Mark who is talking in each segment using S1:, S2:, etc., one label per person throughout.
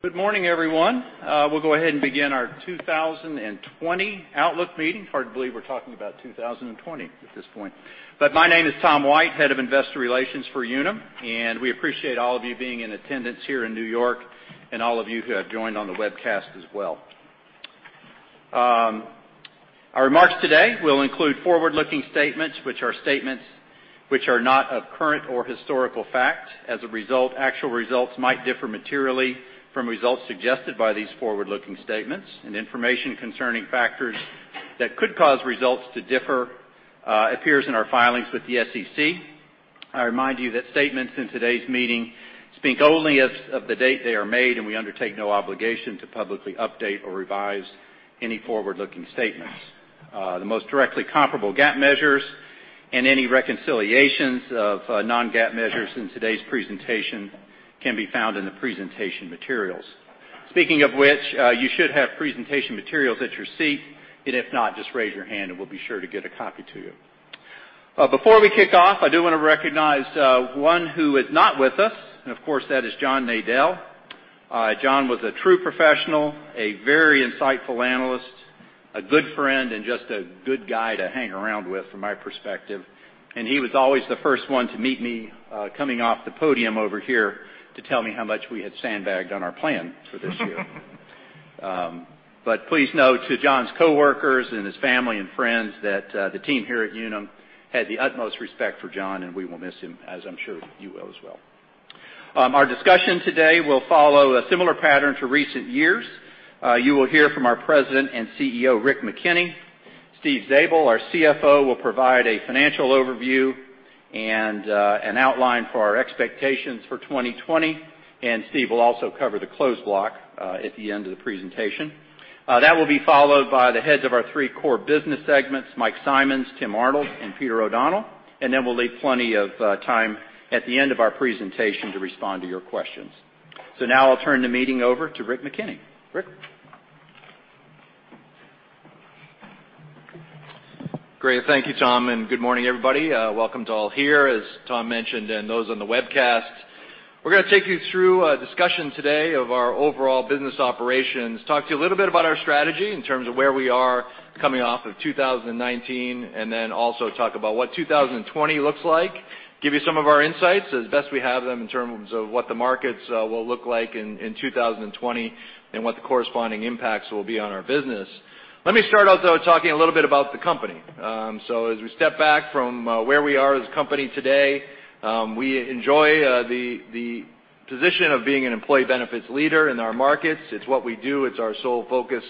S1: Good morning, everyone. We'll go ahead and begin our 2020 Outlook meeting. Hard to believe we're talking about 2020 at this point. My name is Tom White, Head of Investor Relations for Unum, and we appreciate all of you being in attendance here in New York and all of you who have joined on the webcast as well. Our remarks today will include forward-looking statements, which are statements which are not of current or historical fact. As a result, actual results might differ materially from results suggested by these forward-looking statements. Information concerning factors that could cause results to differ appears in our filings with the SEC. I remind you that statements in today's meeting speak only as of the date they are made, and we undertake no obligation to publicly update or revise any forward-looking statements. The most directly comparable GAAP measures and any reconciliations of non-GAAP measures in today's presentation can be found in the presentation materials. Speaking of which, you should have presentation materials at your seat. If not, just raise your hand and we'll be sure to get a copy to you. Before we kick off, I do want to recognize one who is not with us, and of course, that is John Nadell. John was a true professional, a very insightful analyst, a good friend, and just a good guy to hang around with, from my perspective. He was always the first one to meet me, coming off the podium over here to tell me how much we had sandbagged on our plan for this year. Please know, to John's coworkers and his family and friends, that the team here at Unum had the utmost respect for John, and we will miss him, as I'm sure you will as well. Our discussion today will follow a similar pattern to recent years. You will hear from our President and CEO, Rick McKenney. Steve Zabel, our CFO, will provide a financial overview and an outline for our expectations for 2020. Steve will also cover the closed block at the end of the presentation. That will be followed by the heads of our three core business segments, Mike Simonds, Tim Arnold, and Peter O'Donnell. We'll leave plenty of time at the end of our presentation to respond to your questions. Now I'll turn the meeting over to Rick McKenney. Rick?
S2: Great. Thank you, Tom, good morning, everybody. Welcome to all here, as Tom mentioned, those on the webcast. We're going to take you through a discussion today of our overall business operations, talk to you a little bit about our strategy in terms of where we are coming off of 2019, and also talk about what 2020 looks like, give you some of our insights as best we have them in terms of what the markets will look like in 2020 and what the corresponding impacts will be on our business. Let me start out, though, talking a little bit about the company. As we step back from where we are as a company today, we enjoy the position of being an employee benefits leader in our markets. It's what we do. It's our sole focus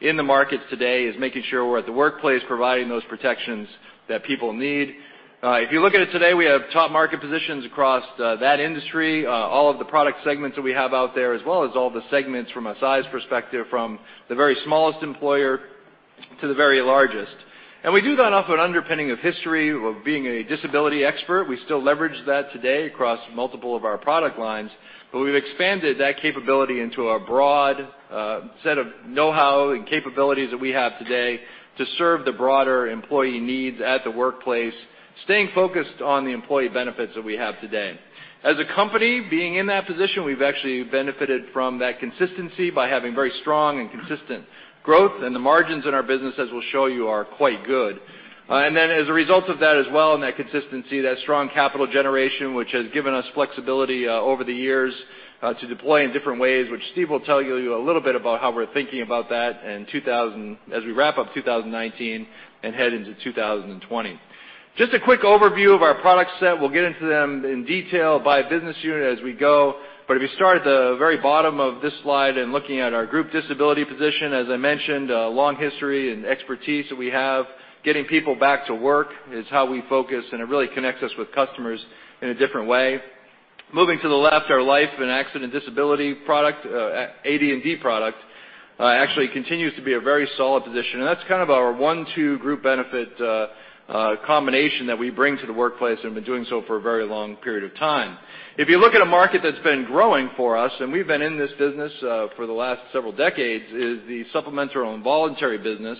S2: in the markets today, is making sure we're at the workplace providing those protections that people need. If you look at it today, we have top market positions across that industry, all of the product segments that we have out there, as well as all the segments from a size perspective, from the very smallest employer to the very largest. We do that off an underpinning of history of being a disability expert. We still leverage that today across multiple of our product lines, but we've expanded that capability into a broad set of know-how and capabilities that we have today to serve the broader employee needs at the workplace, staying focused on the employee benefits that we have today. As a company, being in that position, we've actually benefited from that consistency by having very strong and consistent growth, and the margins in our business, as we'll show you, are quite good. As a result of that as well, and that consistency, that strong capital generation, which has given us flexibility over the years to deploy in different ways, which Steve will tell you a little bit about how we're thinking about that as we wrap up 2019 and head into 2020. Just a quick overview of our product set. We'll get into them in detail by business unit as we go. If you start at the very bottom of this slide and looking at our group disability position, as I mentioned, a long history and expertise that we have. Getting people back to work is how we focus, and it really connects us with customers in a different way. Moving to the left, our life and accident disability product, AD&D product, actually continues to be a very solid position, and that's kind of our one-two group benefit combination that we bring to the workplace and have been doing so for a very long period of time. If you look at a market that's been growing for us, and we've been in this business for the last several decades, is the supplemental and voluntary business.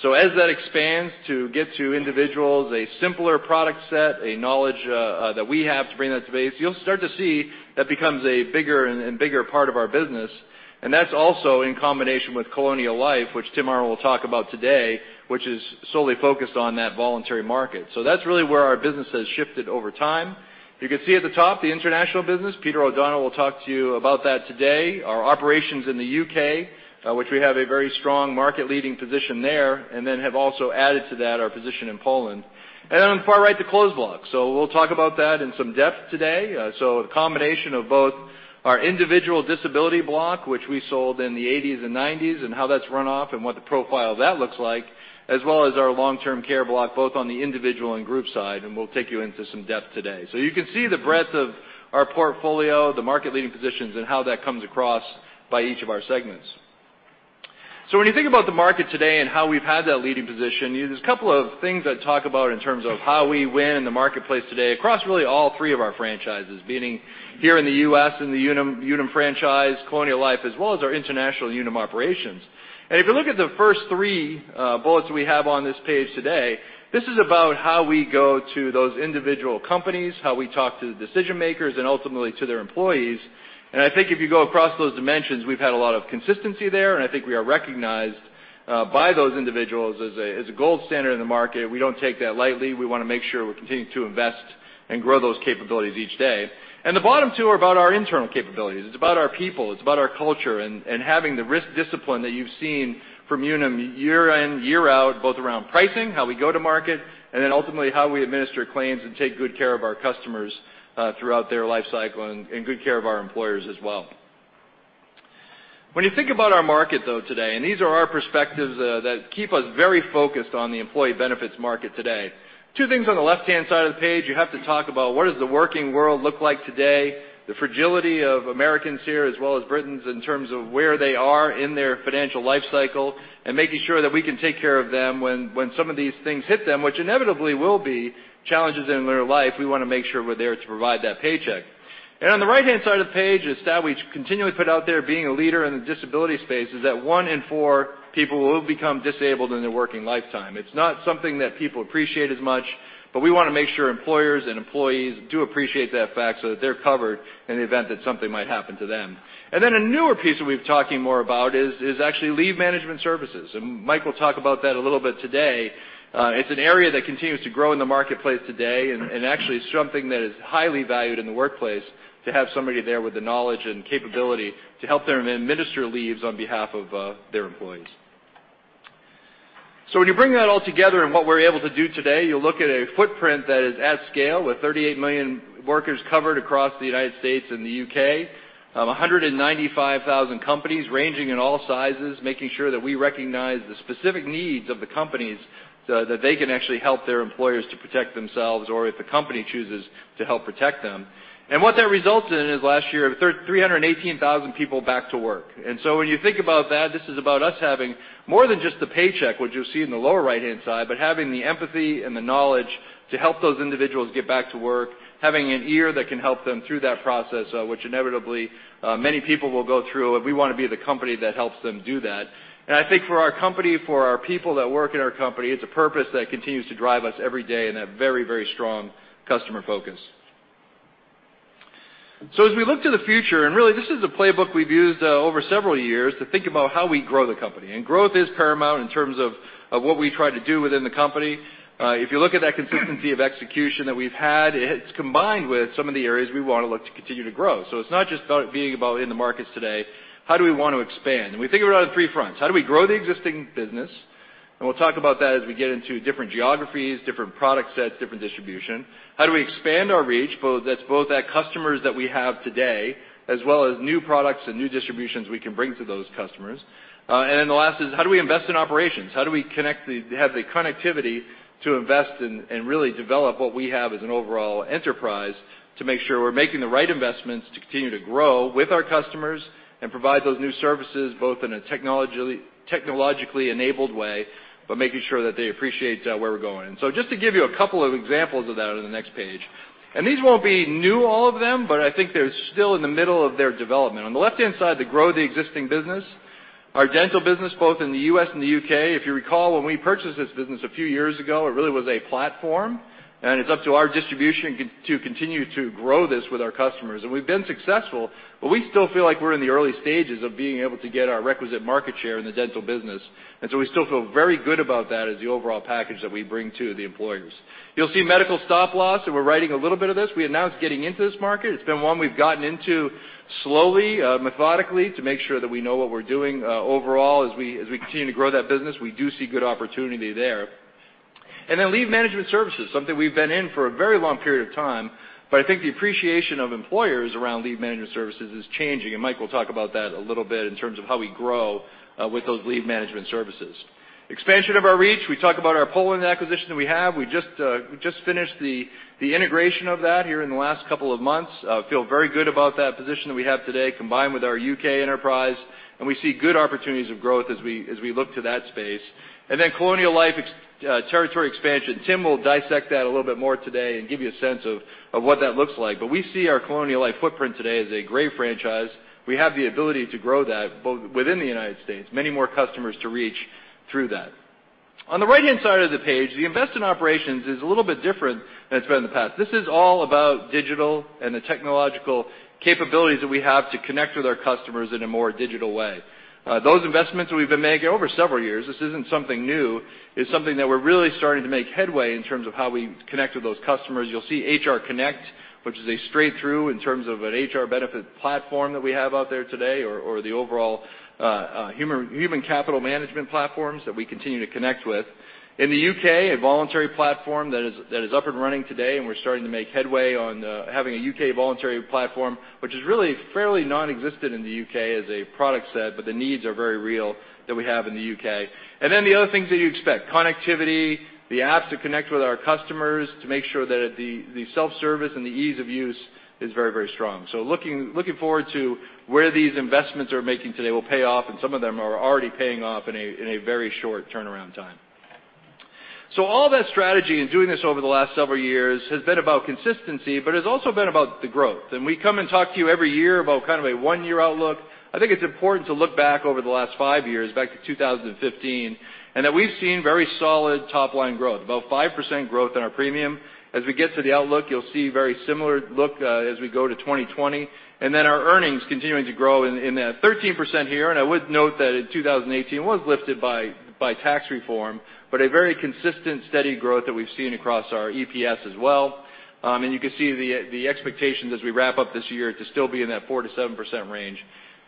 S2: As that expands to get to individuals, a simpler product set, a knowledge that we have to bring that to base, you'll start to see that becomes a bigger and bigger part of our business. That's also in combination with Colonial Life, which Tim Arnold will talk about today, which is solely focused on that voluntary market. That's really where our business has shifted over time. You can see at the top the international business. Peter O'Donnell will talk to you about that today. Our operations in the U.K., which we have a very strong market leading position there, and then have also added to that our position in Poland. On the far right, the closed block. We'll talk about that in some depth today. A combination of both our individual disability block, which we sold in the '80s and '90s, and how that's run off and what the profile of that looks like, as well as our long-term care block, both on the individual and group side, and we'll take you into some depth today. You can see the breadth of our portfolio, the market leading positions, and how that comes across by each of our segments. When you think about the market today and how we've had that leading position, there's a couple of things I'd talk about in terms of how we win in the marketplace today across really all three of our franchises, being here in the U.S. in the Unum franchise, Colonial Life, as well as our international Unum operations. If you look at the first three bullets we have on this page today, this is about how we go to those individual companies, how we talk to the decision makers, and ultimately to their employees. I think if you go across those dimensions, we've had a lot of consistency there, and I think we are recognized by those individuals as a gold standard in the market. We don't take that lightly. We want to make sure we're continuing to invest and grow those capabilities each day. The bottom two are about our internal capabilities. It's about our people. It's about our culture and having the risk discipline that you've seen from Unum year in, year out, both around pricing, how we go to market, ultimately how we administer claims and take good care of our customers throughout their life cycle and good care of our employers as well. When you think about our market though today, these are our perspectives that keep us very focused on the employee benefits market today. Two things on the left-hand side of the page, you have to talk about what does the working world look like today, the fragility of Americans here, as well as Britons in terms of where they are in their financial life cycle and making sure that we can take care of them when some of these things hit them, which inevitably will be challenges in their life. We want to make sure we're there to provide that paycheck. On the right-hand side of the page, a stat we continually put out there being a leader in the disability space is that one in four people will become disabled in their working lifetime. It's not something that people appreciate as much, but we want to make sure employers and employees do appreciate that fact so that they're covered in the event that something might happen to them. A newer piece that we've talking more about is actually leave management services, Mike will talk about that a little bit today. It's an area that continues to grow in the marketplace today and actually something that is highly valued in the workplace to have somebody there with the knowledge and capability to help them administer leaves on behalf of their employees. When you bring that all together and what we're able to do today, you'll look at a footprint that is at scale with 38 million workers covered across the U.S. and the U.K., 195,000 companies ranging in all sizes, making sure that we recognize the specific needs of the companies so that they can actually help their employers to protect themselves or if the company chooses to help protect them. What that results in is last year, 318,000 people back to work. When you think about that, this is about us having more than just the paycheck, which you'll see in the lower right-hand side, having the empathy and the knowledge to help those individuals get back to work, having an ear that can help them through that process, which inevitably many people will go through. We want to be the company that helps them do that. I think for our company, for our people that work in our company, it's a purpose that continues to drive us every day and a very strong customer focus. As we look to the future, really this is a playbook we've used over several years to think about how we grow the company. Growth is paramount in terms of what we try to do within the company. If you look at that consistency of execution that we've had, it's combined with some of the areas we want to look to continue to grow. It's not just being about in the markets today. How do we want to expand? We think about it on three fronts. How do we grow the existing business? We'll talk about that as we get into different geographies, different product sets, different distribution. How do we expand our reach? That's both our customers that we have today, as well as new products and new distributions we can bring to those customers. The last is how do we invest in operations? How do we have the connectivity to invest and really develop what we have as an overall enterprise to make sure we're making the right investments to continue to grow with our customers and provide those new services, both in a technologically enabled way, making sure that they appreciate where we're going. Just to give you a couple of examples of that on the next page. These won't be new, all of them, but I think they're still in the middle of their development. On the left-hand side, the grow the existing business, our dental business both in the U.S. and the U.K. If you recall, when we purchased this business a few years ago, it really was a platform, and it's up to our distribution to continue to grow this with our customers. We've been successful, but we still feel like we're in the early stages of being able to get our requisite market share in the dental business. We still feel very good about that as the overall package that we bring to the employers. You'll see medical stop loss. We're writing a little bit of this. We announced getting into this market. It's been one we've gotten into slowly, methodically to make sure that we know what we're doing overall. As we continue to grow that business, we do see good opportunity there. Leave management services, something we've been in for a very long period of time, but I think the appreciation of employers around leave management services is changing, Mike will talk about that a little bit in terms of how we grow with those leave management services. Expansion of our reach. We talk about our Poland acquisition that we have. We just finished the integration of that here in the last couple of months. Feel very good about that position that we have today, combined with our U.K. enterprise, and we see good opportunities of growth as we look to that space. Colonial Life territory expansion. Tim will dissect that a little bit more today and give you a sense of what that looks like. We see our Colonial Life footprint today as a great franchise. We have the ability to grow that both within the United States, many more customers to reach through that. On the right-hand side of the page, the invest in operations is a little bit different than it's been in the past. This is all about digital and the technological capabilities that we have to connect with our customers in a more digital way. Those investments we've been making over several years, this isn't something new. It's something that we're really starting to make headway in terms of how we connect with those customers. You'll see Unum HR Connect, which is a straight through in terms of an HR benefit platform that we have out there today or the overall human capital management platforms that we continue to connect with. In the U.K., a voluntary platform that is up and running today. We're starting to make headway on having a U.K. voluntary platform, which is really fairly non-existent in the U.K. as a product set, but the needs are very real that we have in the U.K. The other things that you expect, connectivity, the apps to connect with our customers to make sure that the self-service and the ease of use is very strong. Looking forward to where these investments are making today will pay off, and some of them are already paying off in a very short turnaround time. All that strategy in doing this over the last several years has been about consistency, but it's also been about the growth. We come and talk to you every year about a one-year outlook. I think it's important to look back over the last 5 years, back to 2015, and that we've seen very solid top-line growth, about 5% growth in our premium. As we get to the outlook, you'll see very similar look as we go to 2020, and then our earnings continuing to grow in that 13% here. I would note that in 2018, was lifted by tax reform, but a very consistent, steady growth that we've seen across our EPS as well. You can see the expectations as we wrap up this year to still be in that 4%-7% range.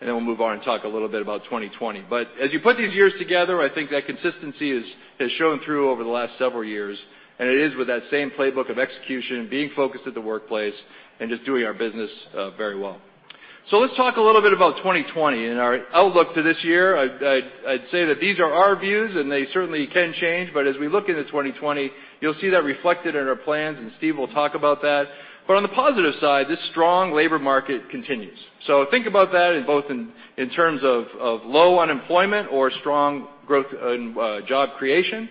S2: We'll move on and talk a little bit about 2020. As you put these years together, I think that consistency has shown through over the last several years, and it is with that same playbook of execution, being focused at the workplace and just doing our business very well. Let's talk a little bit about 2020 and our outlook to this year. I'd say that these are our views and they certainly can change. As we look into 2020, you'll see that reflected in our plans, and Steve will talk about that. On the positive side, this strong labor market continues. Think about that both in terms of low unemployment or strong growth in job creation,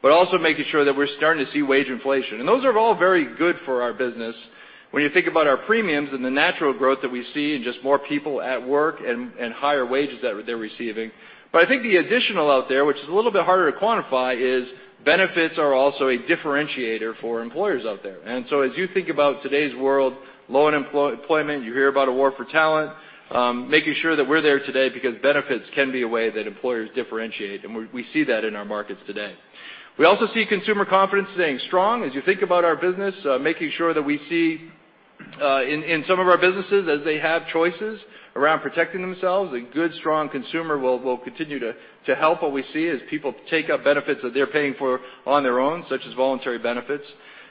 S2: but also making sure that we're starting to see wage inflation. Those are all very good for our business when you think about our premiums and the natural growth that we see in just more people at work and higher wages that they're receiving. I think the additional out there, which is a little bit harder to quantify, is benefits are also a differentiator for employers out there. As you think about today's world, low unemployment, you hear about a war for talent, making sure that we're there today because benefits can be a way that employers differentiate, and we see that in our markets today. We also see consumer confidence staying strong. As you think about our business, making sure that we see in some of our businesses as they have choices around protecting themselves, a good, strong consumer will continue to help what we see as people take up benefits that they're paying for on their own, such as voluntary benefits.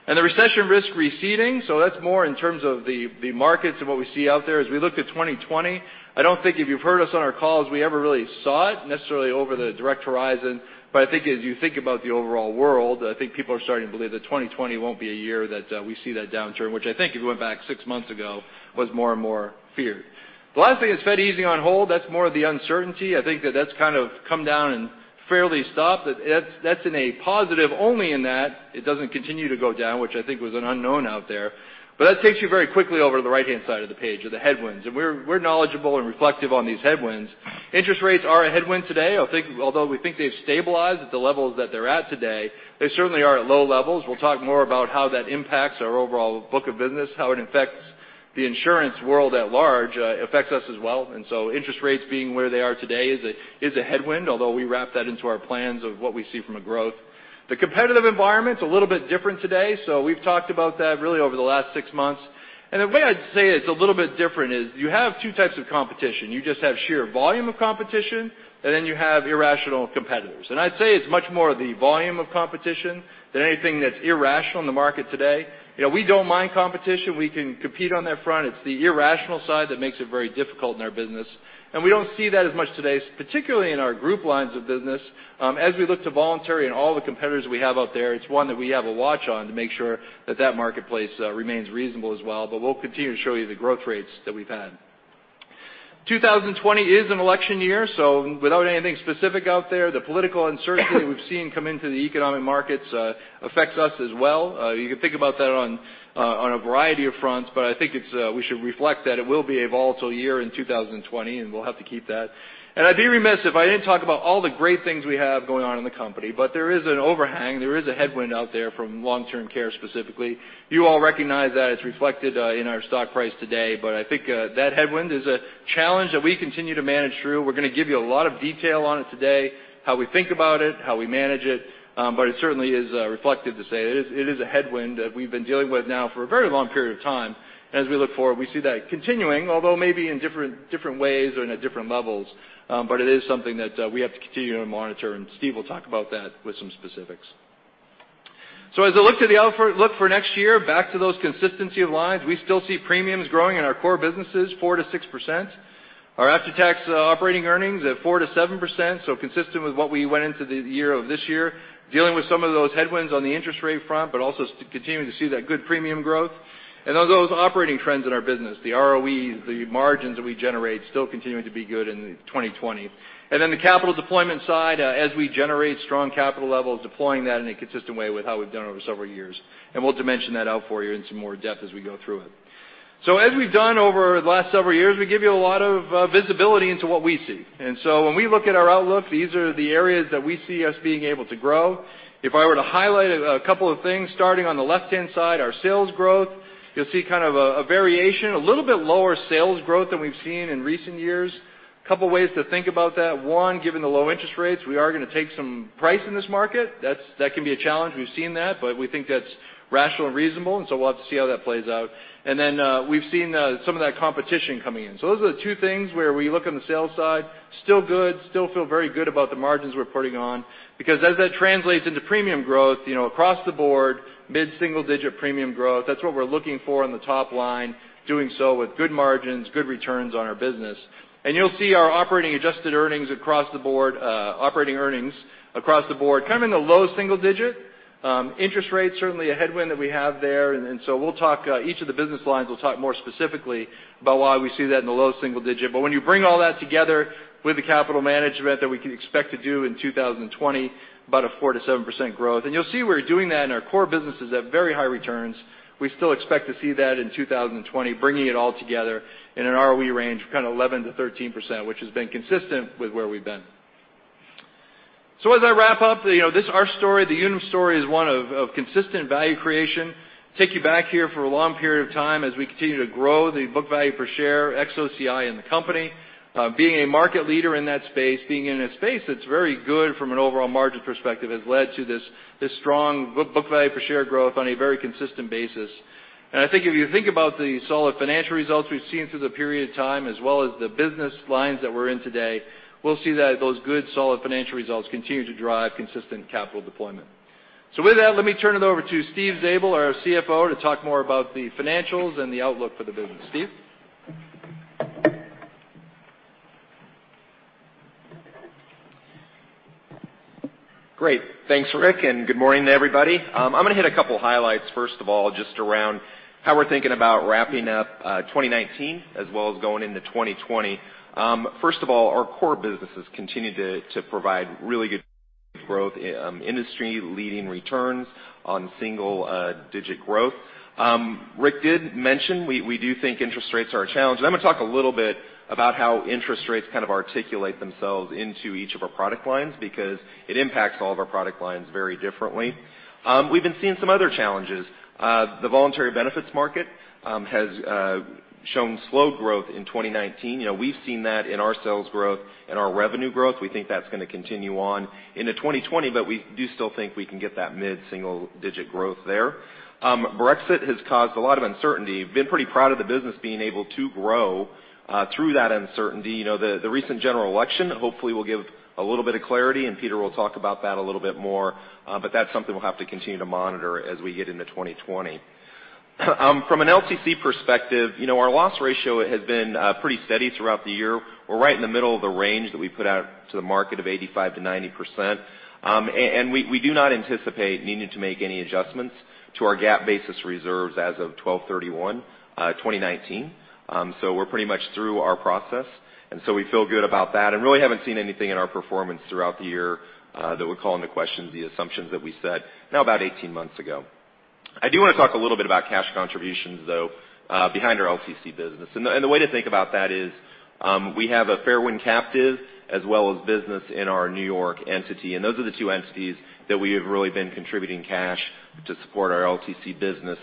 S2: The recession risk receding. That's more in terms of the markets and what we see out there. As we look to 2020, I don't think if you've heard us on our calls, we ever really saw it necessarily over the direct horizon. I think as you think about the overall world, I think people are starting to believe that 2020 won't be a year that we see that downturn, which I think if you went back six months ago, was more and more feared. The last thing is Fed easing on hold. That's more of the uncertainty. I think that that's kind of come down and fairly stopped. That's in a positive only in that it doesn't continue to go down, which I think was an unknown out there. That takes you very quickly over to the right-hand side of the page of the headwinds. We're knowledgeable and reflective on these headwinds. Interest rates are a headwind today. Although we think they've stabilized at the levels that they're at today, they certainly are at low levels. We'll talk more about how that impacts our overall book of business, how it affects the insurance world at large, affects us as well. Interest rates being where they are today is a headwind, although we wrap that into our plans of what we see from a growth. The competitive environment's a little bit different today. We've talked about that really over the last six months. The way I'd say it's a little bit different is you have 2 types of competition. You just have sheer volume of competition, then you have irrational competitors. I'd say it's much more the volume of competition than anything that's irrational in the market today. We don't mind competition. We can compete on that front. It's the irrational side that makes it very difficult in our business, and we don't see that as much today, particularly in our group lines of business. As we look to voluntary and all the competitors we have out there, it's one that we have a watch on to make sure that that marketplace remains reasonable as well, but we'll continue to show you the growth rates that we've had. 2020 is an election year, without anything specific out there, the political uncertainty we've seen come into the economic markets affects us as well. You can think about that on a variety of fronts, I think we should reflect that it will be a volatile year in 2020, we'll have to keep that. I'd be remiss if I didn't talk about all the great things we have going on in the company. There is an overhang, there is a headwind out there from long-term care specifically. You all recognize that it's reflected in our stock price today, I think that headwind is a challenge that we continue to manage through. We're going to give you a lot of detail on it today, how we think about it, how we manage it. It certainly is reflective to say it is a headwind that we've been dealing with now for a very long period of time. As we look forward, we see that continuing, although maybe in different ways or in at different levels. It is something that we have to continue to monitor, Steve will talk about that with some specifics. As I look to the outlook for next year, back to those consistency of lines, we still see premiums growing in our core businesses 4%-6%. Our after-tax operating earnings at 4%-7%, consistent with what we went into the year of this year, dealing with some of those headwinds on the interest rate front, also continuing to see that good premium growth. Those operating trends in our business, the ROEs, the margins that we generate still continuing to be good in 2020. The capital deployment side, as we generate strong capital levels, deploying that in a consistent way with how we've done over several years. We'll dimension that out for you in some more depth as we go through it. As we've done over the last several years, we give you a lot of visibility into what we see. When we look at our outlook, these are the areas that we see us being able to grow. If I were to highlight a couple of things, starting on the left-hand side, our sales growth, you'll see kind of a variation, a little bit lower sales growth than we've seen in recent years. Couple ways to think about that. One, given the low interest rates, we are going to take some price in this market. That can be a challenge. We've seen that, we think that's rational and reasonable, we'll have to see how that plays out. We've seen some of that competition coming in. Those are the two things where we look on the sales side, still good, still feel very good about the margins we're putting on, because as that translates into premium growth, across the board, mid-single-digit premium growth, that's what we're looking for on the top line, doing so with good margins, good returns on our business. You'll see our operating adjusted earnings across the board, operating earnings across the board, kind of in the low-single-digit. Interest rates certainly a headwind that we have there. Each of the business lines will talk more specifically about why we see that in the low single-digit. When you bring all that together with the capital management that we can expect to do in 2020, about 4%-7% growth. You'll see we're doing that in our core businesses at very high returns. We still expect to see that in 2020, bringing it all together in an ROE range of kind of 11%-13%, which has been consistent with where we've been. As I wrap up, our story, the Unum story, is one of consistent value creation. Take you back here for a long period of time as we continue to grow the book value per share, ex OCI in the company. Being a market leader in that space, being in a space that's very good from an overall margin perspective, has led to this strong book value per share growth on a very consistent basis. I think if you think about the solid financial results we've seen through the period of time as well as the business lines that we're in today, we'll see that those good, solid financial results continue to drive consistent capital deployment. With that, let me turn it over to Steve Zabel, our CFO, to talk more about the financials and the outlook for the business. Steve?
S3: Great. Thanks, Rick, and good morning, everybody. I'm going to hit a couple highlights, first of all, just around how we're thinking about wrapping up 2019 as well as going into 2020. First of all, our core businesses continue to provide really good growth, industry-leading returns on single-digit growth. Rick did mention we do think interest rates are a challenge, and I'm going to talk a little bit about how interest rates kind of articulate themselves into each of our product lines because it impacts all of our product lines very differently. We've been seeing some other challenges. The voluntary benefits market has shown slow growth in 2019. We've seen that in our sales growth and our revenue growth. We think that's going to continue on into 2020, but we do still think we can get that mid-single-digit growth there. Brexit has caused a lot of uncertainty. Been pretty proud of the business being able to grow through that uncertainty. The recent general election hopefully will give a little bit of clarity, and Peter will talk about that a little bit more. That's something we'll have to continue to monitor as we get into 2020. From an LTC perspective, our loss ratio has been pretty steady throughout the year. We're right in the middle of the range that we put out to the market of 85%-90%. We do not anticipate needing to make any adjustments to our GAAP basis reserves as of 12/31/2019. We're pretty much through our process, and so we feel good about that, and really haven't seen anything in our performance throughout the year that would call into question the assumptions that we set now about 18 months ago. I do want to talk a little bit about cash contributions, though, behind our LTC business. The way to think about that is we have a Fairwind captive as well as business in our New York entity, and those are the two entities that we have really been contributing cash to support our LTC business.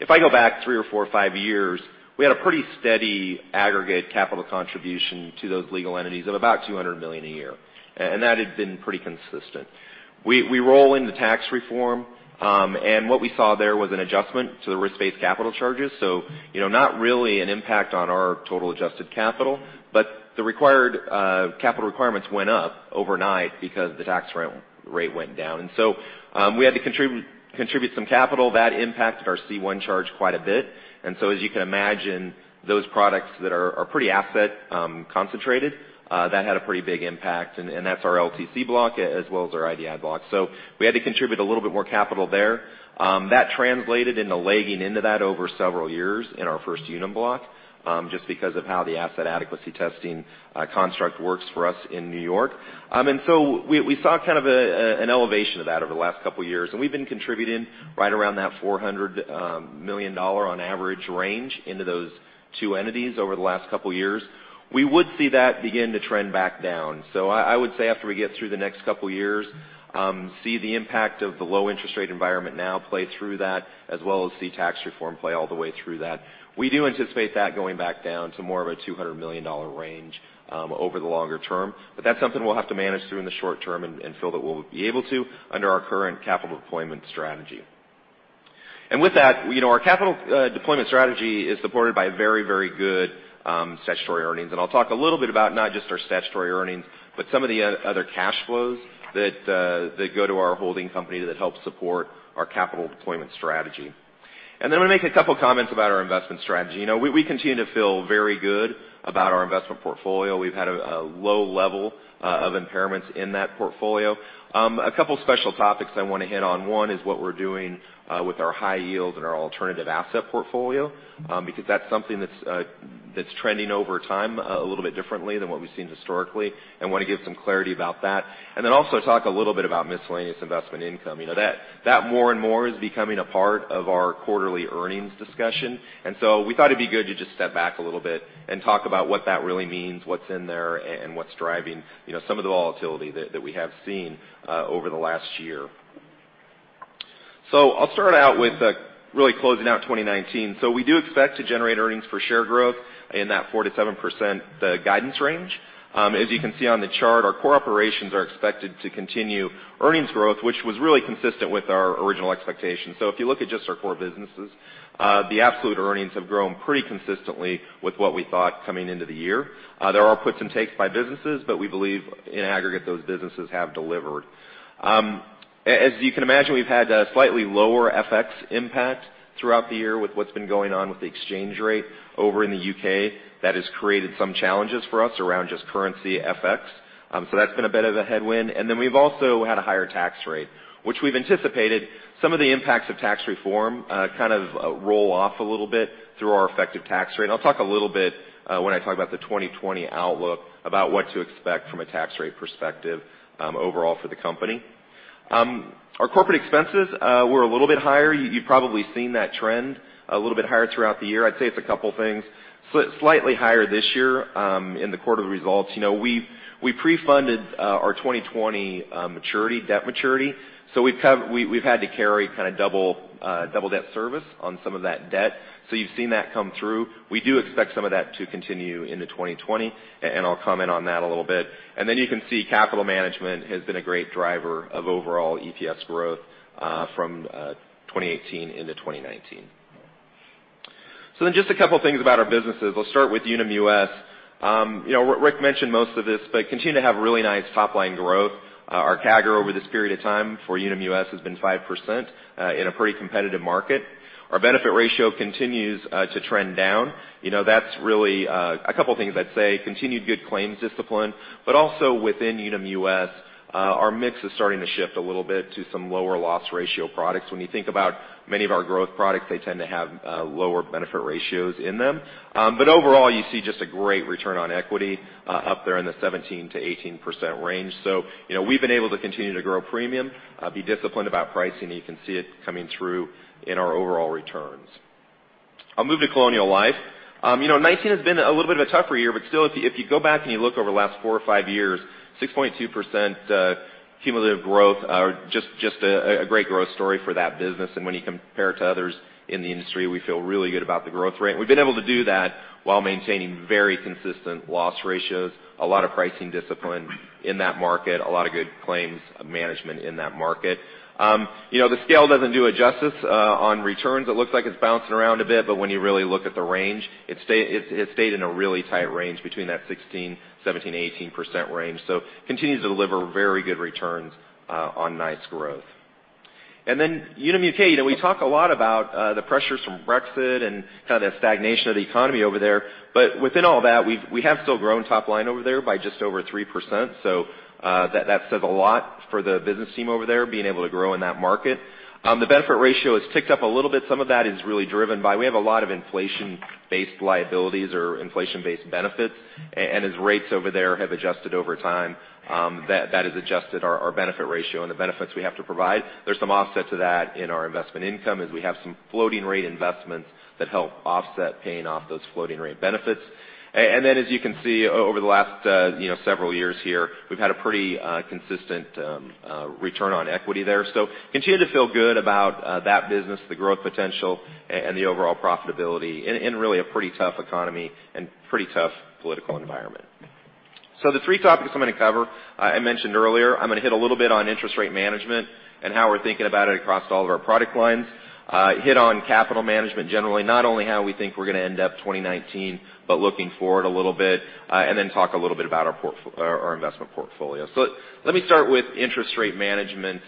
S3: If I go back three or four or five years, we had a pretty steady aggregate capital contribution to those legal entities of about $200 million a year, and that had been pretty consistent. We roll into tax reform, and what we saw there was an adjustment to the risk-based capital charges. Not really an impact on our total adjusted capital, but the required capital requirements went up overnight because the tax rate went down. We had to contribute some capital. That impacted our C1 charge quite a bit. As you can imagine, those products that are pretty asset concentrated, that had a pretty big impact, and that's our LTC block as well as our IDI block. We had to contribute a little bit more capital there. That translated into lagging into that over several years in our First Unum block, just because of how the asset adequacy testing construct works for us in New York. We saw kind of an elevation of that over the last couple years, and we've been contributing right around that $400 million on average range into those two entities over the last couple years. We would see that begin to trend back down. I would say after we get through the next couple years, see the impact of the low interest rate environment now play through that, as well as see tax reform play all the way through that. We do anticipate that going back down to more of a $200 million range over the longer term. That's something we'll have to manage through in the short term and feel that we'll be able to under our current capital deployment strategy. With that, our capital deployment strategy is supported by very good statutory earnings. I'll talk a little bit about not just our statutory earnings, but some of the other cash flows that go to our holding company that help support our capital deployment strategy. Then I'm going to make a couple comments about our investment strategy. We continue to feel very good about our investment portfolio. We've had a low level of impairments in that portfolio. A couple special topics I want to hit on. One is what we're doing with our high yield and our alternative asset portfolio, because that's something that's trending over time a little bit differently than what we've seen historically and want to give some clarity about that. Then also talk a little bit about miscellaneous investment income. That more and more is becoming a part of our quarterly earnings discussion, and we thought it'd be good to just step back a little bit and talk about what that really means, what's in there, and what's driving some of the volatility that we have seen over the last year. I'll start out with really closing out 2019. We do expect to generate earnings per share growth in that 4%-7% guidance range. As you can see on the chart, our core operations are expected to continue earnings growth, which was really consistent with our original expectations. If you look at just our core businesses, the absolute earnings have grown pretty consistently with what we thought coming into the year. There are puts and takes by businesses, but we believe in aggregate, those businesses have delivered. As you can imagine, we've had a slightly lower FX impact throughout the year with what's been going on with the exchange rate over in the U.K. That's been a bit of a headwind. We've also had a higher tax rate, which we've anticipated some of the impacts of tax reform kind of roll off a little bit through our effective tax rate. I'll talk a little bit when I talk about the 2020 outlook about what to expect from a tax rate perspective overall for the company. Our corporate expenses were a little bit higher. You've probably seen that trend, a little bit higher throughout the year. I'd say it's a couple things. Slightly higher this year in the quarter results. We pre-funded our 2020 debt maturity. We've had to carry double debt service on some of that debt. You've seen that come through. We do expect some of that to continue into 2020, and I'll comment on that a little bit. You can see capital management has been a great driver of overall EPS growth from 2018 into 2019. Just a couple things about our businesses. I'll start with Unum US. Rick mentioned most of this, but continue to have really nice top-line growth. Our CAGR over this period of time for Unum US has been 5% in a pretty competitive market. Our benefit ratio continues to trend down. That's really a couple things I'd say, continued good claims discipline, but also within Unum US, our mix is starting to shift a little bit to some lower loss ratio products. When you think about many of our growth products, they tend to have lower benefit ratios in them. Overall, you see just a great return on equity up there in the 17%-18% range. We've been able to continue to grow premium, be disciplined about pricing, and you can see it coming through in our overall returns. I'll move to Colonial Life. 2019 has been a little bit of a tougher year, but still, if you go back and you look over the last four or five years, 6.2% cumulative growth are just a great growth story for that business. When you compare it to others in the industry, we feel really good about the growth rate. We've been able to do that while maintaining very consistent loss ratios, a lot of pricing discipline in that market, a lot of good claims management in that market. The scale doesn't do it justice on returns. It looks like it's bouncing around a bit, but when you really look at the range, it stayed in a really tight range between that 16%, 17%, 18% range. Continues to deliver very good returns on nice growth. Unum UK, we talk a lot about the pressures from Brexit and kind of the stagnation of the economy over there. Within all that, we have still grown top line over there by just over 3%. That says a lot for the business team over there, being able to grow in that market. The benefit ratio has ticked up a little bit. Some of that is really driven by, we have a lot of inflation-based liabilities or inflation-based benefits. As rates over there have adjusted over time, that has adjusted our benefit ratio and the benefits we have to provide. There's some offsets of that in our investment income as we have some floating rate investments that help offset paying off those floating rate benefits. As you can see over the last several years here, we've had a pretty consistent return on equity there. Continue to feel good about that business, the growth potential, and the overall profitability in really a pretty tough economy and pretty tough political environment. The three topics I'm going to cover, I mentioned earlier, I'm going to hit a little bit on interest rate management and how we're thinking about it across all of our product lines. Hit on capital management generally, not only how we think we're going to end up 2019, but looking forward a little bit, and then talk a little bit about our investment portfolio. Let me start with interest rate management.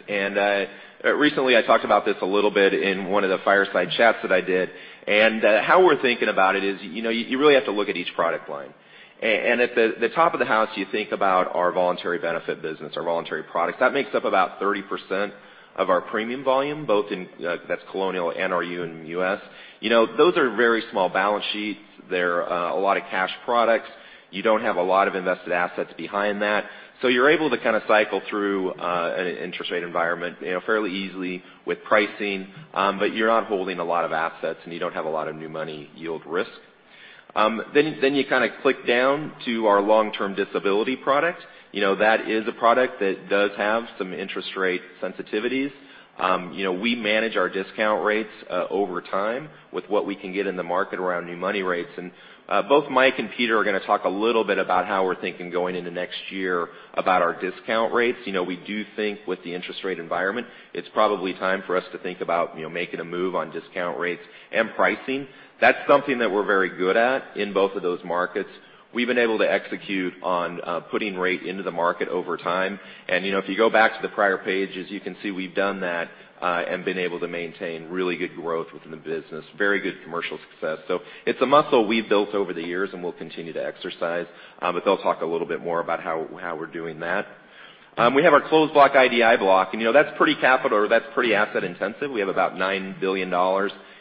S3: Recently I talked about this a little bit in one of the fireside chats that I did. How we're thinking about it is you really have to look at each product line. At the top of the house, you think about our voluntary benefit business, our voluntary products. That makes up about 30% of our premium volume, both in, that's Colonial and our Unum US. Those are very small balance sheets. They're a lot of cash products. You don't have a lot of invested assets behind that. You're able to cycle through an interest rate environment fairly easily with pricing. You're not holding a lot of assets, and you don't have a lot of new money yield risk. You click down to our long-term disability product. That is a product that does have some interest rate sensitivities. We manage our discount rates over time with what we can get in the market around new money rates. Both Mike and Peter are going to talk a little bit about how we're thinking going into next year about our discount rates. We do think with the interest rate environment, it's probably time for us to think about making a move on discount rates and pricing. That's something that we're very good at in both of those markets. We've been able to execute on putting rate into the market over time. If you go back to the prior pages, you can see we've done that and been able to maintain really good growth within the business. Very good commercial success. It's a muscle we've built over the years and we'll continue to exercise, but they'll talk a little bit more about how we're doing that. We have our closed block, IDI block, and that's pretty asset intensive. We have about $9 billion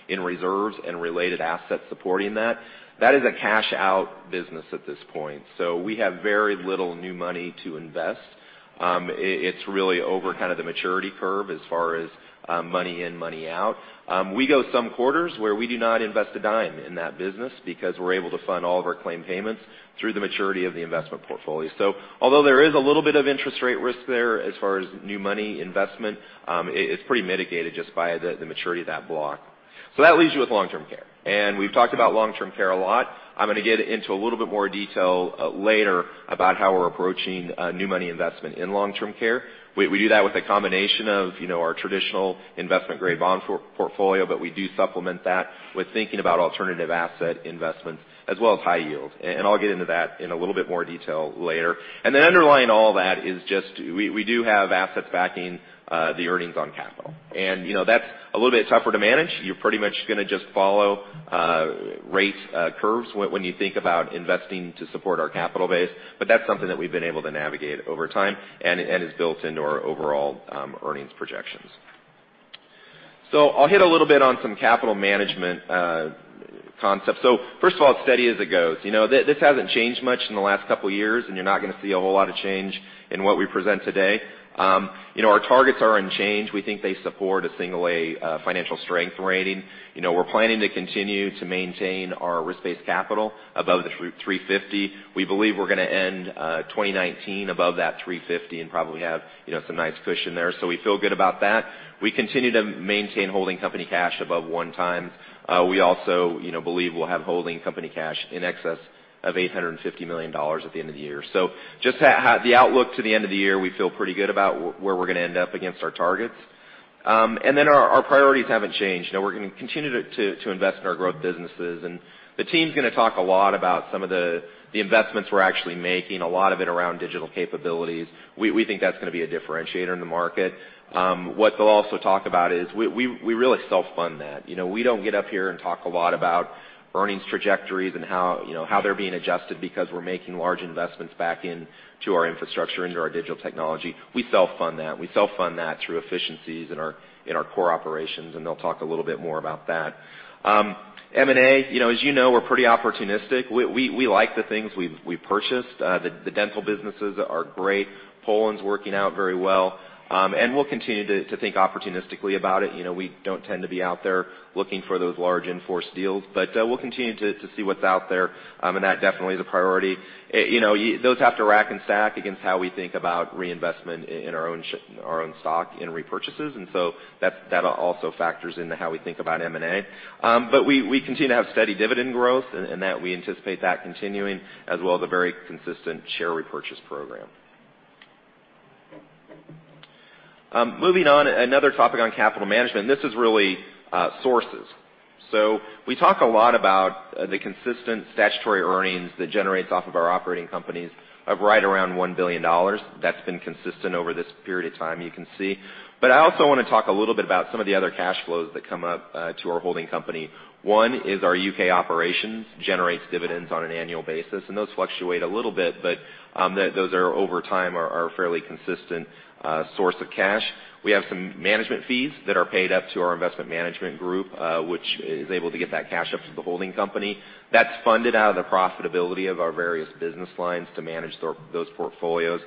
S3: in reserves and related assets supporting that. That is a cash-out business at this point. We have very little new money to invest. It's really over the maturity curve as far as money in, money out. We go some quarters where we do not invest a dime in that business because we're able to fund all of our claim payments through the maturity of the investment portfolio. Although there is a little bit of interest rate risk there as far as new money investment, it's pretty mitigated just by the maturity of that block. That leaves you with long-term care. We've talked about long-term care a lot. I'm going to get into a little bit more detail later about how we're approaching new money investment in long-term care. We do that with a combination of our traditional investment-grade bond portfolio, we do supplement that with thinking about alternative asset investments as well as high yield. I'll get into that in a little bit more detail later. Underlying all that is just we do have assets backing the earnings on capital. That's a little bit tougher to manage. You're pretty much going to just follow rate curves when you think about investing to support our capital base. That's something that we've been able to navigate over time and is built into our overall earnings projections. I'll hit a little bit on some capital management concepts. First of all, steady as it goes. This hasn't changed much in the last couple of years, and you're not going to see a whole lot of change in what we present today. Our targets are unchanged. We think they support a single A financial strength rating. We're planning to continue to maintain our risk-based capital above the 350. We believe we're going to end 2019 above that 350 and probably have some nice cushion there. We feel good about that. We continue to maintain holding company cash above one times. We also believe we'll have holding company cash in excess of $850 million at the end of the year. Just the outlook to the end of the year, we feel pretty good about where we're going to end up against our targets. Our priorities haven't changed. We're going to continue to invest in our growth businesses, and the team's going to talk a lot about some of the investments we're actually making, a lot of it around digital capabilities. We think that's going to be a differentiator in the market. What they'll also talk about is we really self-fund that. We don't get up here and talk a lot about earnings trajectories and how they're being adjusted because we're making large investments back into our infrastructure, into our digital technology. We self-fund that. We self-fund that through efficiencies in our core operations, they'll talk a little bit more about that. M&A, as you know, we're pretty opportunistic. We like the things we've purchased. The dental businesses are great. Poland's working out very well. We'll continue to think opportunistically about it. We don't tend to be out there looking for those large in-force deals, we'll continue to see what's out there, and that definitely is a priority. Those have to rack and stack against how we think about reinvestment in our own stock in repurchases. That also factors into how we think about M&A. We continue to have steady dividend growth, and that we anticipate that continuing as well as a very consistent share repurchase program. Moving on, another topic on capital management, this is really sources. We talk a lot about the consistent statutory earnings that generates off of our operating companies of right around $1 billion. That's been consistent over this period of time, you can see. I also want to talk a little bit about some of the other cash flows that come up to our holding company. One is our U.K. operations generates dividends on an annual basis, and those fluctuate a little bit, but those are over time are a fairly consistent source of cash. We have some management fees that are paid up to our investment management group, which is able to get that cash up to the holding company. That's funded out of the profitability of our various business lines to manage those portfolios.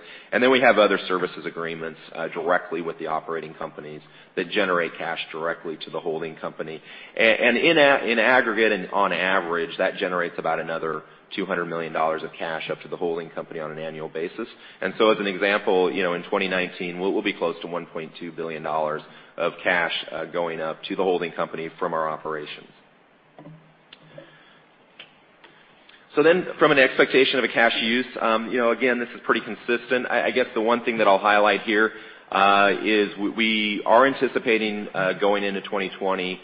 S3: We have other services agreements directly with the operating companies that generate cash directly to the holding company. In aggregate and on average, that generates about another $200 million of cash up to the holding company on an annual basis. As an example, in 2019, we'll be close to $1.2 billion of cash going up to the holding company from our operations. From an expectation of a cash use, again, this is pretty consistent. I guess the one thing that I'll highlight here is we are anticipating going into 2020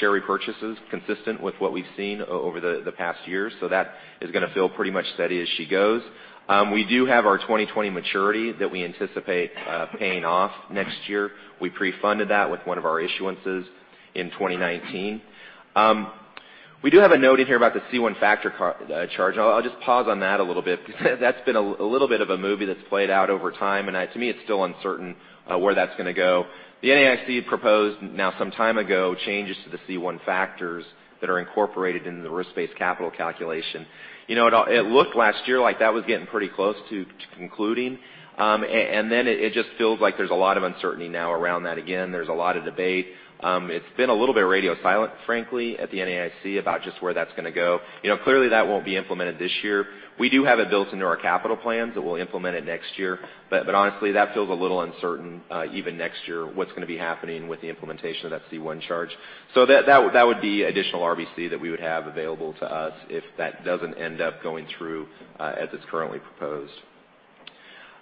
S3: share repurchases consistent with what we've seen over the past years. That is going to feel pretty much steady as she goes. We do have our 2020 maturity that we anticipate paying off next year. We pre-funded that with one of our issuances in 2019. We do have a note in here about the C1 factor charge. I'll just pause on that a little bit because that's been a little bit of a movie that's played out over time, and to me, it's still uncertain where that's going to go. The NAIC proposed, now some time ago, changes to the C1 factors that are incorporated in the risk-based capital calculation. It looked last year like that was getting pretty close to concluding, and then it just feels like there's a lot of uncertainty now around that again. There's a lot of debate. It's been a little bit radio silent, frankly, at the NAIC about just where that's going to go. Clearly, that won't be implemented this year. We do have it built into our capital plans that we'll implement it next year. Honestly, that feels a little uncertain even next year what's going to be happening with the implementation of that C1 charge. That would be additional RBC that we would have available to us if that doesn't end up going through as it's currently proposed.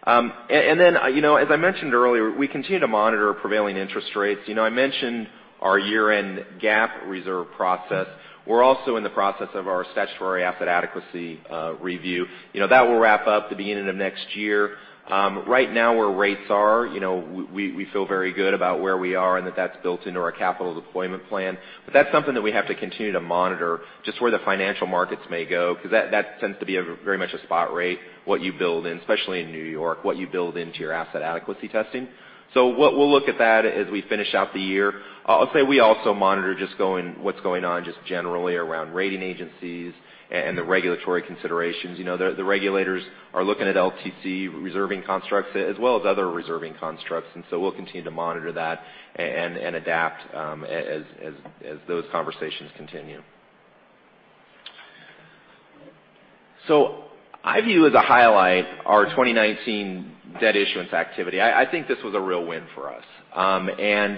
S3: As I mentioned earlier, we continue to monitor prevailing interest rates. I mentioned our year-end GAAP reserve process. We're also in the process of our statutory asset adequacy review. That will wrap up at the beginning of next year. Right now, where rates are, we feel very good about where we are and that that's built into our capital deployment plan. That's something that we have to continue to monitor, just where the financial markets may go, because that tends to be very much a spot rate, what you build in, especially in New York, what you build into your asset adequacy testing. We'll look at that as we finish out the year. I'll say we also monitor what's going on just generally around rating agencies and the regulatory considerations. The regulators are looking at LTC reserving constructs as well as other reserving constructs, we'll continue to monitor that and adapt as those conversations continue. I view as a highlight our 2019 debt issuance activity. I think this was a real win for us.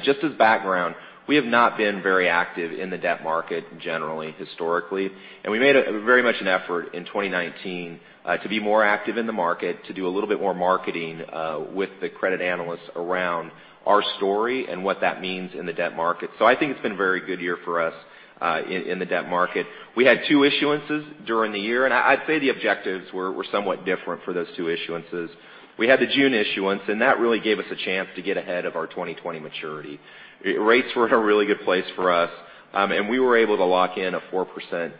S3: Just as background, we have not been very active in the debt market generally, historically, we made very much an effort in 2019 to be more active in the market, to do a little bit more marketing with the credit analysts around our story and what that means in the debt market. I think it's been a very good year for us in the debt market. We had two issuances during the year, I'd say the objectives were somewhat different for those two issuances. We had the June issuance, that really gave us a chance to get ahead of our 2020 maturity. Rates were in a really good place for us. We were able to lock in a 4%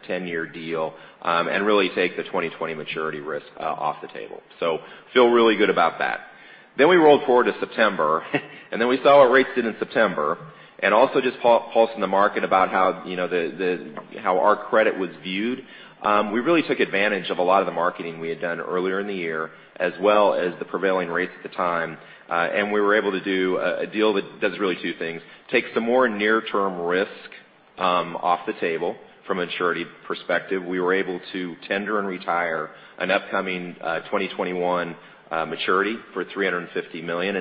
S3: 10-year deal and really take the 2020 maturity risk off the table. Feel really good about that. We rolled forward to September, we saw what rates did in September, also just pulsing the market about how our credit was viewed. We really took advantage of a lot of the marketing we had done earlier in the year, as well as the prevailing rates at the time. We were able to do a deal that does really two things, takes some more near-term risk off the table from a maturity perspective. We were able to tender and retire an upcoming 2021 maturity for $350 million.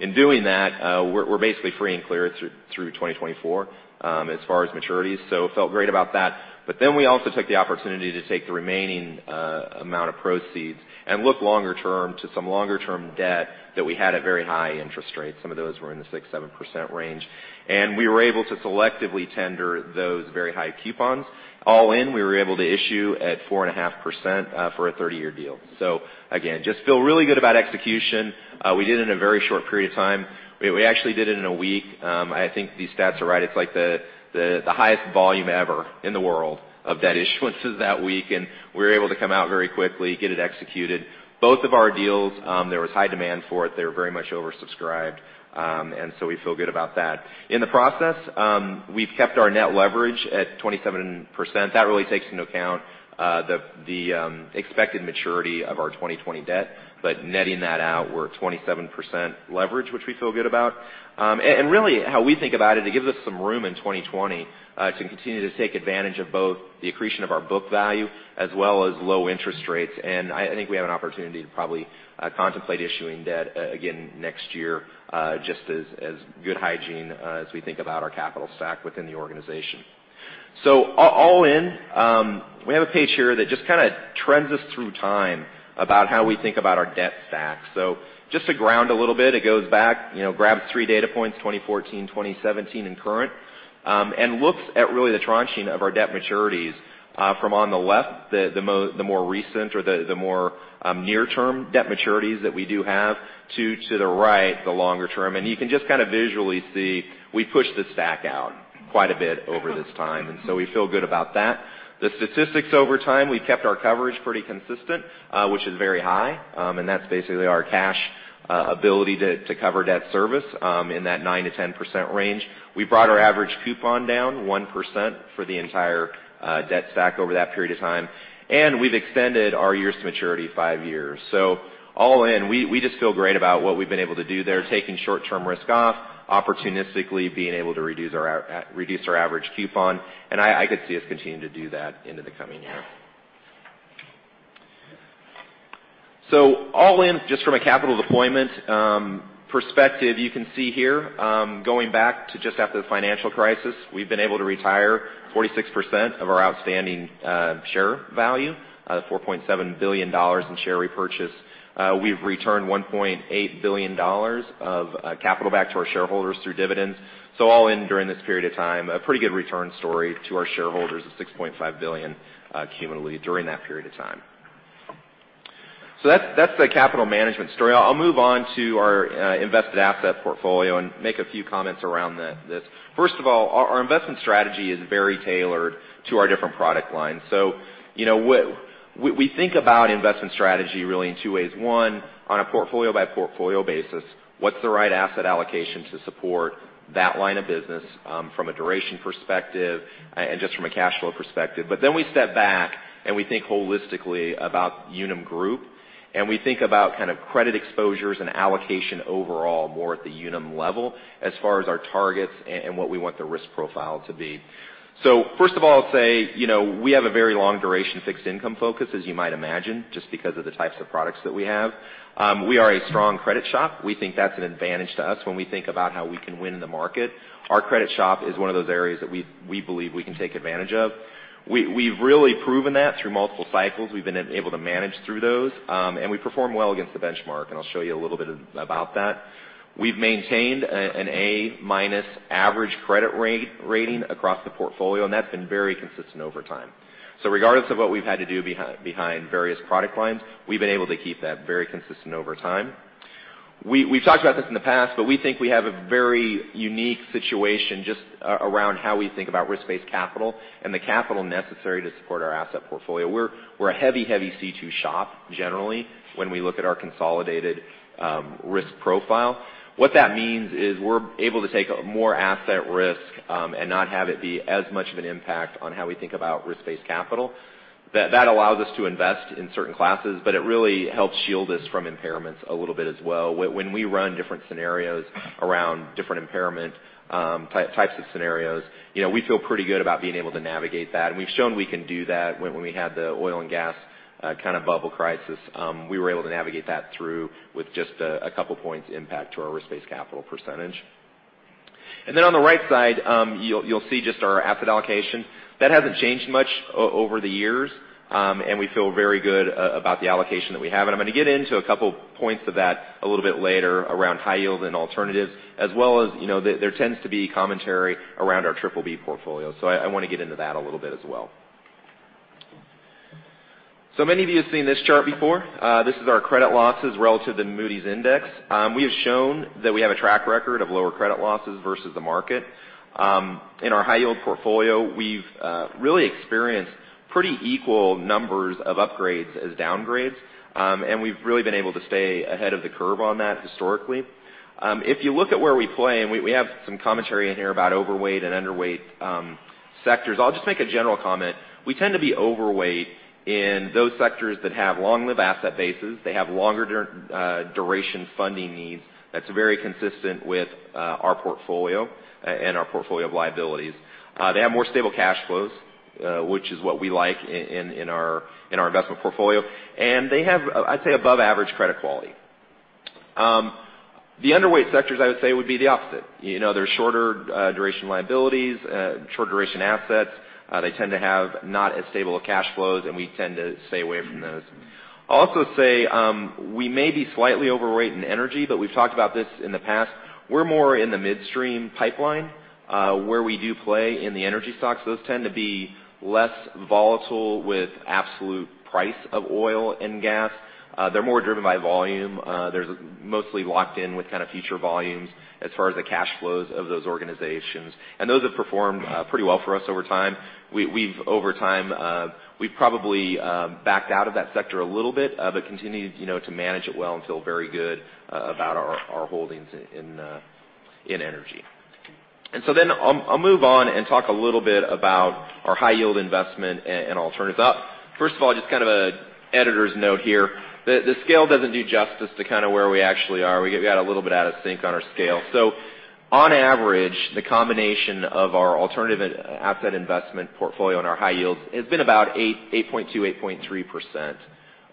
S3: In doing that, we're basically free and clear through 2024 as far as maturities. Felt great about that. We also took the opportunity to take the remaining amount of proceeds and look longer term to some longer-term debt that we had at very high interest rates. Some of those were in the 6%, 7% range. We were able to selectively tender those very high coupons. All in, we were able to issue at 4.5% for a 30-year deal. Again, just feel really good about execution. We did it in a very short period of time. We actually did it in a week. I think these stats are right. It's like the highest volume ever in the world of debt issuances that week, we were able to come out very quickly, get it executed. Both of our deals, there was high demand for it. They were very much oversubscribed, we feel good about that. In the process, we've kept our net leverage at 27%. That really takes into account the expected maturity of our 2020 debt, but netting that out, we're 27% leverage, which we feel good about. Really how we think about it gives us some room in 2020 to continue to take advantage of both the accretion of our book value as well as low interest rates. I think we have an opportunity to probably contemplate issuing debt again next year just as good hygiene as we think about our capital stack within the organization. All in, we have a page here that just kind of trends us through time about how we think about our debt stack. Just to ground a little bit, it goes back, grabs three data points, 2014, 2017, and current, and looks at really the tranching of our debt maturities. From on the left, the more recent or the more near-term debt maturities that we do have to the right, the longer term. You can just kind of visually see we pushed the stack out quite a bit over this time, we feel good about that. The statistics over time, we've kept our coverage pretty consistent, which is very high. That's basically our cash ability to cover debt service in that 9%-10% range. We brought our average coupon down 1% for the entire debt stack over that period of time, and we've extended our years to maturity five years. All in, we just feel great about what we've been able to do there, taking short-term risk off, opportunistically being able to reduce our average coupon, and I could see us continuing to do that into the coming year. All in, just from a capital deployment perspective, you can see here, going back to just after the financial crisis, we've been able to retire 46% of our outstanding share value, $4.7 billion in share repurchase. We've returned $1.8 billion of capital back to our shareholders through dividends. All in during this period of time, a pretty good return story to our shareholders of $6.5 billion cumulatively during that period of time. That's the capital management story. I'll move on to our invested asset portfolio and make a few comments around this. First of all, our investment strategy is very tailored to our different product lines. We think about investment strategy really in two ways. One, on a portfolio by portfolio basis, what's the right asset allocation to support that line of business from a duration perspective and just from a cash flow perspective? We step back, and we think holistically about Unum Group, and we think about kind of credit exposures and allocation overall more at the Unum level as far as our targets and what we want the risk profile to be. First of all, I'll say we have a very long duration fixed income focus, as you might imagine, just because of the types of products that we have. We are a strong credit shop. We think that's an advantage to us when we think about how we can win in the market. Our credit shop is one of those areas that we believe we can take advantage of. We've really proven that through multiple cycles. We've been able to manage through those, and we perform well against the benchmark, and I'll show you a little bit about that. We've maintained an A-minus average credit rating across the portfolio, and that's been very consistent over time. Regardless of what we've had to do behind various product lines, we've been able to keep that very consistent over time. We've talked about this in the past, but we think we have a very unique situation just around how we think about risk-based capital and the capital necessary to support our asset portfolio. We're a heavy C2 shop generally when we look at our consolidated risk profile. What that means is we're able to take more asset risk and not have it be as much of an impact on how we think about risk-based capital. That allows us to invest in certain classes, but it really helps shield us from impairments a little bit as well. When we run different scenarios around different impairment types of scenarios, we feel pretty good about being able to navigate that, and we've shown we can do that when we had the oil and gas kind of bubble crisis. We were able to navigate that through with just a couple points impact to our risk-based capital percentage. Then on the right side, you'll see just our asset allocation. That hasn't changed much over the years, and we feel very good about the allocation that we have. I'm going to get into a couple points of that a little bit later around high yield and alternatives, as well as there tends to be commentary around our BBB portfolio. I want to get into that a little bit as well. Many of you have seen this chart before. This is our credit losses relative to Moody's Index. We have shown that we have a track record of lower credit losses versus the market. In our high yield portfolio, we've really experienced pretty equal numbers of upgrades as downgrades, and we've really been able to stay ahead of the curve on that historically. If you look at where we play, and we have some commentary in here about overweight and underweight sectors. I'll just make a general comment. We tend to be overweight in those sectors that have long-lived asset bases. They have longer duration funding needs. That's very consistent with our portfolio and our portfolio of liabilities. They have more stable cash flows, which is what we like in our investment portfolio. They have, I'd say, above average credit quality. The underweight sectors, I would say, would be the opposite. They're shorter duration liabilities, short duration assets. They tend to have not as stable of cash flows, and we tend to stay away from those. I'll also say, we may be slightly overweight in energy, but we've talked about this in the past. We're more in the midstream pipeline, where we do play in the energy stocks. Those tend to be less volatile with absolute price of oil and gas. They're more driven by volume. They're mostly locked in with kind of future volumes as far as the cash flows of those organizations. Those have performed pretty well for us over time. Over time, we've probably backed out of that sector a little bit, but continue to manage it well and feel very good about our holdings in energy. I'll move on and talk a little bit about our high yield investment and alternatives. First of all, just kind of an editor's note here. The scale doesn't do justice to where we actually are. We got a little bit out of sync on our scale. On average, the combination of our alternative asset investment portfolio and our high yields has been about 8.2%, 8.3%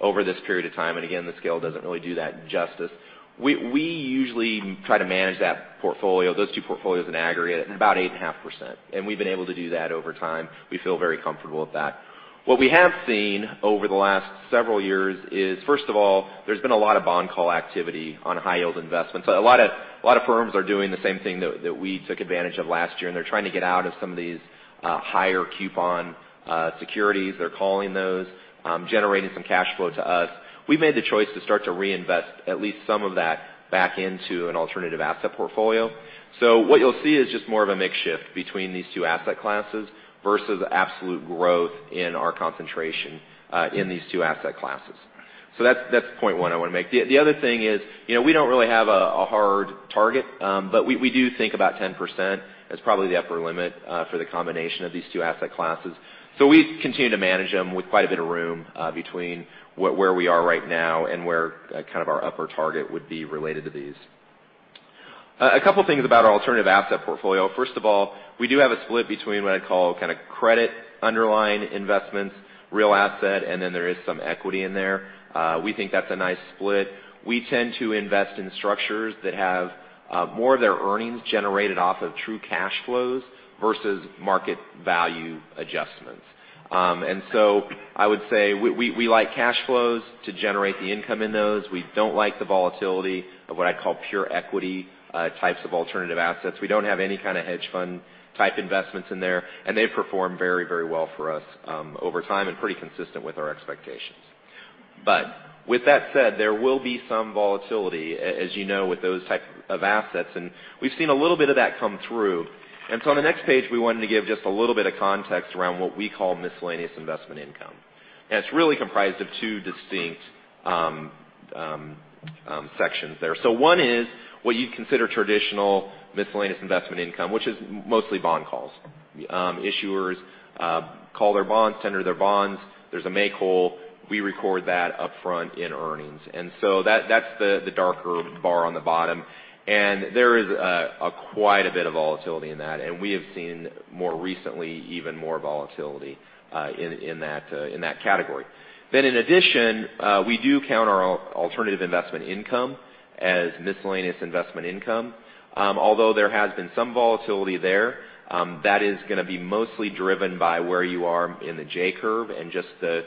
S3: over this period of time. Again, the scale doesn't really do that justice. We usually try to manage those two portfolios in aggregate at about 8.5%, and we've been able to do that over time. We feel very comfortable with that. What we have seen over the last several years is, first of all, there's been a lot of bond call activity on high yield investments. A lot of firms are doing the same thing that we took advantage of last year, and they're trying to get out of some of these higher coupon securities. They're calling those, generating some cash flow to us. We've made the choice to start to reinvest at least some of that back into an alternative asset portfolio. What you'll see is just more of a mix shift between these two asset classes versus absolute growth in our concentration in these two asset classes. That's point one I want to make. The other thing is, we don't really have a hard target, but we do think about 10% as probably the upper limit for the combination of these two asset classes. We continue to manage them with quite a bit of room between where we are right now and where our upper target would be related to these. A couple things about our alternative asset portfolio. First of all, we do have a split between what I call kind of credit underlying investments, real asset, and then there is some equity in there. We think that's a nice split. We tend to invest in structures that have more of their earnings generated off of true cash flows versus market value adjustments. I would say we like cash flows to generate the income in those. We don't like the volatility of what I call pure equity types of alternative assets. We don't have any kind of hedge fund type investments in there, and they've performed very well for us over time and pretty consistent with our expectations. With that said, there will be some volatility, as you know, with those type of assets, and we've seen a little bit of that come through. On the next page, we wanted to give just a little bit of context around what we call miscellaneous investment income. It's really comprised of two distinct sections there. One is what you'd consider traditional miscellaneous investment income, which is mostly bond calls. Issuers call their bonds, tender their bonds. There's a make whole. We record that upfront in earnings. That's the darker bar on the bottom. There is quite a bit of volatility in that, and we have seen more recently even more volatility in that category. In addition, we do count our alternative investment income as miscellaneous investment income. Although there has been some volatility there, that is going to be mostly driven by where you are in the J-curve and just the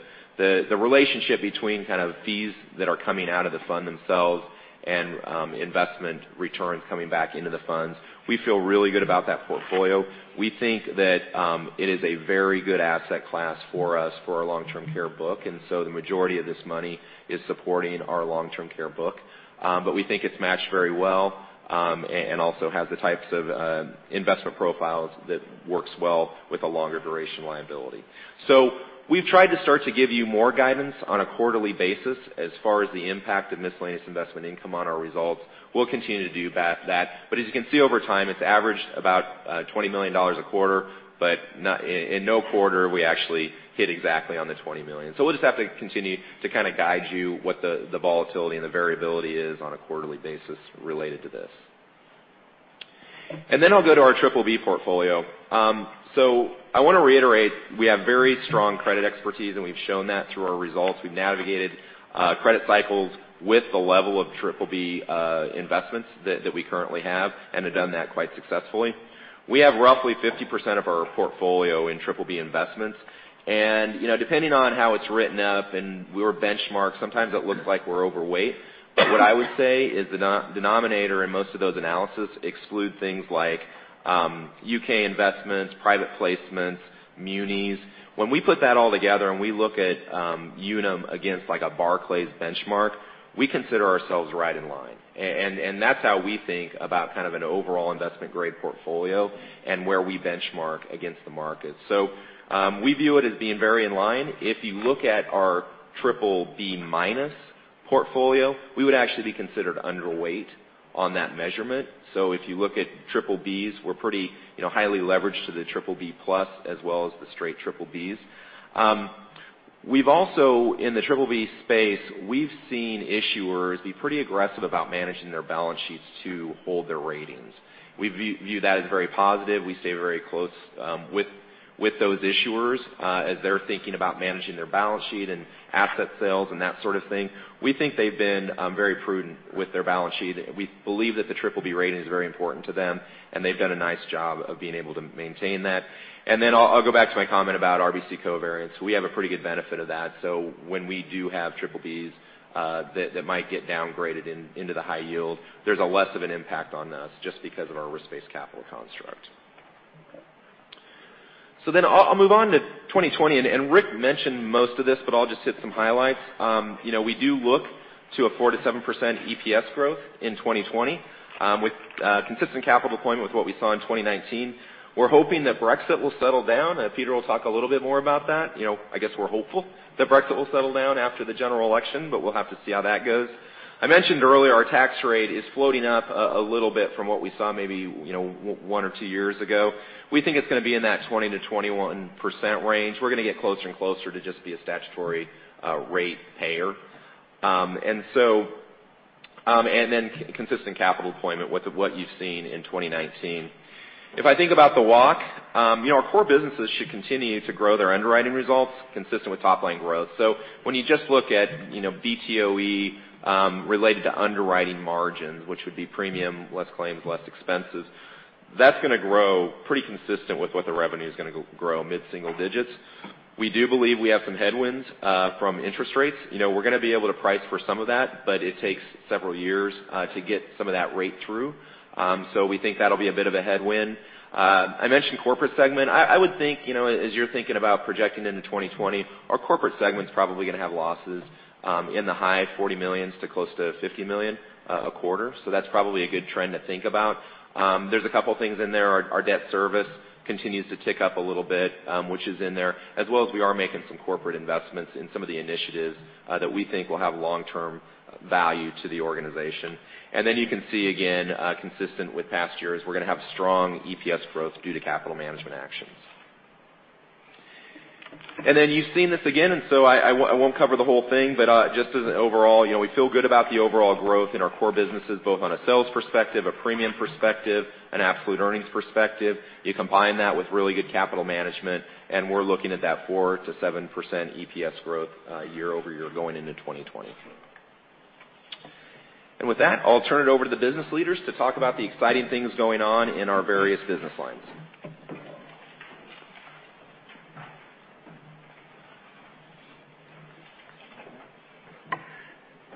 S3: relationship between fees that are coming out of the fund themselves and investment returns coming back into the funds. We feel really good about that portfolio. We think that it is a very good asset class for us for our long-term care book. The majority of this money is supporting our long-term care book. We think it's matched very well, and also has the types of investment profiles that works well with a longer duration liability. We've tried to start to give you more guidance on a quarterly basis as far as the impact of miscellaneous investment income on our results. We'll continue to do that. As you can see over time, it's averaged about $20 million a quarter, but in no quarter we actually hit exactly on the $20 million. We'll just have to continue to kind of guide you what the volatility and the variability is on a quarterly basis related to this. I'll go to our BBB portfolio. I want to reiterate, we have very strong credit expertise, and we've shown that through our results. We've navigated credit cycles with the level of BBB investments that we currently have and have done that quite successfully. We have roughly 50% of our portfolio in BBB investments. Depending on how it's written up and we were benchmarked, sometimes it looks like we're overweight. What I would say is the denominator in most of those analysis exclude things like U.K. investments, private placements, munis. When we put that all together and we look at Unum against a Barclays benchmark, we consider ourselves right in line. That's how we think about an overall investment-grade portfolio and where we benchmark against the market. We view it as being very in line. If you look at our BBB-minus portfolio, we would actually be considered underweight on that measurement. If you look at BBBs, we're pretty highly leveraged to the BBB+ as well as the straight BBBs. We've also, in the BBB space, we've seen issuers be pretty aggressive about managing their balance sheets to hold their ratings. We view that as very positive. We stay very close with those issuers as they're thinking about managing their balance sheet and asset sales and that sort of thing. We think they've been very prudent with their balance sheet. We believe that the BBB rating is very important to them, and they've done a nice job of being able to maintain that. I'll go back to my comment about RBC covariance. We have a pretty good benefit of that. When we do have BBBs that might get downgraded into the high yield, there's a less of an impact on us just because of our risk-based capital construct. I'll move on to 2020, and Rick mentioned most of this, but I'll just hit some highlights. We do look to a 4%-7% EPS growth in 2020 with consistent capital deployment with what we saw in 2019. We're hoping that Brexit will settle down, and Peter will talk a little bit more about that. I guess we're hopeful that Brexit will settle down after the general election, but we'll have to see how that goes. I mentioned earlier our tax rate is floating up a little bit from what we saw maybe one or two years ago. We think it's going to be in that 20%-21% range. We're going to get closer and closer to just be a statutory rate payer. Consistent capital deployment with what you've seen in 2019. If I think about the walk, our core businesses should continue to grow their underwriting results consistent with top-line growth. When you just look at BTOE related to underwriting margins, which would be premium, less claims, less expenses, that's going to grow pretty consistent with what the revenue is going to grow, mid-single digits. We do believe we have some headwinds from interest rates. We're going to be able to price for some of that, but it takes several years to get some of that rate through. We think that'll be a bit of a headwind. I mentioned corporate segment. I would think as you're thinking about projecting into 2020, our corporate segment is probably going to have losses in the high $40 million to close to $50 million a quarter. That's probably a good trend to think about. There's a couple things in there. Our debt service continues to tick up a little bit, which is in there, as well as we are making some corporate investments in some of the initiatives that we think will have long-term value to the organization. You can see, again, consistent with past years, we're going to have strong EPS growth due to capital management actions. You've seen this again. I won't cover the whole thing, but just as an overall, we feel good about the overall growth in our core businesses, both on a sales perspective, a premium perspective, an absolute earnings perspective. You combine that with really good capital management, and we're looking at that 4%-7% EPS growth year-over-year going into 2020. With that, I'll turn it over to the business leaders to talk about the exciting things going on in our various business lines.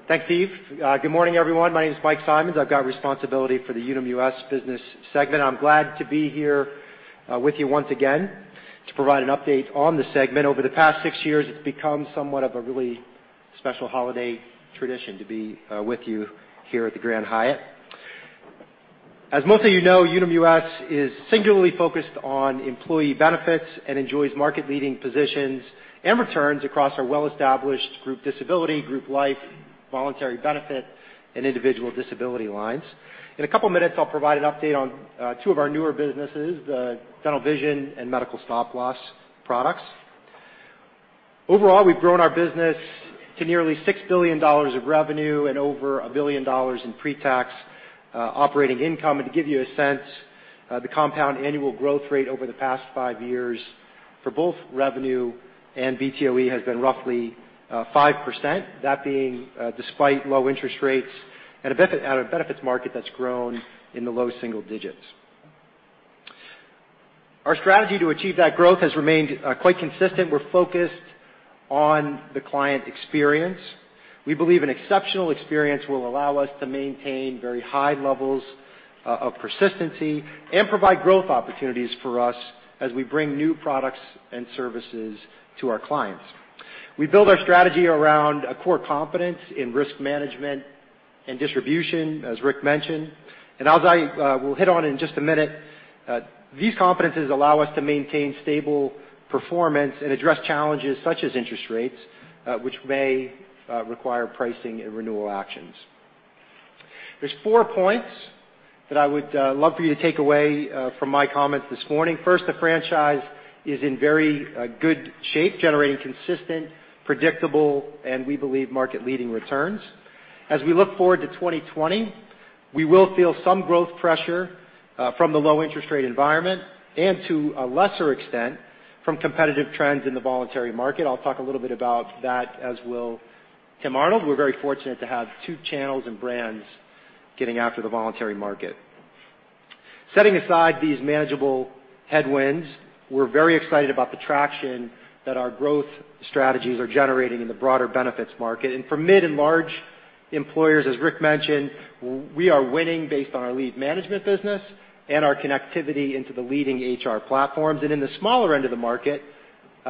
S4: Thanks, Steve. Good morning, everyone. My name is Mike Simonds. I've got responsibility for the Unum US business segment. I'm glad to be here with you once again to provide an update on the segment. Over the past six years, it's become somewhat of a really special holiday tradition to be with you here at the Grand Hyatt. As most of you know, Unum US is singularly focused on employee benefits and enjoys market-leading positions and returns across our well-established group disability, group life, voluntary benefit, and individual disability lines. In a couple of minutes, I'll provide an update on two of our newer businesses, dental, vision, and medical stop loss products. Overall, we've grown our business to nearly $6 billion of revenue and over $1 billion in pre-tax operating income. To give you a sense, the compound annual growth rate over the past five years for both revenue and BTOE has been roughly 5%, that being despite low interest rates and a benefits market that's grown in the low single digits. Our strategy to achieve that growth has remained quite consistent. We're focused on the client experience. We believe an exceptional experience will allow us to maintain very high levels of persistency and provide growth opportunities for us as we bring new products and services to our clients. We build our strategy around a core competence in risk management and distribution, as Rick mentioned. As I will hit on in just a minute, these competencies allow us to maintain stable performance and address challenges such as interest rates, which may require pricing and renewal actions. There's four points that I would love for you to take away from my comments this morning. First, the franchise is in very good shape, generating consistent, predictable, and we believe market-leading returns. As we look forward to 2020, we will feel some growth pressure from the low interest rate environment and to a lesser extent from competitive trends in the voluntary market. I'll talk a little bit about that as will Tim Arnold. We're very fortunate to have two channels and brands getting after the voluntary market. Setting aside these manageable headwinds, we're very excited about the traction that our growth strategies are generating in the broader benefits market. For mid and large employers, as Rick mentioned, we are winning based on our lead management business and our connectivity into the leading HR platforms. In the smaller end of the market,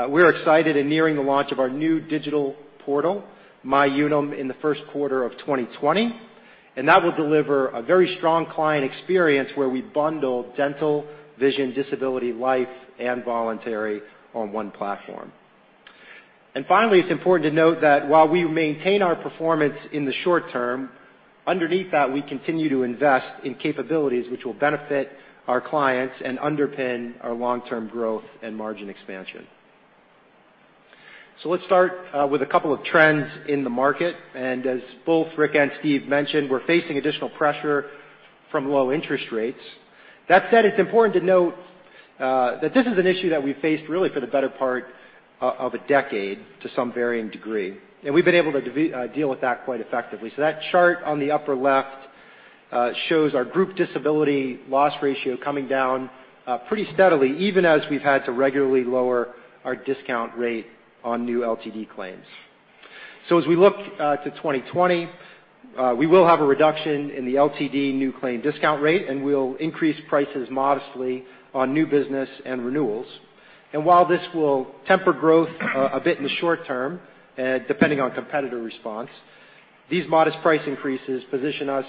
S4: we're excited in nearing the launch of our new digital portal, MyUnum, in the first quarter of 2020. That will deliver a very strong client experience where we bundle dental, vision, disability, life, and voluntary on one platform. Finally, it's important to note that while we maintain our performance in the short term, underneath that, we continue to invest in capabilities which will benefit our clients and underpin our long-term growth and margin expansion. Let's start with a couple of trends in the market. As both Rick and Steve mentioned, we're facing additional pressure from low interest rates. That said, it's important to note that this is an issue that we faced really for the better part of a decade to some varying degree, and we've been able to deal with that quite effectively. That chart on the upper left shows our group disability loss ratio coming down pretty steadily, even as we've had to regularly lower our discount rate on new LTD claims. As we look to 2020, we will have a reduction in the LTD new claim discount rate, and we'll increase prices modestly on new business and renewals. While this will temper growth a bit in the short term, depending on competitor response, these modest price increases position us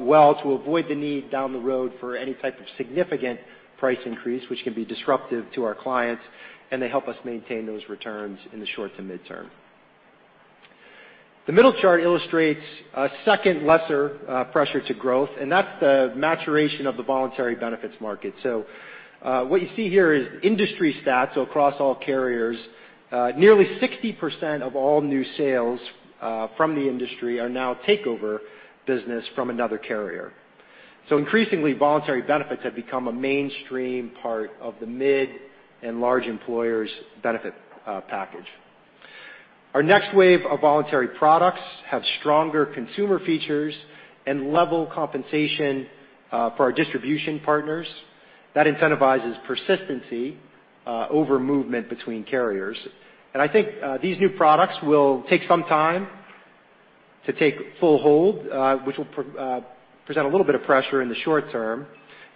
S4: well to avoid the need down the road for any type of significant price increase, which can be disruptive to our clients, and they help us maintain those returns in the short to midterm. The middle chart illustrates a second lesser pressure to growth, and that's the maturation of the voluntary benefits market. What you see here is industry stats across all carriers. Nearly 60% of all new sales from the industry are now takeover business from another carrier. Increasingly, voluntary benefits have become a mainstream part of the mid and large employers' benefit package. Our next wave of voluntary products have stronger consumer features and level compensation for our distribution partners. That incentivizes persistency over movement between carriers. I think these new products will take some time to take full hold, which will present a little bit of pressure in the short term.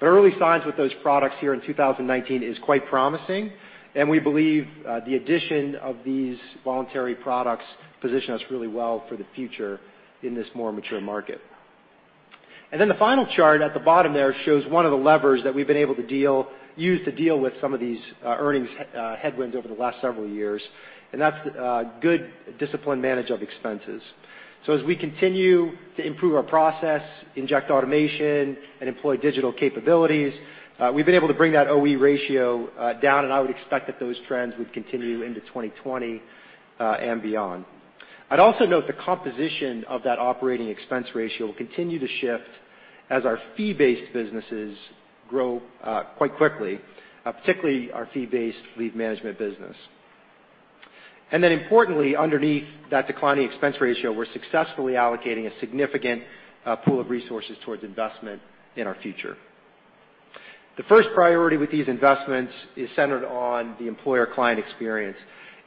S4: Early signs with those products here in 2019 is quite promising, and we believe the addition of these voluntary products position us really well for the future in this more mature market. The final chart at the bottom there shows one of the levers that we've been able to use to deal with some of these earnings headwinds over the last several years, and that's good disciplined manage of expenses. As we continue to improve our process, inject automation, and employ digital capabilities, we've been able to bring that OE ratio down, and I would expect that those trends would continue into 2020 and beyond. I'd also note the composition of that operating expense ratio will continue to shift as our fee-based businesses grow quite quickly, particularly our fee-based lead management business. Importantly, underneath that declining expense ratio, we're successfully allocating a significant pool of resources towards investment in our future. The first priority with these investments is centered on the employer client experience,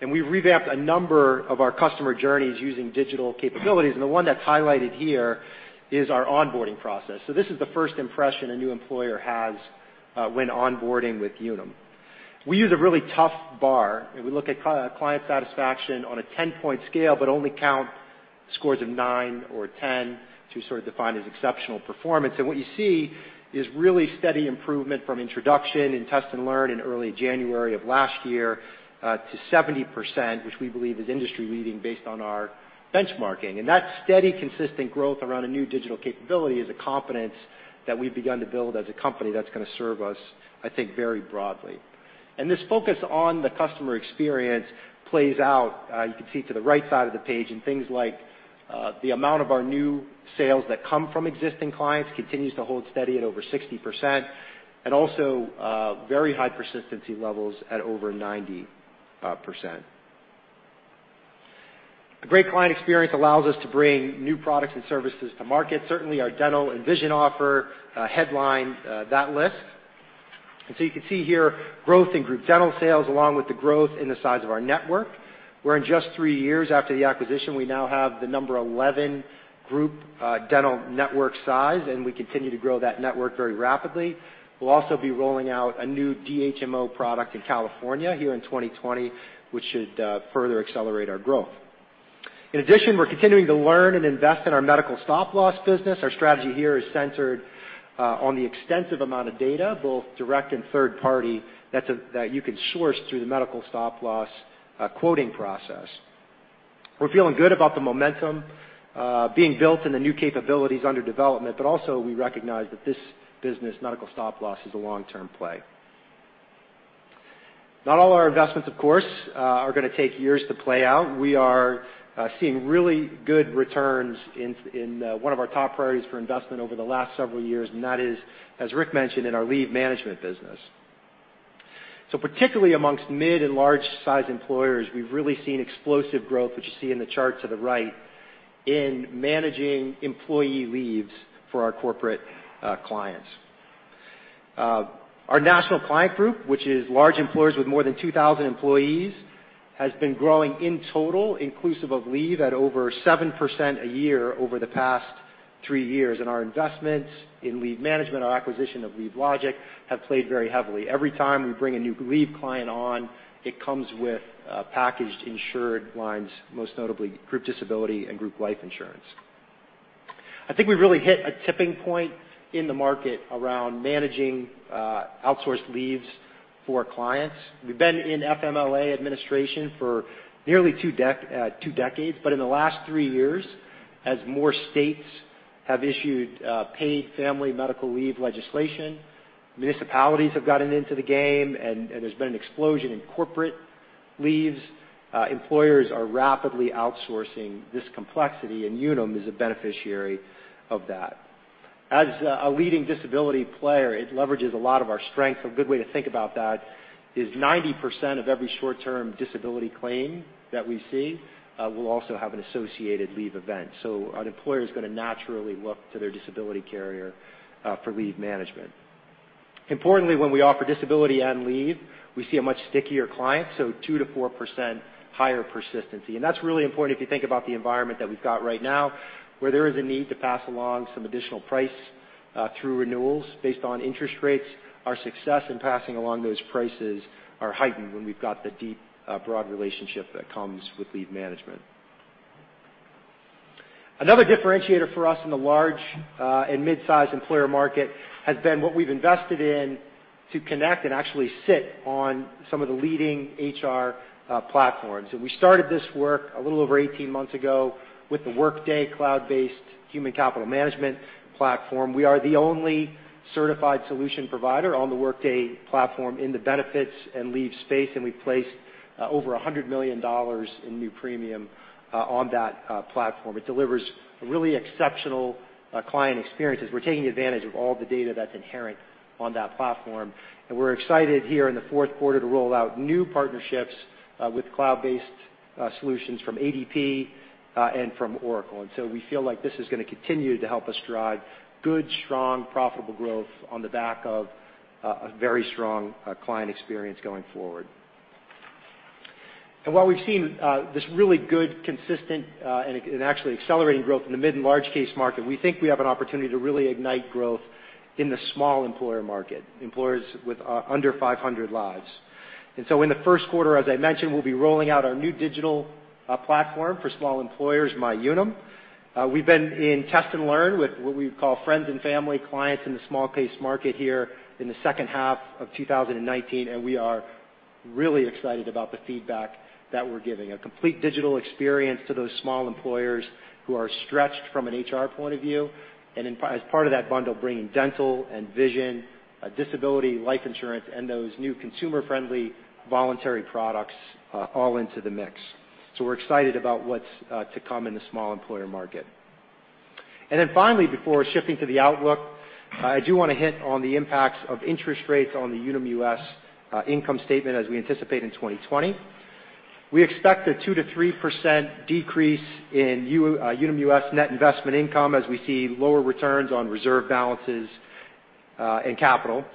S4: and we revamped a number of our customer journeys using digital capabilities, and the one that's highlighted here is our onboarding process. This is the first impression a new employer has when onboarding with Unum. We use a really tough bar, and we look at client satisfaction on a 10-point scale, but only count scores of nine or 10 to sort of define as exceptional performance. What you see is really steady improvement from introduction in test and learn in early January of last year to 70%, which we believe is industry-leading based on our benchmarking. That steady, consistent growth around a new digital capability is a competence that we've begun to build as a company that's going to serve us, I think, very broadly. This focus on the customer experience plays out, you can see to the right side of the page in things like the amount of our new sales that come from existing clients continues to hold steady at over 60%, and also very high persistency levels at over 90%. A great client experience allows us to bring new products and services to market. Certainly, our dental and vision offer headline that list. You can see here growth in group dental sales along with the growth in the size of our network, where in just three years after the acquisition, we now have the number 11 group dental network size, and we continue to grow that network very rapidly. We'll also be rolling out a new DHMO product in California here in 2020, which should further accelerate our growth. In addition, we're continuing to learn and invest in our medical stop loss business. Our strategy here is centered on the extensive amount of data, both direct and third party, that you can source through the medical stop loss quoting process. We're feeling good about the momentum being built and the new capabilities under development, but also we recognize that this business, medical stop loss, is a long-term play. Not all our investments, of course, are going to take years to play out. We are seeing really good returns in one of our top priorities for investment over the last several years, and that is, as Rick mentioned, in our leave management business. Particularly amongst mid and large size employers, we've really seen explosive growth, which you see in the chart to the right, in managing employee leaves for our corporate clients. Our national client group, which is large employers with more than 2,000 employees, has been growing in total inclusive of leave at over 7% a year over the past 3 years. Our investments in leave management, our acquisition of LeaveLogic, have played very heavily. Every time we bring a new leave client on, it comes with packaged insured lines, most notably group disability and group life insurance. I think we've really hit a tipping point in the market around managing outsourced leaves for clients. We've been in FMLA administration for nearly 2 decades, but in the last 3 years, as more states have issued paid family medical leave legislation, municipalities have gotten into the game, and there's been an explosion in corporate leaves. Employers are rapidly outsourcing this complexity, and Unum is a beneficiary of that. As a leading disability player, it leverages a lot of our strength. A good way to think about that is 90% of every short-term disability claim that we see will also have an associated leave event. An employer is going to naturally look to their disability carrier for leave management. Importantly, when we offer disability and leave, we see a much stickier client, 2%-4% higher persistency. That's really important if you think about the environment that we've got right now, where there is a need to pass along some additional price through renewals based on interest rates. Our success in passing along those prices are heightened when we've got the deep, broad relationship that comes with leave management. Another differentiator for us in the large and mid-size employer market has been what we've invested in to connect and actually sit on some of the leading HR platforms. We started this work a little over 18 months ago with the Workday cloud-based human capital management platform. We are the only certified solution provider on the Workday platform in the benefits and leave space, and we placed over $100 million in new premium on that platform. It delivers a really exceptional client experience, as we're taking advantage of all the data that's inherent on that platform. We're excited here in the fourth quarter to roll out new partnerships with cloud-based solutions from ADP and from Oracle. We feel like this is going to continue to help us drive good, strong, profitable growth on the back of a very strong client experience going forward. While we've seen this really good, consistent, and actually accelerating growth in the mid and large case market, we think we have an opportunity to really ignite growth in the small employer market, employers with under 500 lives. In the first quarter, as I mentioned, we'll be rolling out our new digital platform for small employers, MyUnum. We've been in test and learn with what we call friends and family clients in the small case market here in the second half of 2019, and we are really excited about the feedback that we're giving. A complete digital experience to those small employers who are stretched from an HR point of view. As part of that bundle, bringing dental and vision, disability, life insurance, and those new consumer-friendly voluntary products all into the mix. We're excited about what's to come in the small employer market. Finally, before shifting to the outlook, I do want to hit on the impacts of interest rates on the Unum US income statement as we anticipate in 2020. We expect a 2%-3% decrease in Unum US net investment income as we see lower returns on reserve balances and capital.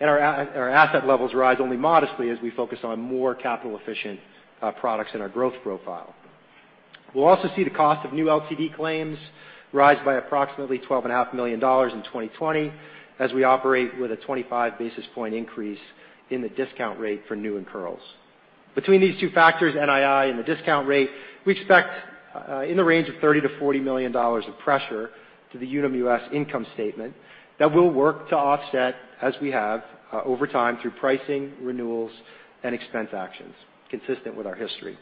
S4: Our asset levels rise only modestly as we focus on more capital-efficient products in our growth profile. We'll also see the cost of new LTD claims rise by approximately $12.5 million in 2020 as we operate with a 25 basis point increase in the discount rate for new incurrals. Between these two factors, NII and the discount rate, we expect in the range of $30-$40 million of pressure to the Unum US income statement that we'll work to offset, as we have over time, through pricing, renewals, and expense actions consistent with our history.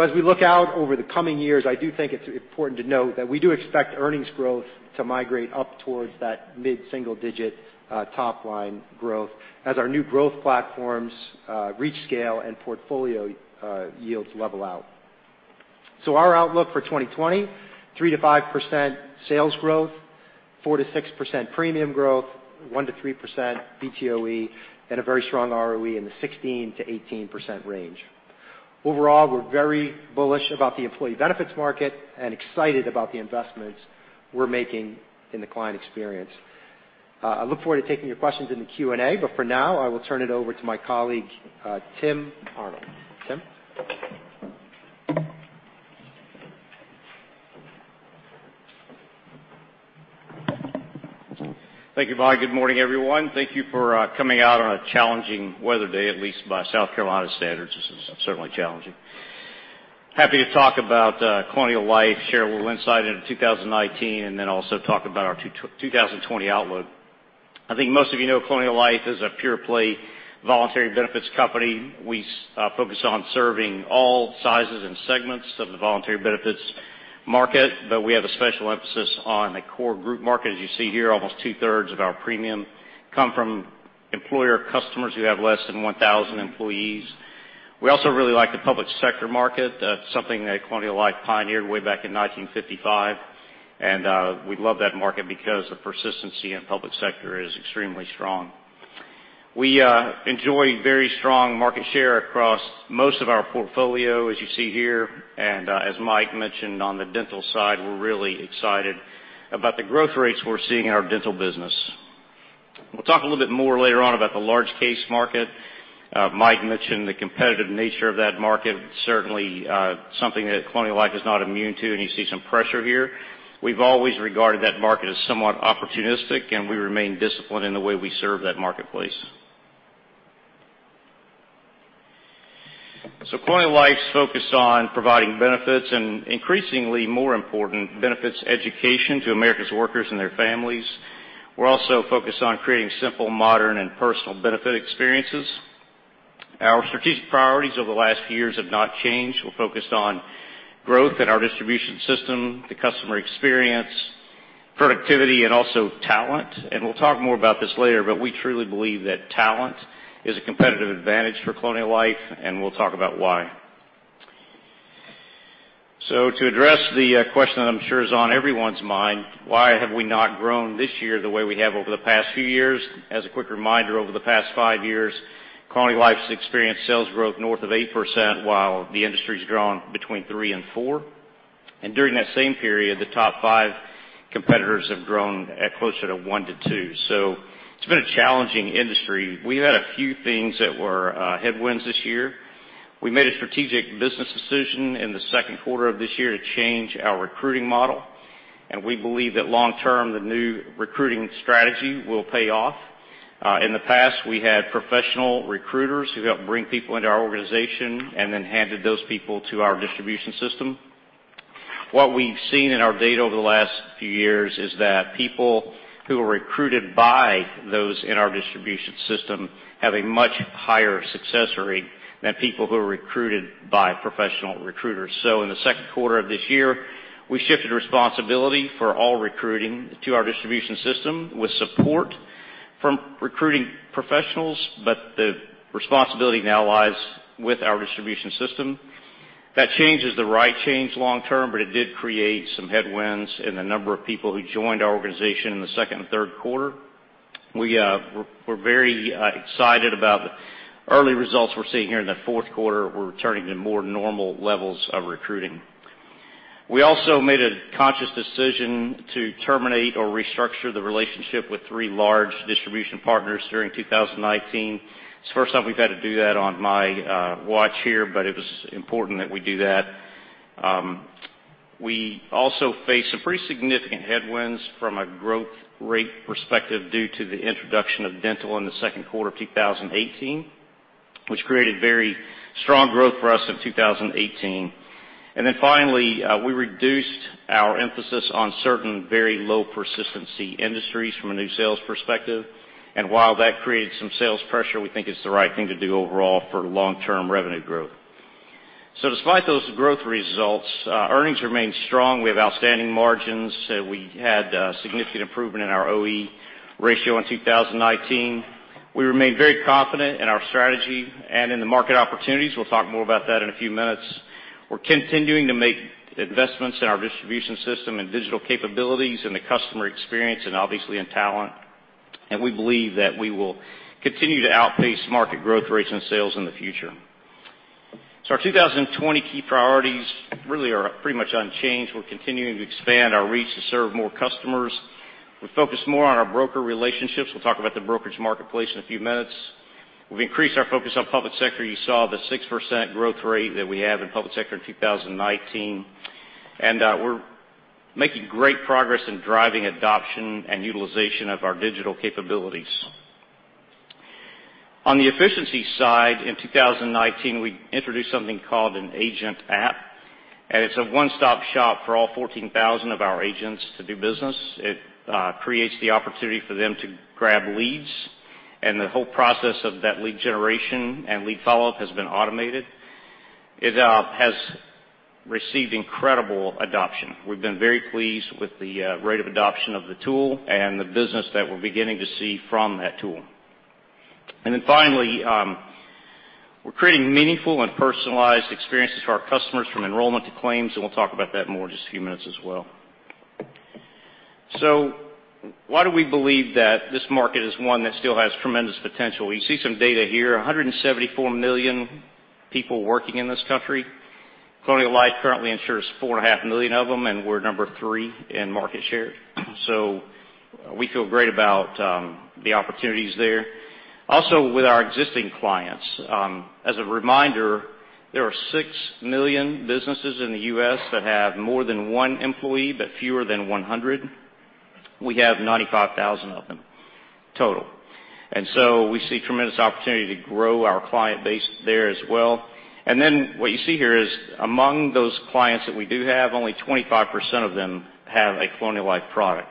S4: As we look out over the coming years, I do think it's important to note that we do expect earnings growth to migrate up towards that mid-single-digit top line growth as our new growth platforms reach scale and portfolio yields level out. Our outlook for 2020, 3%-5% sales growth, 4%-6% premium growth, 1%-3% BTOE, and a very strong ROE in the 16%-18% range. Overall, we're very bullish about the employee benefits market and excited about the investments we're making in the client experience. I look forward to taking your questions in the Q&A, but for now, I will turn it over to my colleague, Tim Arnold. Tim?
S5: Thank you, Mike. Good morning, everyone. Thank you for coming out on a challenging weather day, at least by South Carolina standards. This is certainly challenging. Happy to talk about Colonial Life, share a little insight into 2019, and then also talk about our 2020 outlook. I think most of you know Colonial Life is a pure play voluntary benefits company. We focus on serving all sizes and segments of the voluntary benefits market, but we have a special emphasis on the core group market. As you see here, almost two-thirds of our premium come from employer customers who have less than 1,000 employees. We also really like the public sector market. That's something that Colonial Life pioneered way back in 1955, and we love that market because the persistency in public sector is extremely strong. We enjoy very strong market share across most of our portfolio, as you see here. As Mike mentioned on the dental side, we're really excited about the growth rates we're seeing in our dental business. We'll talk a little bit more later on about the large case market. Mike mentioned the competitive nature of that market, certainly something that Colonial Life is not immune to, and you see some pressure here. We've always regarded that market as somewhat opportunistic, and we remain disciplined in the way we serve that marketplace. Colonial Life's focused on providing benefits and increasingly more important, benefits education to America's workers and their families. We're also focused on creating simple, modern, and personal benefit experiences. Our strategic priorities over the last years have not changed. We're focused on growth in our distribution system, the customer experience, productivity, and also talent. We'll talk more about this later, but we truly believe that talent is a competitive advantage for Colonial Life, and we'll talk about why. To address the question that I'm sure is on everyone's mind, why have we not grown this year the way we have over the past few years? As a quick reminder, over the past five years, Colonial Life's experienced sales growth north of 8%, while the industry's grown between 3% and 4%. During that same period, the top five competitors have grown at closer to 1% to 2%. It's been a challenging industry. We've had a few things that were headwinds this year. We made a strategic business decision in the second quarter of this year to change our recruiting model, and we believe that long term, the new recruiting strategy will pay off. In the past, we had professional recruiters who helped bring people into our organization then handed those people to our distribution system. What we've seen in our data over the last few years is that people who are recruited by those in our distribution system have a much higher success rate than people who are recruited by professional recruiters. In the second quarter of this year, we shifted responsibility for all recruiting to our distribution system with support from recruiting professionals, but the responsibility now lies with our distribution system. That change is the right change long term, but it did create some headwinds in the number of people who joined our organization in the second and third quarter. We're very excited about the early results we're seeing here in the fourth quarter. We're returning to more normal levels of recruiting. We also made a conscious decision to terminate or restructure the relationship with three large distribution partners during 2019. It's the first time we've had to do that on my watch here, but it was important that we do that. We also faced some pretty significant headwinds from a growth rate perspective due to the introduction of dental in the second quarter of 2018, which created very strong growth for us in 2018. Finally, we reduced our emphasis on certain very low persistency industries from a new sales perspective. While that created some sales pressure, we think it's the right thing to do overall for long-term revenue growth. Despite those growth results, earnings remain strong. We have outstanding margins. We had significant improvement in our OE ratio in 2019. We remain very confident in our strategy and in the market opportunities. We'll talk more about that in a few minutes. We're continuing to make investments in our distribution system and digital capabilities in the customer experience and obviously in talent. We believe that we will continue to outpace market growth rates and sales in the future. Our 2020 key priorities really are pretty much unchanged. We're continuing to expand our reach to serve more customers. We focus more on our broker relationships. We'll talk about the brokerage marketplace in a few minutes. We've increased our focus on public sector. You saw the 6% growth rate that we have in public sector in 2019, and we're making great progress in driving adoption and utilization of our digital capabilities. On the efficiency side, in 2019, we introduced something called an agent app, and it's a one-stop shop for all 14,000 of our agents to do business. It creates the opportunity for them to grab leads, and the whole process of that lead generation and lead follow-up has been automated. It has received incredible adoption. We've been very pleased with the rate of adoption of the tool and the business that we're beginning to see from that tool. Finally, we're creating meaningful and personalized experiences for our customers from enrollment to claims, and we'll talk about that more in just a few minutes as well. Why do we believe that this market is one that still has tremendous potential? We see some data here, 174 million people working in this country. Colonial Life currently insures four and a half million of them, and we're number three in market share. We feel great about the opportunities there. Also with our existing clients, as a reminder, there are six million businesses in the U.S. that have more than one employee but fewer than 100. We have 95,000 of them total. We see tremendous opportunity to grow our client base there as well. What you see here is among those clients that we do have, only 25% of them have a Colonial Life product.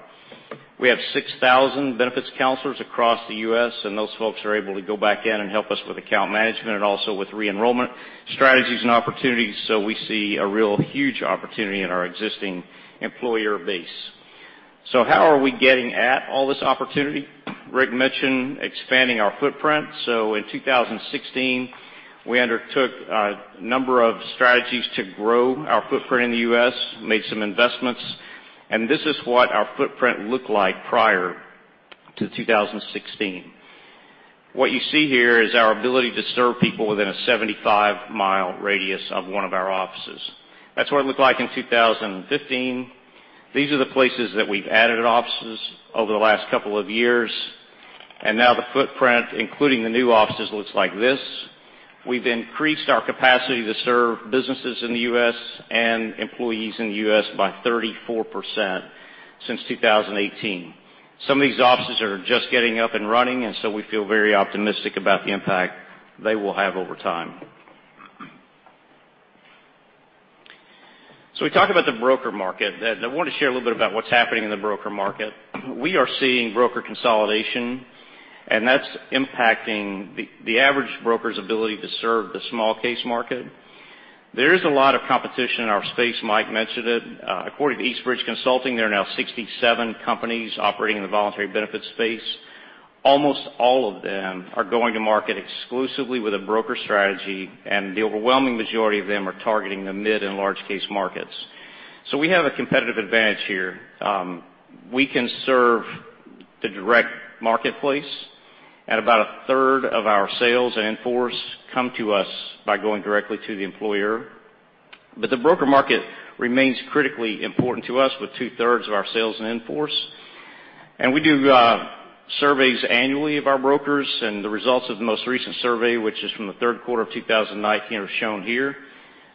S5: We have 6,000 benefits counselors across the U.S., and those folks are able to go back in and help us with account management and also with re-enrollment strategies and opportunities. We see a real huge opportunity in our existing employer base. How are we getting at all this opportunity? Rick mentioned expanding our footprint. In 2016, we undertook a number of strategies to grow our footprint in the U.S., made some investments, and this is what our footprint looked like prior to 2016. What you see here is our ability to serve people within a 75-mile radius of one of our offices. That's what it looked like in 2015. These are the places that we've added offices over the last couple of years, and now the footprint, including the new offices, looks like this. We've increased our capacity to serve businesses in the U.S. and employees in the U.S. by 34% since 2018. Some of these offices are just getting up and running. We feel very optimistic about the impact they will have over time. We talked about the broker market. I want to share a little bit about what's happening in the broker market. We are seeing broker consolidation, that's impacting the average broker's ability to serve the small case market. There is a lot of competition in our space. Mike mentioned it. According to Eastbridge Consulting, there are now 67 companies operating in the voluntary benefits space. Almost all of them are going to market exclusively with a broker strategy, and the overwhelming majority of them are targeting the mid and large case markets. We have a competitive advantage here. We can serve the direct marketplace at about a third of our sales and in-force come to us by going directly to the employer. The broker market remains critically important to us with two-thirds of our sales and in-force. We do surveys annually of our brokers and the results of the most recent survey, which is from the third quarter of 2019, are shown here.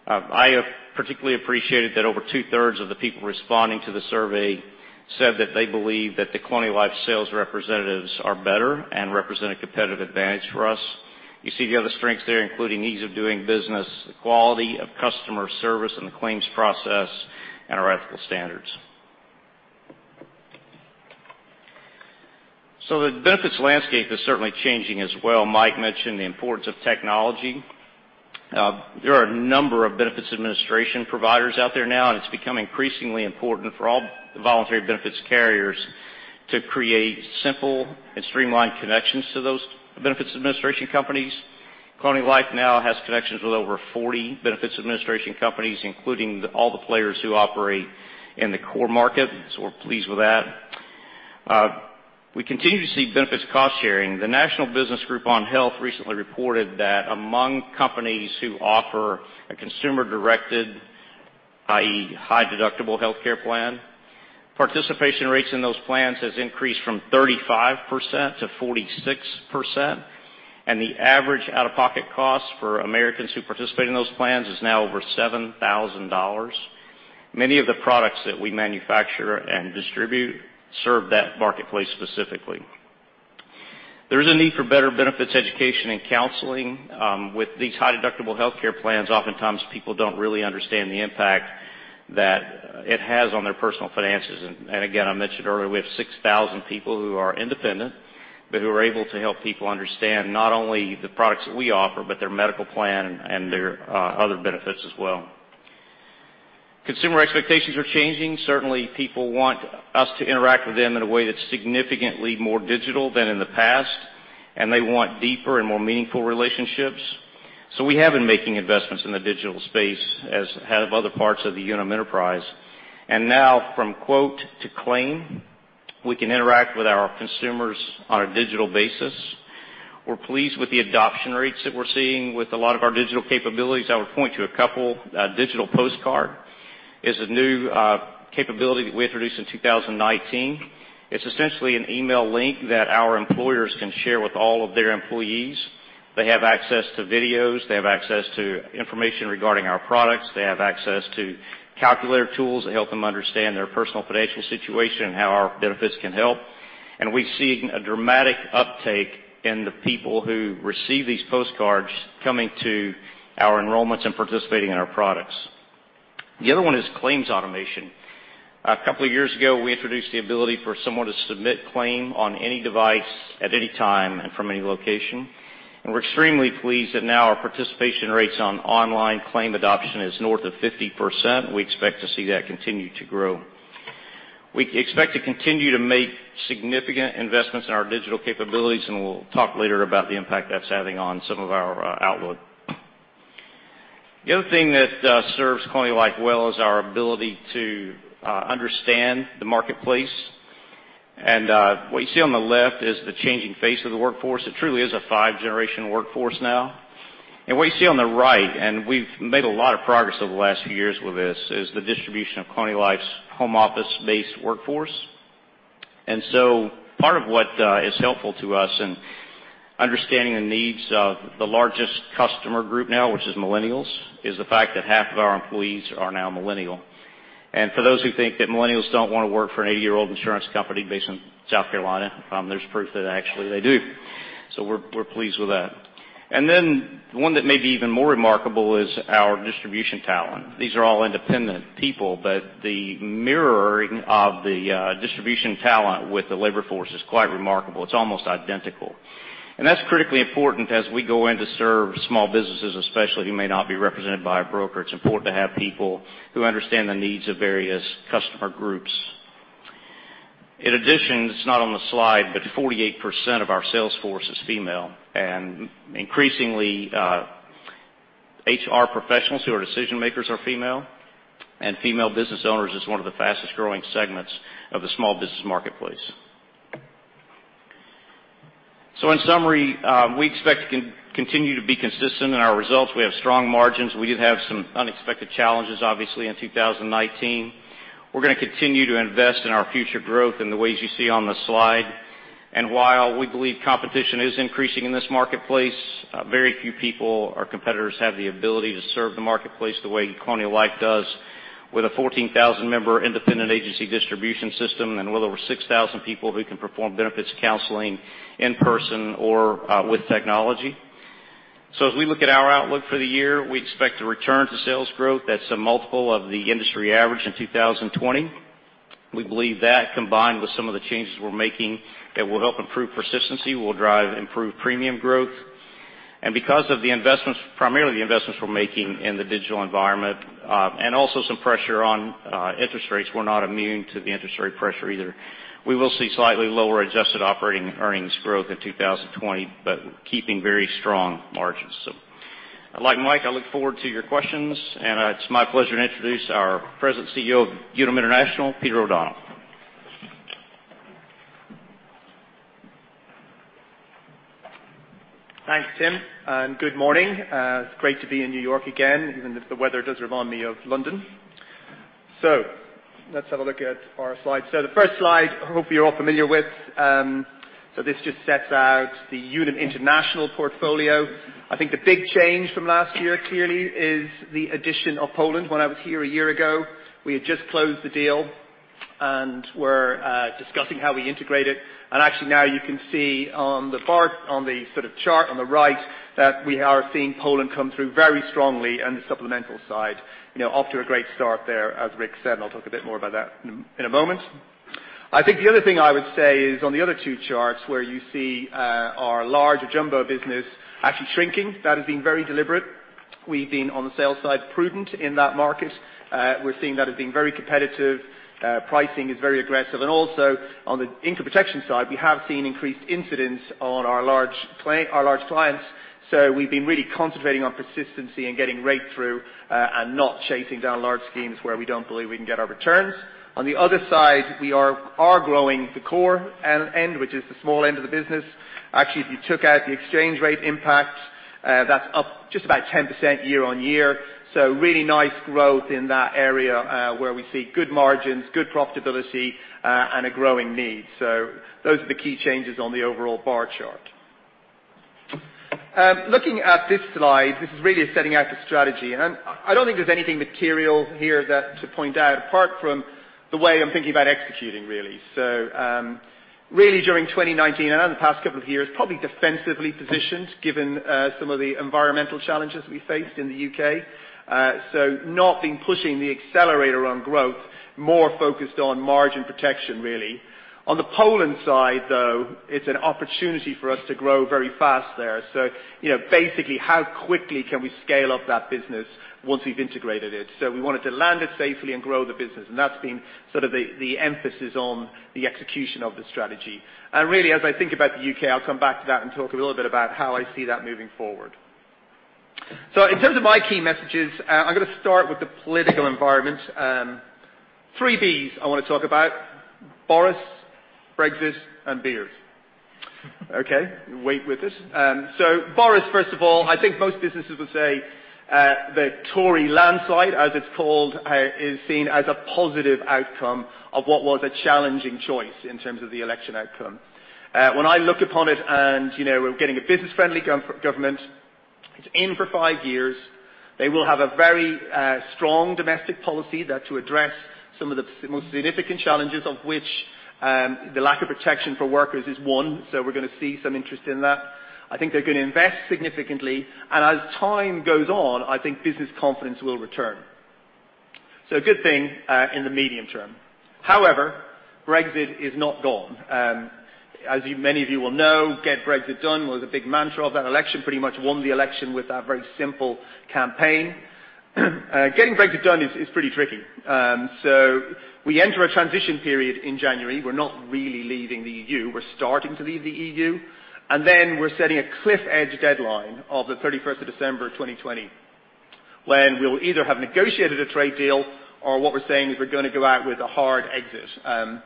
S5: I particularly appreciated that over two-thirds of the people responding to the survey said that they believe that the Colonial Life sales representatives are better and represent a competitive advantage for us. You see the other strengths there, including ease of doing business, the quality of customer service and the claims process, and our ethical standards. The benefits landscape is certainly changing as well. Mike mentioned the importance of technology. There are a number of benefits administration providers out there now, it's become increasingly important for all voluntary benefits carriers to create simple and streamlined connections to those benefits administration companies. Colonial Life now has connections with over 40 benefits administration companies, including all the players who operate in the core market, we're pleased with that. We continue to see benefits cost sharing. The Business Group on Health recently reported that among companies who offer a consumer-directed, i.e., high deductible healthcare plan, participation rates in those plans has increased from 35% to 46%, and the average out-of-pocket cost for Americans who participate in those plans is now over $7,000. Many of the products that we manufacture and distribute serve that marketplace specifically. There is a need for better benefits education and counseling. With these high deductible healthcare plans, oftentimes people don't really understand the impact that it has on their personal finances. Again, I mentioned earlier, we have 6,000 people who are independent, who are able to help people understand not only the products that we offer, but their medical plan and their other benefits as well. Consumer expectations are changing. Certainly, people want us to interact with them in a way that's significantly more digital than in the past, they want deeper and more meaningful relationships. We have been making investments in the digital space, as have other parts of the Unum enterprise. Now from quote to claim, we can interact with our consumers on a digital basis. We're pleased with the adoption rates that we're seeing with a lot of our digital capabilities. I would point to a couple. digital postcard is a new capability that we introduced in 2019. It's essentially an email link that our employers can share with all of their employees. They have access to videos. They have access to information regarding our products. They have access to calculator tools that help them understand their personal financial situation and how our benefits can help. We've seen a dramatic uptake in the people who receive these postcards coming to our enrollments and participating in our products. The other one is claims automation. A couple of years ago, we introduced the ability for someone to submit claim on any device at any time and from any location. We're extremely pleased that now our participation rates on online claim adoption is north of 50%, and we expect to see that continue to grow. We expect to continue to make significant investments in our digital capabilities, and we'll talk later about the impact that's having on some of our outlook. The other thing that serves Colonial Life well is our ability to understand the marketplace. What you see on the left is the changing face of the workforce. It truly is a five-generation workforce now. What you see on the right, and we've made a lot of progress over the last few years with this, is the distribution of Colonial Life's home office-based workforce. Part of what is helpful to us in understanding the needs of the largest customer group now, which is millennials, is the fact that half of our employees are now millennial. For those who think that millennials don't want to work for an 80-year-old insurance company based in South Carolina, there's proof that actually they do. We're pleased with that. One that may be even more remarkable is our distribution talent. These are all independent people, but the mirroring of the distribution talent with the labor force is quite remarkable. It's almost identical. That's critically important as we go in to serve small businesses, especially who may not be represented by a broker. It's important to have people who understand the needs of various customer groups. In addition, it's not on the slide, but 48% of our sales force is female. Increasingly, HR professionals who are decision-makers are female, and female business owners is one of the fastest-growing segments of the small business marketplace. In summary, we expect to continue to be consistent in our results. We have strong margins. We did have some unexpected challenges, obviously, in 2019. We're going to continue to invest in our future growth in the ways you see on the slide. While we believe competition is increasing in this marketplace, very few people or competitors have the ability to serve the marketplace the way Colonial Life does with a 14,000-member independent agency distribution system and a little over 6,000 people who can perform benefits counseling in person or with technology. As we look at our outlook for the year, we expect to return to sales growth that's a multiple of the industry average in 2020. We believe that combined with some of the changes we're making, it will help improve persistency, will drive improved premium growth. Because of primarily the investments we're making in the digital environment, and also some pressure on interest rates, we're not immune to the interest rate pressure either. We will see slightly lower adjusted operating earnings growth in 2020, but keeping very strong margins. Like Mike, I look forward to your questions, and it's my pleasure to introduce our President, CEO of Unum International, Peter O'Donnell.
S6: Thanks, Tim, good morning. It's great to be in New York again, even if the weather does remind me of London. Let's have a look at our slides. The first slide, hope you're all familiar with. This just sets out the Unum International portfolio. I think the big change from last year clearly is the addition of Poland. When I was here a year ago, we had just closed the deal and were discussing how we integrate it. Actually now you can see on the bar on the chart on the right, that we are seeing Poland come through very strongly on the supplemental side. Off to a great start there, as Rick said, and I'll talk a bit more about that in a moment. I think the other thing I would say is on the other two charts where you see our larger jumbo business actually shrinking. That has been very deliberate. We've been, on the sales side, prudent in that market. We're seeing that as being very competitive. Pricing is very aggressive. Also on the income protection side, we have seen increased incidents on our large clients. We've been really concentrating on persistency and getting rate through, and not chasing down large schemes where we don't believe we can get our returns. On the other side, we are growing the core end, which is the small end of the business. Actually, if you took out the exchange rate impact, that's up just about 10% year-on-year. Really nice growth in that area, where we see good margins, good profitability, and a growing need. Those are the key changes on the overall bar chart. Looking at this slide, this is really setting out the strategy. I don't think there's anything material here to point out, apart from the way I'm thinking about executing, really. Really during 2019 and over the past couple of years, probably defensively positioned given some of the environmental challenges we faced in the U.K. Not been pushing the accelerator on growth, more focused on margin protection, really. On the Poland side, though, it's an opportunity for us to grow very fast there. Basically how quickly can we scale up that business once we've integrated it? We wanted to land it safely and grow the business, and that's been sort of the emphasis on the execution of the strategy. Really, as I think about the U.K., I'll come back to that and talk a little bit about how I see that moving forward. In terms of my key messages, I'm going to start with the political environment. Three Bs I want to talk about. Boris, Brexit, and beards. Okay, wait with this. Boris, first of all, I think most businesses would say, the Tory landslide, as it's called, is seen as a positive outcome of what was a challenging choice in terms of the election outcome. When I look upon it and we're getting a business-friendly government, it's in for five years. They will have a very strong domestic policy to address some of the most significant challenges, of which the lack of protection for workers is one. We're going to see some interest in that. I think they're going to invest significantly. As time goes on, I think business confidence will return. A good thing in the medium term. Brexit is not gone. Many of you will know, Get Brexit Done was a big mantra of that election. Pretty much won the election with that very simple campaign. Getting Brexit done is pretty tricky. We enter a transition period in January. We're not really leaving the EU, we're starting to leave the EU. Then we're setting a cliff edge deadline of the 31st of December 2020, when we'll either have negotiated a trade deal or what we're saying is we're going to go out with a hard exit.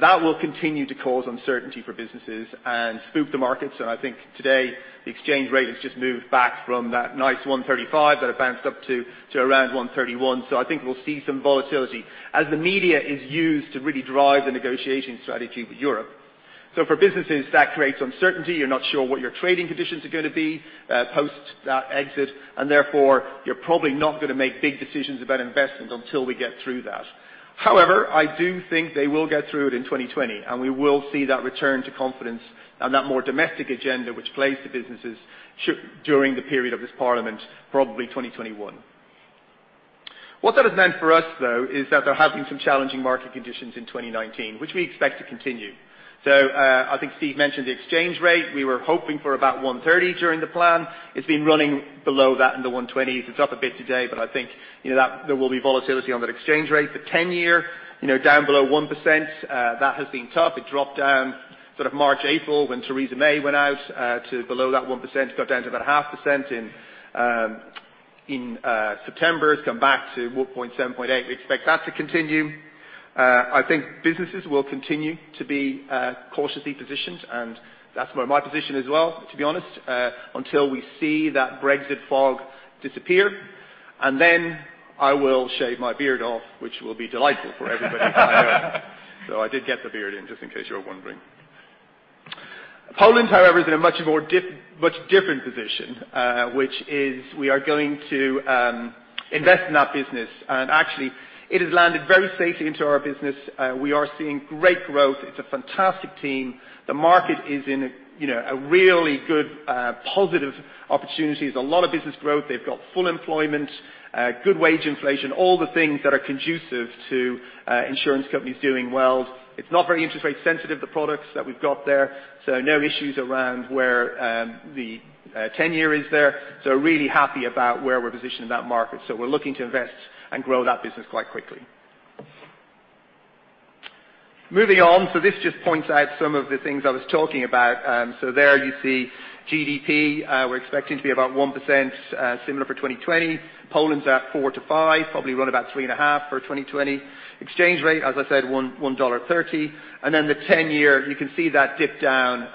S6: That will continue to cause uncertainty for businesses and spook the markets. I think today, the exchange rate has just moved back from that nice 135 that it bounced up to around 131. I think we'll see some volatility as the media is used to really drive the negotiation strategy with Europe. For businesses, that creates uncertainty. You're not sure what your trading conditions are going to be post that exit, and therefore, you're probably not going to make big decisions about investment until we get through that. I do think they will get through it in 2020, and we will see that return to confidence and that more domestic agenda which plays to businesses during the period of this parliament, probably 2021. What that has meant for us, though, is that there have been some challenging market conditions in 2019, which we expect to continue. I think Steve mentioned the exchange rate. We were hoping for about 130 during the plan. It's been running below that in the 120s. It's up a bit today, but I think there will be volatility on that exchange rate. The 10-year, down below 1%. That has been tough. It dropped down sort of March, April, when Theresa May went out, to below that 1%. It got down to about 0.5% in September. It's come back to 1.7, 1.8. We expect that to continue. I think businesses will continue to be cautiously positioned, and that's my position as well, to be honest, until we see that Brexit fog disappear. Then I will shave my beard off, which will be delightful for everybody. I did get the beard in, just in case you were wondering. Poland, however, is in a much different position, which is we are going to invest in that business. It has landed very safely into our business. We are seeing great growth. It's a fantastic team. The market is in a really good positive opportunity. There's a lot of business growth. They've got full employment, good wage inflation, all the things that are conducive to insurance companies doing well. It's not very interest rate sensitive, the products that we've got there. No issues around where the 10-year is there. Really happy about where we're positioned in that market. We're looking to invest and grow that business quite quickly. Moving on. This just points out some of the things I was talking about. There you see GDP. We're expecting to be about 1%, similar for 2020. Poland's at 4%-5%, probably run about 3.5% for 2020. Exchange rate, as I said, $1.30. Then the 10-year, you can see that dip down.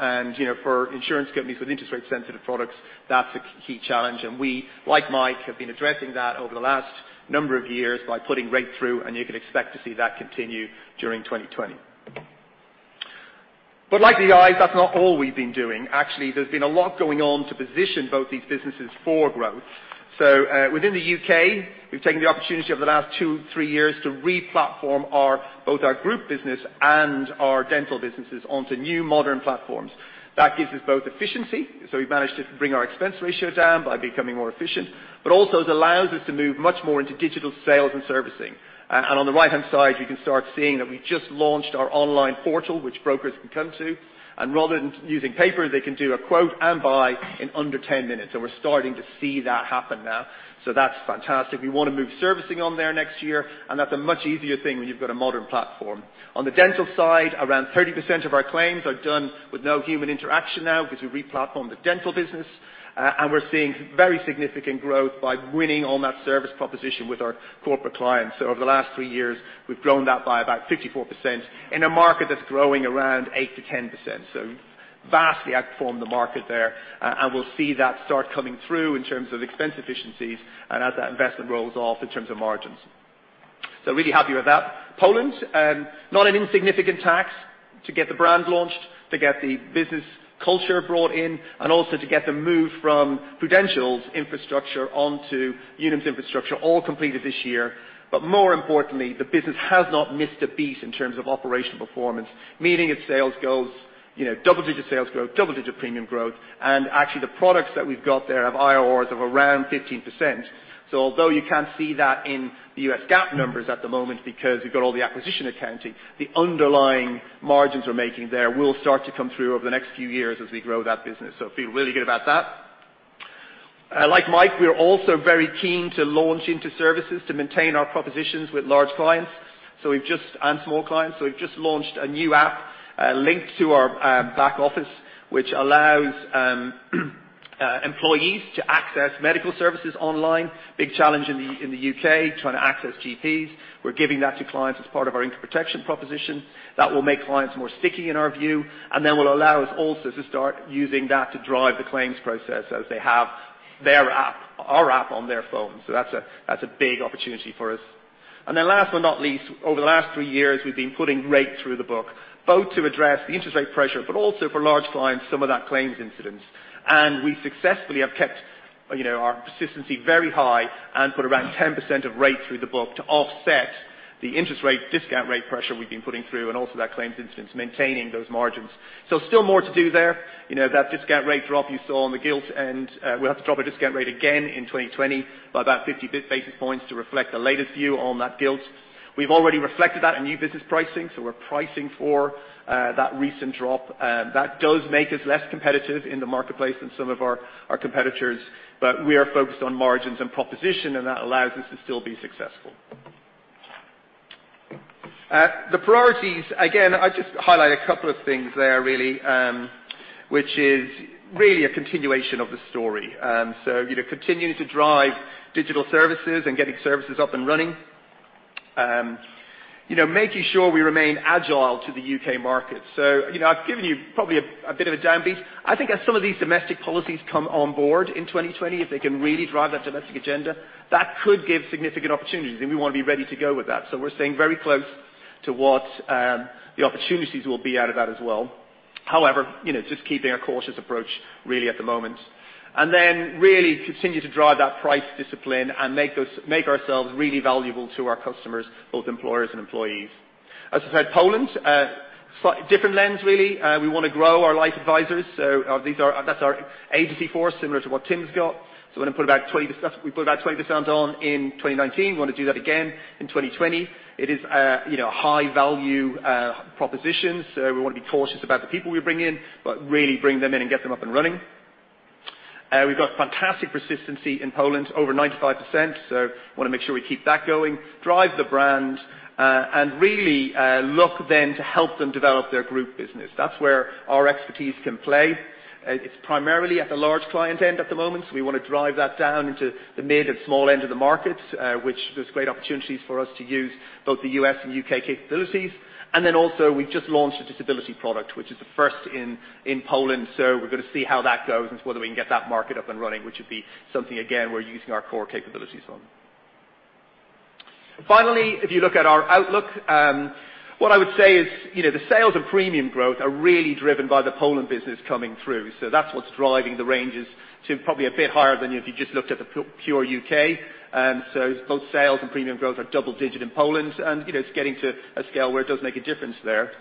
S6: For insurance companies with interest rate sensitive products, that's a key challenge. We, like Mike, have been addressing that over the last number of years by putting rate through, and you can expect to see that continue during 2020. Like the guys, that is not all we have been doing. Actually, there has been a lot going on to position both these businesses for growth. Within the U.K., we have taken the opportunity over the last two, three years to re-platform both our group business and our dental businesses onto new modern platforms. That gives us both efficiency, so we have managed to bring our expense ratio down by becoming more efficient, but also it allows us to move much more into digital sales and servicing. On the right-hand side, you can start seeing that we just launched our online portal, which brokers can come to. Rather than using paper, they can do a quote and buy in under 10 minutes. We are starting to see that happen now. That is fantastic. We want to move servicing on there next year, and that is a much easier thing when you have got a modern platform. On the dental side, around 30% of our claims are done with no human interaction now because we re-platformed the dental business. We are seeing very significant growth by winning on that service proposition with our corporate clients. Over the last three years, we have grown that by about 54% in a market that is growing around 8%-10%. Vastly outperformed the market there. We will see that start coming through in terms of expense efficiencies and as that investment rolls off in terms of margins. Really happy with that. Poland, not an insignificant task to get the brand launched, to get the business culture brought in, and also to get the move from Prudential's infrastructure onto Unum's infrastructure, all completed this year. More importantly, the business has not missed a beat in terms of operational performance, meeting its sales goals. Double-digit sales growth, double-digit premium growth. Actually, the products that we have got there have IRRs of around 15%. Although you cannot see that in the US GAAP numbers at the moment because we have got all the acquisition accounting, the underlying margins we are making there will start to come through over the next few years as we grow that business. Feel really good about that. Like Mike, we are also very keen to launch into services to maintain our propositions with large clients and small clients. We have just launched a new app linked to our back office, which allows employees to access medical services online. Big challenge in the U.K., trying to access GPs. We are giving that to clients as part of our income protection proposition. That will make clients more sticky in our view. That will allow us also to start using that to drive the claims process as they have our app on their phone. That is a big opportunity for us. Last but not least, over the last three years, we have been putting rate through the book, both to address the interest rate pressure, also for large clients, some of that claims incidence. We successfully have kept our persistency very high and put around 10% of rate through the book to offset the interest rate, discount rate pressure we've been putting through, and also that claims incidence, maintaining those margins. Still more to do there. That discount rate drop you saw on the gilt, we'll have to drop our discount rate again in 2020 by about 50 basis points to reflect the latest view on that gilt. We've already reflected that in new business pricing, we're pricing for that recent drop. That does make us less competitive in the marketplace than some of our competitors, we are focused on margins and proposition, and that allows us to still be successful. The priorities. I just highlight a couple of things there really, which is really a continuation of the story. Continuing to drive digital services and getting services up and running. Making sure we remain agile to the U.K. market. I've given you probably a bit of a downbeat. I think as some of these domestic policies come on board in 2020, if they can really drive that domestic agenda, that could give significant opportunities, and we want to be ready to go with that. We're staying very close to what the opportunities will be out of that as well. However, just keeping a cautious approach really at the moment. Really continue to drive that price discipline and make ourselves really valuable to our customers, both employers and employees. As I said, Poland, different lens really. We want to grow our life advisors. That's our agency force, similar to what Tim's got. We put about 20% on in 2019. We want to do that again in 2020. It is a high-value proposition, we want to be cautious about the people we bring in, but really bring them in and get them up and running. We've got fantastic persistency in Poland, over 95%, want to make sure we keep that going. Drive the brand, and really look then to help them develop their group business. That's where our expertise can play. It's primarily at the large client end at the moment, we want to drive that down into the mid to small end of the market, which there's great opportunities for us to use both the U.S. and U.K. capabilities. Also, we've just launched a disability product, which is the first in Poland. We're going to see how that goes and whether we can get that market up and running, which would be something, again, we're using our core capabilities on. Finally, if you look at our outlook, what I would say is the sales and premium growth are really driven by the Poland business coming through. That's what's driving the ranges to probably a bit higher than if you just looked at the pure U.K. Both sales and premium growth are double digit in Poland, and it's getting to a scale where it does make a difference there.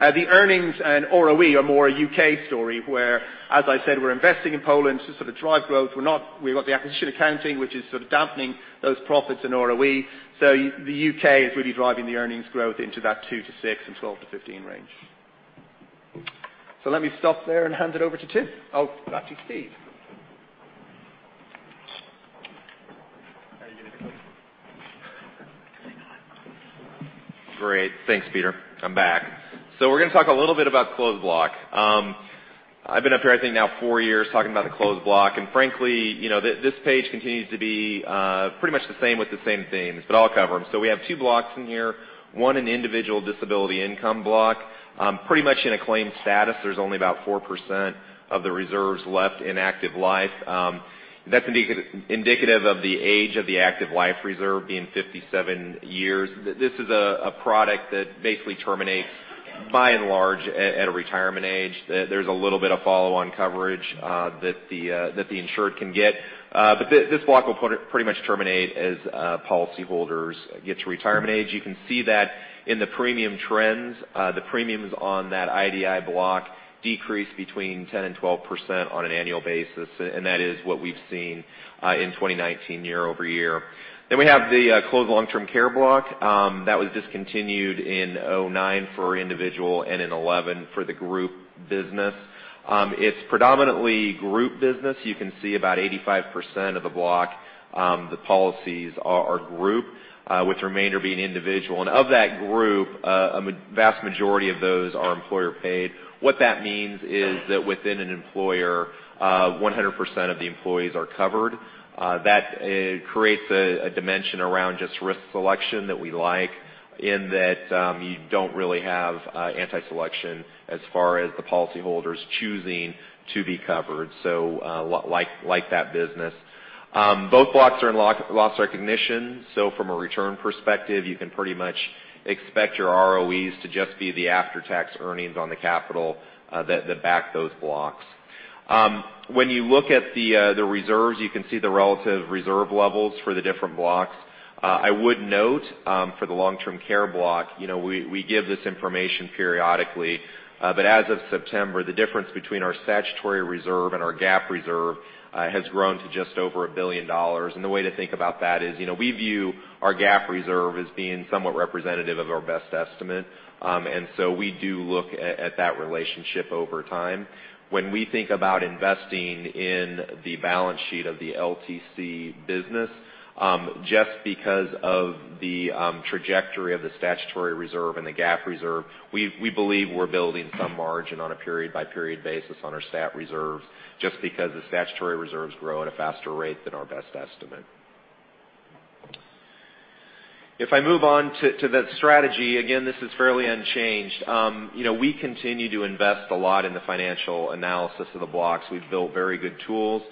S6: The earnings and ROE are more a U.K. story where, as I said, we're investing in Poland to drive growth. We've got the acquisition accounting, which is dampening those profits in ROE. The U.K. is really driving the earnings growth into that 2-6 and 12-15 range. Let me stop there and hand it over to Tim. Oh, back to Steve.
S3: Are you going to take this?
S7: I can take that.
S3: Great. Thanks, Peter. I'm back. We're going to talk a little bit about closed block. I've been up here, I think now four years talking about the closed block. Frankly, this page continues to be pretty much the same with the same themes, but I'll cover them. We have two blocks in here, one an individual disability income block. Pretty much in a claim status, there's only about 4% of the reserves left in active life. That's indicative of the age of the active life reserve being 57 years. This is a product that basically terminates by and large at a retirement age. There's a little bit of follow-on coverage that the insured can get. This block will pretty much terminate as policyholders get to retirement age. You can see that in the premium trends. The premiums on that IDI block decrease between 10% and 12% on an annual basis, and that is what we've seen in 2019 year-over-year. We have the closed long-term care block, that was discontinued in 2009 for individual and in 2011 for the group business. It's predominantly group business. You can see about 85% of the block, the policies are group, with the remainder being individual. Of that group, a vast majority of those are employer paid. What that means is that within an employer, 100% of the employees are covered. That creates a dimension around just risk selection that we like in that you don't really have anti-selection as far as the policyholders choosing to be covered. We like that business. Both blocks are in loss recognition. From a return perspective, you can pretty much expect your ROEs to just be the after-tax earnings on the capital that back those blocks. When you look at the reserves, you can see the relative reserve levels for the different blocks. I would note for the long-term care block, we give this information periodically. As of September, the difference between our statutory reserve and our GAAP reserve has grown to just over $1 billion. The way to think about that is we view our GAAP reserve as being somewhat representative of our best estimate. We do look at that relationship over time. When we think about investing in the balance sheet of the LTC business, just because of the trajectory of the statutory reserve and the GAAP reserve, we believe we're building some margin on a period-by-period basis on our stat reserves, just because the statutory reserves grow at a faster rate than our best estimate. If I move on to that strategy, again, this is fairly unchanged. We continue to invest a lot in the financial analysis of the blocks. We've built very good tools.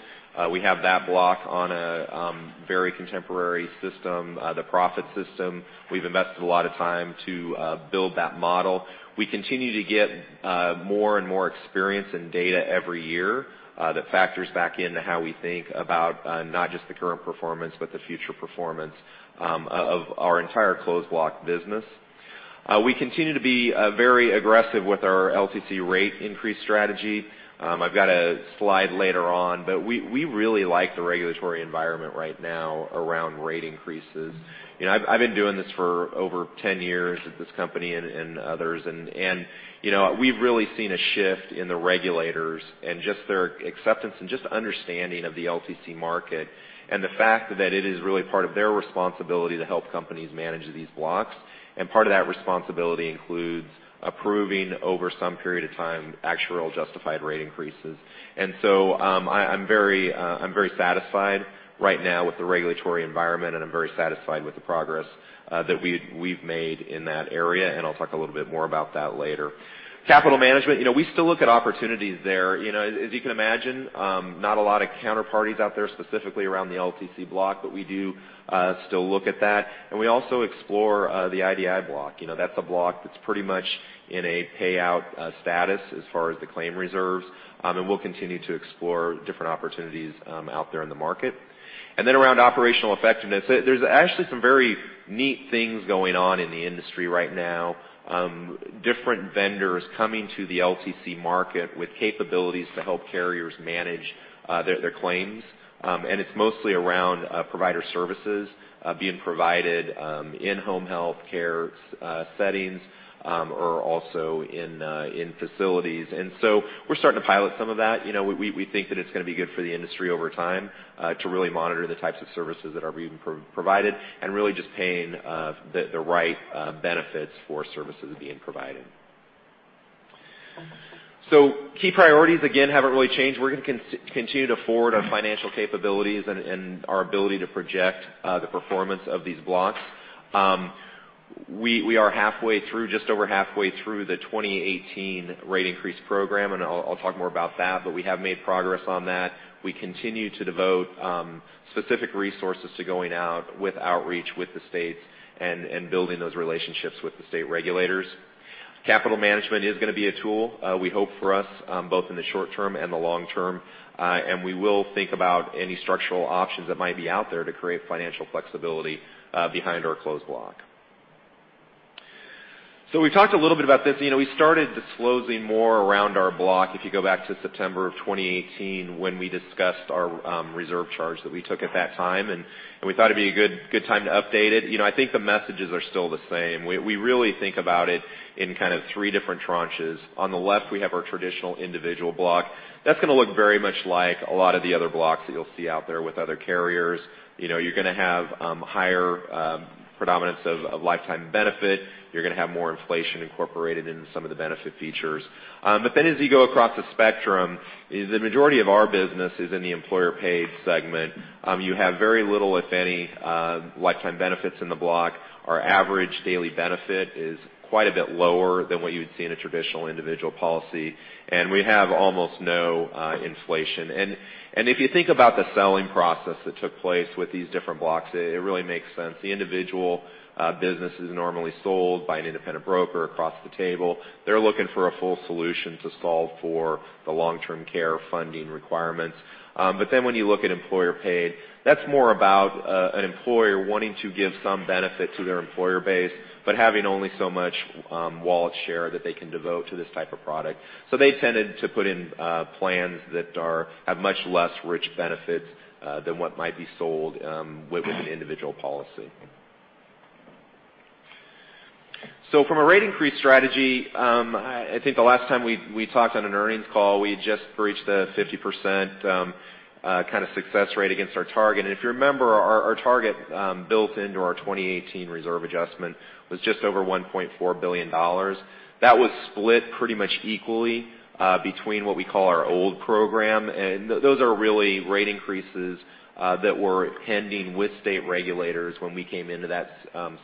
S3: We have that block on a very contemporary system, the PROFIT system. We've invested a lot of time to build that model. We continue to get more and more experience and data every year that factors back into how we think about not just the current performance, but the future performance of our entire closed block business. We continue to be very aggressive with our LTC rate increase strategy. I've got a slide later on, we really like the regulatory environment right now around rate increases. I've been doing this for over 10 years at this company and others, we've really seen a shift in the regulators and just their acceptance and just understanding of the LTC market and the fact that it is really part of their responsibility to help companies manage these blocks. Part of that responsibility includes approving over some period of time, actuarial justified rate increases. I'm very satisfied right now with the regulatory environment, I'm very satisfied with the progress that we've made in that area, I'll talk a little bit more about that later. Capital management. We still look at opportunities there. As you can imagine, not a lot of counterparties out there, specifically around the LTC block. We do still look at that. We also explore the IDI block. That's a block that's pretty much in a payout status as far as the claim reserves, and we'll continue to explore different opportunities out there in the market. Around operational effectiveness, there's actually some very neat things going on in the industry right now. Different vendors coming to the LTC market with capabilities to help carriers manage their claims. It's mostly around provider services being provided in home health care settings, or also in facilities. We're starting to pilot some of that. We think that it's going to be good for the industry over time to really monitor the types of services that are being provided and really just paying the right benefits for services being provided. Key priorities, again, haven't really changed. We're going to continue to forward our financial capabilities and our ability to project the performance of these blocks. We are just over halfway through the 2018 rate increase program, and I'll talk more about that, but we have made progress on that. We continue to devote specific resources to going out with outreach with the states and building those relationships with the state regulators. Capital management is going to be a tool, we hope for us, both in the short term and the long term. We will think about any structural options that might be out there to create financial flexibility behind our closed block. We've talked a little bit about this. We started disclosing more around our block, if you go back to September of 2018, when we discussed our reserve charge that we took at that time, and we thought it'd be a good time to update it. I think the messages are still the same. We really think about it in three different tranches. On the left, we have our traditional individual block. That's going to look very much like a lot of the other blocks that you'll see out there with other carriers. You're going to have higher predominance of lifetime benefit. You're going to have more inflation incorporated into some of the benefit features. As you go across the spectrum, the majority of our business is in the employer-paid segment. You have very little, if any, lifetime benefits in the block. Our average daily benefit is quite a bit lower than what you would see in a traditional individual policy, and we have almost no inflation. If you think about the selling process that took place with these different blocks, it really makes sense. The individual business is normally sold by an independent broker across the table. They're looking for a full solution to solve for the long-term care funding requirements. When you look at employer-paid, that's more about an employer wanting to give some benefit to their employer base, but having only so much wallet share that they can devote to this type of product. They tended to put in plans that have much less rich benefits than what might be sold with an individual policy. From a rate increase strategy, I think the last time we talked on an earnings call, we had just breached the 50% success rate against our target. If you remember, our target built into our 2018 reserve adjustment was just over $1.4 billion. That was split pretty much equally between what we call our old program, and those are really rate increases that were pending with state regulators when we came into that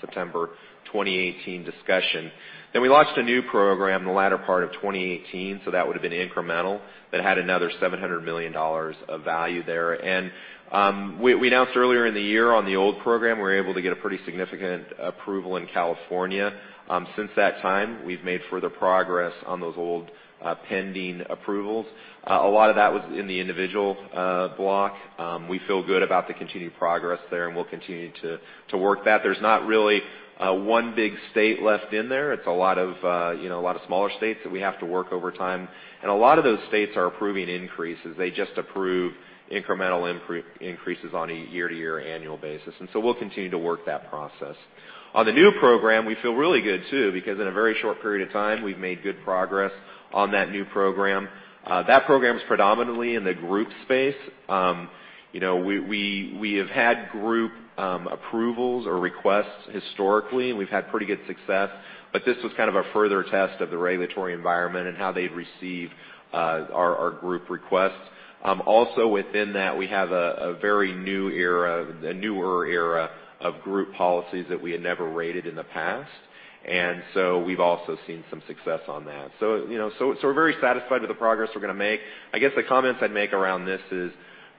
S3: September 2018 discussion. We launched a new program in the latter part of 2018, so that would have been incremental, that had another $700 million of value there. We announced earlier in the year on the old program, we were able to get a pretty significant approval in California. Since that time, we've made further progress on those old pending approvals. A lot of that was in the individual block. We feel good about the continued progress there, and we'll continue to work that. There's not really one big state left in there. It's a lot of smaller states that we have to work over time. A lot of those states are approving increases. They just approve incremental increases on a year-to-year annual basis. We'll continue to work that process. On the new program, we feel really good, too, because in a very short period of time, we've made good progress on that new program. That program is predominantly in the group space. We have had group approvals or requests historically, and we've had pretty good success, but this was kind of a further test of the regulatory environment and how they'd receive our group requests. Also within that, we have a newer era of group policies that we had never rated in the past. We've also seen some success on that. We're very satisfied with the progress we're going to make. I guess the comments I'd make around this is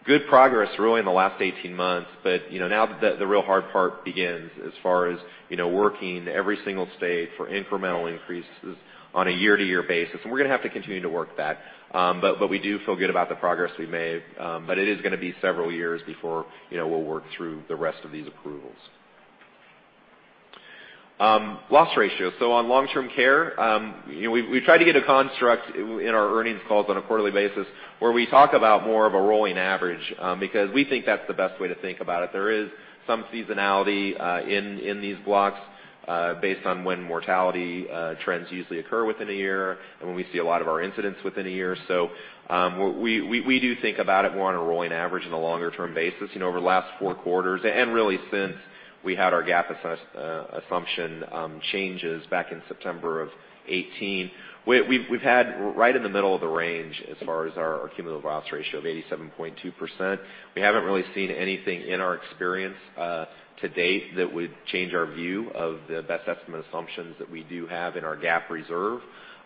S3: good progress really in the last 18 months, but now the real hard part begins as far as working every single state for incremental increases on a year-to-year basis, and we're going to have to continue to work that. We do feel good about the progress we've made. It is going to be several years before we'll work through the rest of these approvals. Loss ratio. On long-term care, we try to get a construct in our earnings calls on a quarterly basis where we talk about more of a rolling average because we think that's the best way to think about it. There is some seasonality in these blocks based on when mortality trends usually occur within a year and when we see a lot of our incidents within a year. We do think about it more on a rolling average and a longer-term basis. Over the last four quarters, and really since we had our GAAP assumption changes back in September of 2018, we've had right in the middle of the range as far as our cumulative loss ratio of 87.2%. We haven't really seen anything in our experience to date that would change our view of the best estimate assumptions that we do have in our GAAP reserve.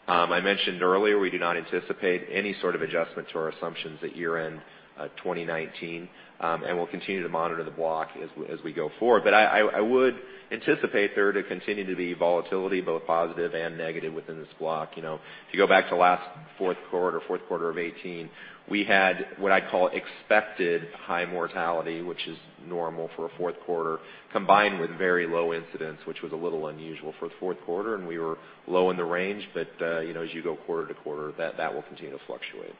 S3: I mentioned earlier, we do not anticipate any sort of adjustment to our assumptions at year-end 2019, and we'll continue to monitor the block as we go forward. I would anticipate there to continue to be volatility, both positive and negative, within this block. If you go back to last fourth quarter of 2018, we had what I call expected high mortality, which is normal for a fourth quarter, combined with very low incidents, which was a little unusual for the fourth quarter, and we were low in the range. As you go quarter to quarter, that will continue to fluctuate.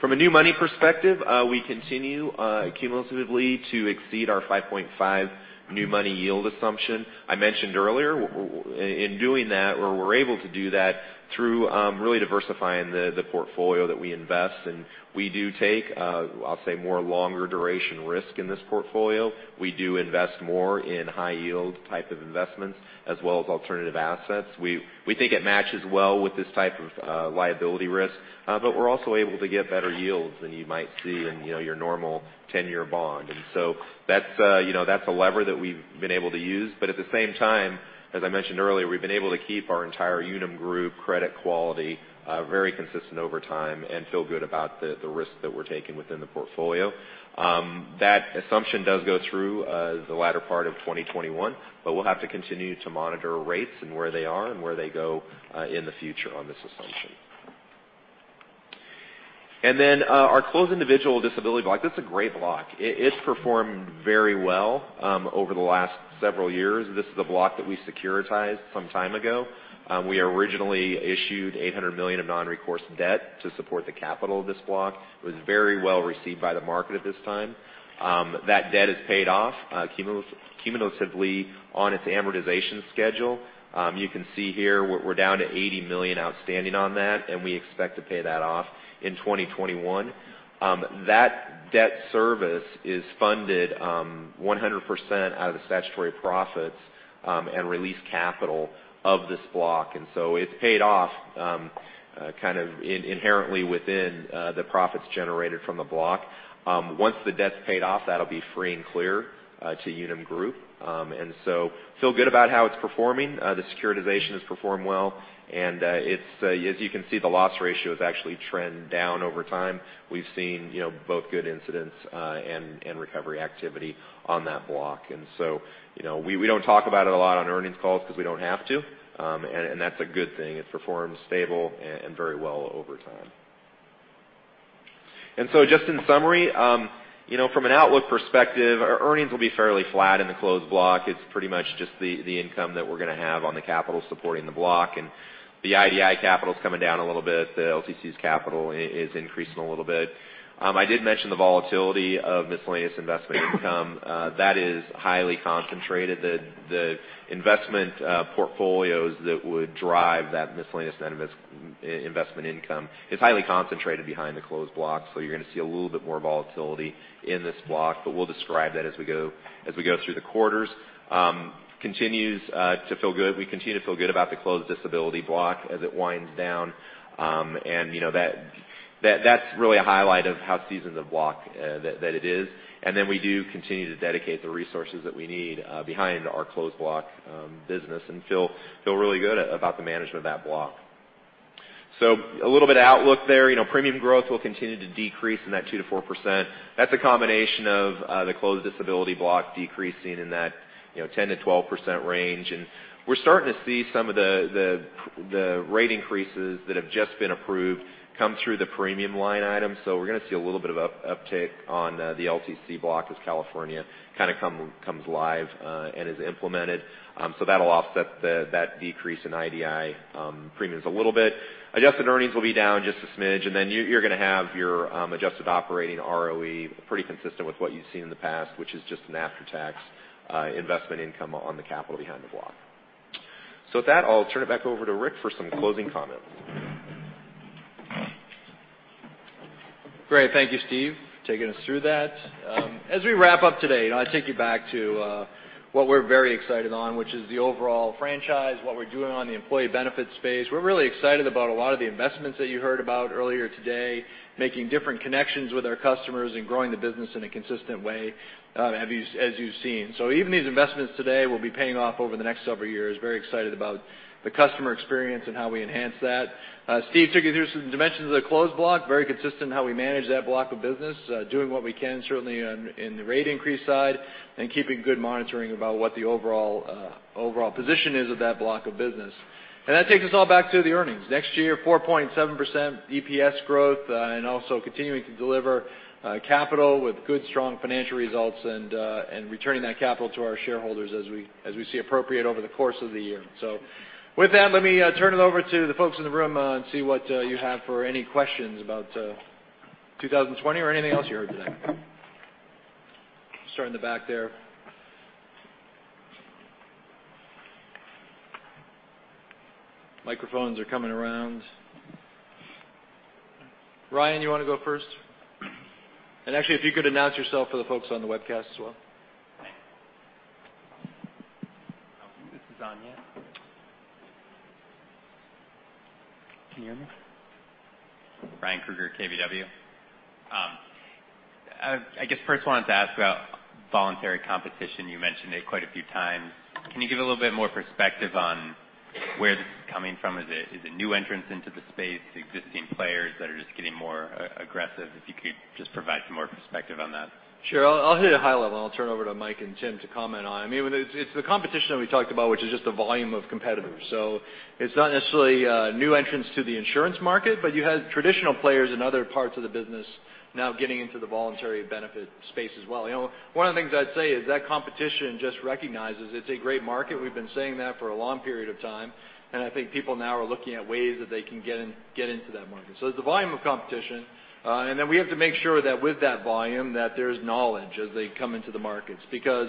S3: From a new money perspective, we continue cumulatively to exceed our 5.5 new money yield assumption. I mentioned earlier, we're able to do that through really diversifying the portfolio that we invest in. We do take, I'll say, more longer duration risk in this portfolio. We do invest more in high yield type of investments as well as alternative assets. We think it matches well with this type of liability risk. We're also able to get better yields than you might see in your normal 10-year bond. That's a lever that we've been able to use. At the same time, as I mentioned earlier, we've been able to keep our entire Unum Group credit quality very consistent over time and feel good about the risk that we're taking within the portfolio. That assumption does go through the latter part of 2021, we'll have to continue to monitor rates and where they are and where they go in the future on this assumption. Our closed individual disability block. This is a great block. It's performed very well over the last several years. This is a block that we securitized some time ago. We originally issued $800 million of non-recourse debt to support the capital of this block. It was very well received by the market at this time. That debt is paid off cumulatively on its amortization schedule. You can see here we're down to $80 million outstanding on that, and we expect to pay that off in 2021. That debt service is funded 100% out of the statutory profits and released capital of this block. It's paid off kind of inherently within the profits generated from the block. Once the debt's paid off, that'll be free and clear to Unum Group. Feel good about how it's performing. The securitization has performed well, and as you can see, the loss ratio has actually trend down over time. We've seen both good incidents and recovery activity on that block. We don't talk about it a lot on earnings calls because we don't have to. That's a good thing. It performs stable and very well over time. Just in summary, from an outlook perspective, our earnings will be fairly flat in the closed block. It's pretty much just the income that we're going to have on the capital supporting the block. IDI capital's coming down a little bit. LTC's capital is increasing a little bit. I did mention the volatility of miscellaneous investment income. That is highly concentrated. The investment portfolios that would drive that miscellaneous investment income is highly concentrated behind the closed block. You're going to see a little bit more volatility in this block, but we'll describe that as we go through the quarters. Continues to feel good. We continue to feel good about the closed disability block as it winds down. That's really a highlight of how seasoned that it is. We do continue to dedicate the resources that we need behind our closed block business and feel really good about the management of that block. A little bit of outlook there. Premium growth will continue to decrease in that 2%-4%. That's a combination of the closed disability block decreasing in that 10%-12% range. We're starting to see some of the rate increases that have just been approved come through the premium line item. We're going to see a little bit of uptick on the LTC block as California kind of comes live and is implemented. That'll offset that decrease in IDI premiums a little bit. Adjusted earnings will be down just a smidge, and then you're going to have your adjusted operating ROE pretty consistent with what you've seen in the past, which is just an after-tax investment income on the capital behind the block. I'll turn it back over to Rick for some closing comments.
S2: Great. Thank you, Steve, for taking us through that. As we wrap up today, I take you back to what we're very excited on, which is the overall franchise, what we're doing on the employee benefit space. We're really excited about a lot of the investments that you heard about earlier today, making different connections with our customers and growing the business in a consistent way as you've seen. Even these investments today will be paying off over the next several years. Very excited about the customer experience and how we enhance that. Steve took you through some dimensions of the closed block, very consistent in how we manage that block of business, doing what we can certainly in the rate increase side, and keeping good monitoring about what the overall position is of that block of business. That takes us all back to the earnings. Next year, 4.7% EPS growth and also continuing to deliver capital with good, strong financial results and returning that capital to our shareholders as we see appropriate over the course of the year. Let me turn it over to the folks in the room and see what you have for any questions about 2020 or anything else you heard today. Start in the back there. Microphones are coming around. Ryan, you want to go first? If you could announce yourself for the folks on the webcast as well.
S8: This is on, yeah? Can you hear me? Ryan Krueger, KBW. I guess first wanted to ask about voluntary competition. You mentioned it quite a few times. Can you give a little bit more perspective on where this is coming from? Is it new entrants into the space, existing players that are just getting more aggressive? If you could just provide some more perspective on that.
S2: Sure. I'll hit it high level, and I'll turn it over to Mike and Tim to comment on. It's the competition that we talked about, which is just the volume of competitors. It's not necessarily a new entrants to the insurance market, but you had traditional players in other parts of the business now getting into the voluntary benefit space as well. One of the things I'd say is that competition just recognizes it's a great market. We've been saying that for a long period of time, and I think people now are looking at ways that they can get into that market. There's the volume of competition, and then we have to make sure that with that volume, that there's knowledge as they come into the markets.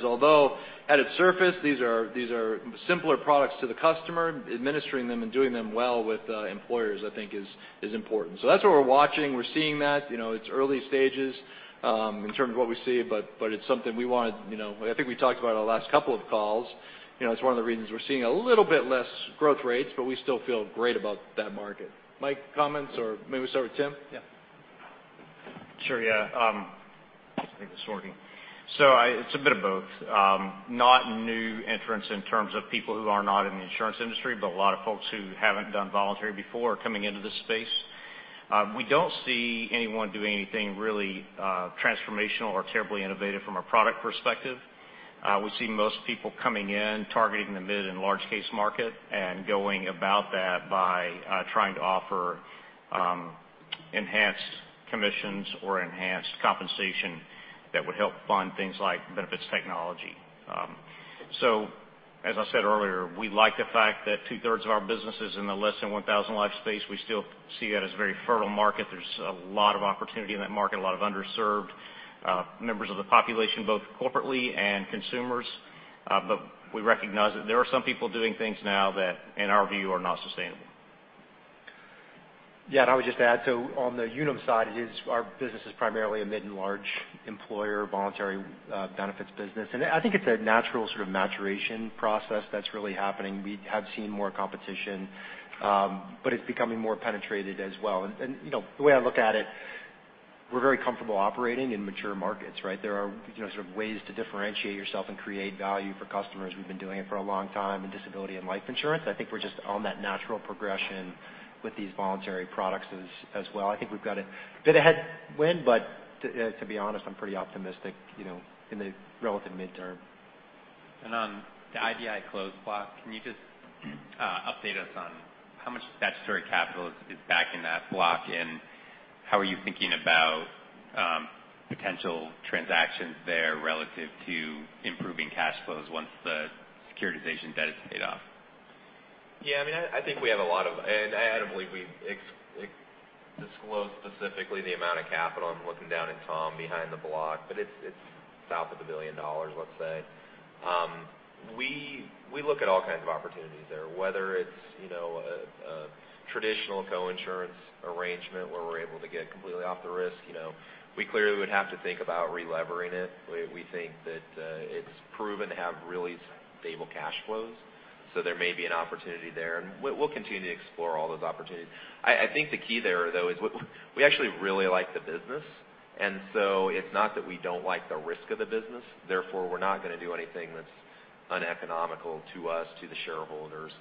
S2: Although at its surface, these are simpler products to the customer, administering them and doing them well with employers, I think, is important. That's what we're watching. We're seeing that. It's early stages in terms of what we see, but it's something we wanted. I think we talked about it the last couple of calls. It's one of the reasons we're seeing a little bit less growth rates, but we still feel great about that market. Mike, comments, or may we start with Tim?
S5: Yeah. Sure, yeah. I think it's working. It's a bit of both. Not new entrants in terms of people who are not in the insurance industry, but a lot of folks who haven't done voluntary before are coming into this space. We don't see anyone doing anything really transformational or terribly innovative from a product perspective. We see most people coming in targeting the mid and large case market and going about that by trying to offer enhanced commissions or enhanced compensation that would help fund things like benefits technology. As I said earlier, we like the fact that two-thirds of our business is in the less than 1,000 life space. We still see that as a very fertile market. There's a lot of opportunity in that market, a lot of underserved members of the population, both corporately and consumers. We recognize that there are some people doing things now that, in our view, are not sustainable.
S4: I would just add, on the Unum side is our business is primarily a mid and large employer voluntary benefits business, and I think it's a natural sort of maturation process that's really happening. We have seen more competition, but it's becoming more penetrated as well. The way I look at it, we're very comfortable operating in mature markets, right? There are ways to differentiate yourself and create value for customers. We've been doing it for a long time in disability and life insurance. I think we're just on that natural progression with these voluntary products as well. I think we've got a bit of headwind, but to be honest, I'm pretty optimistic, in the relative midterm.
S8: On the IDI closed block, can you just update us on how much statutory capital is back in that block, and how are you thinking about potential transactions there relative to improving cash flows once the securitization debt is paid off?
S3: I think we have a lot of, and I don't believe we disclosed specifically the amount of capital. I'm looking down at Tom behind the block, but it's south of $1 billion, let's say. We look at all kinds of opportunities there, whether it's a traditional co-insurance arrangement where we're able to get completely off the risk. We clearly would have to think about relevering it. We think that it's proven to have really stable cash flows, so there may be an opportunity there, and we'll continue to explore all those opportunities. I think the key there, though, is we actually really like the business, and so it's not that we don't like the risk of the business, therefore, we're not going to do anything that's uneconomical to us, to the shareholders,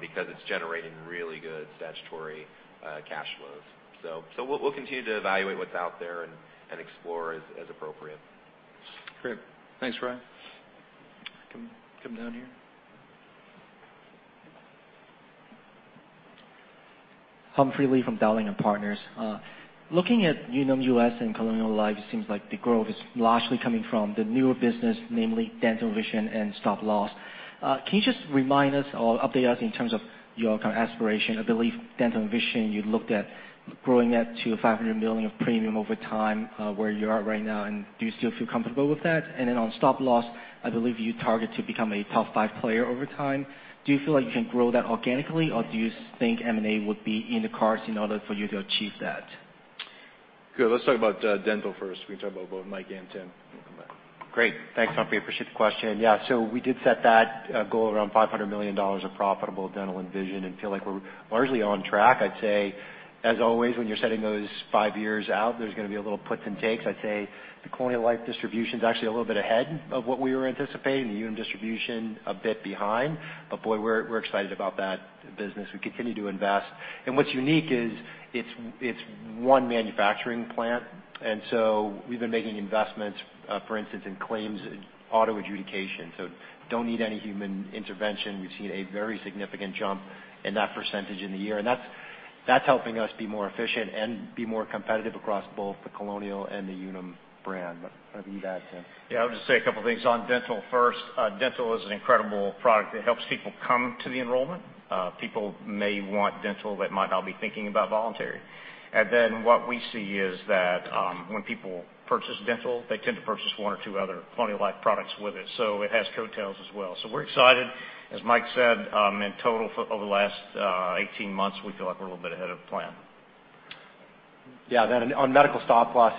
S3: because it's generating really good statutory cash flows. We'll continue to evaluate what's out there and explore as appropriate.
S2: Great. Thanks, Ry. Come down here.
S9: Humphrey Lee from Dowling & Partners. Looking at Unum US and Colonial Life, it seems like the growth is largely coming from the newer business, namely dental, vision, and stop loss. Can you just remind us or update us in terms of your kind of aspiration? I believe dental and vision, you looked at growing that to $500 million of premium over time, where you are right now, and do you still feel comfortable with that? Then on stop loss, I believe you target to become a top 5 player over time. Do you feel like you can grow that organically, or do you think M&A would be in the cards in order for you to achieve that?
S2: Good. Let's talk about dental first. We can talk about both Mike and Tim. Welcome back.
S4: Great. Thanks, Humphrey. Appreciate the question. We did set that goal around $500 million of profitable dental and vision and feel like we're largely on track. I'd say, as always, when you're setting those five years out, there's going to be a little puts and takes. I'd say the Colonial Life distribution is actually a little bit ahead of what we were anticipating. The Unum distribution, a bit behind. Boy, we're excited about that business. We continue to invest. What's unique is it's one manufacturing plant. We've been making investments, for instance, in claims auto adjudication, so don't need any human intervention. We've seen a very significant jump in that percentage in the year, and that's helping us be more efficient and be more competitive across both the Colonial and the Unum brand. Maybe you add, Tim.
S5: I'll just say a couple of things on dental first. Dental is an incredible product that helps people come to the enrollment. People may want dental that might not be thinking about voluntary. What we see is that when people purchase dental, they tend to purchase one or two other Colonial Life products with it. It has coattails as well. We're excited. As Mike said, in total, over the last 18 months, we feel like we're a little bit ahead of plan.
S4: On medical stop loss,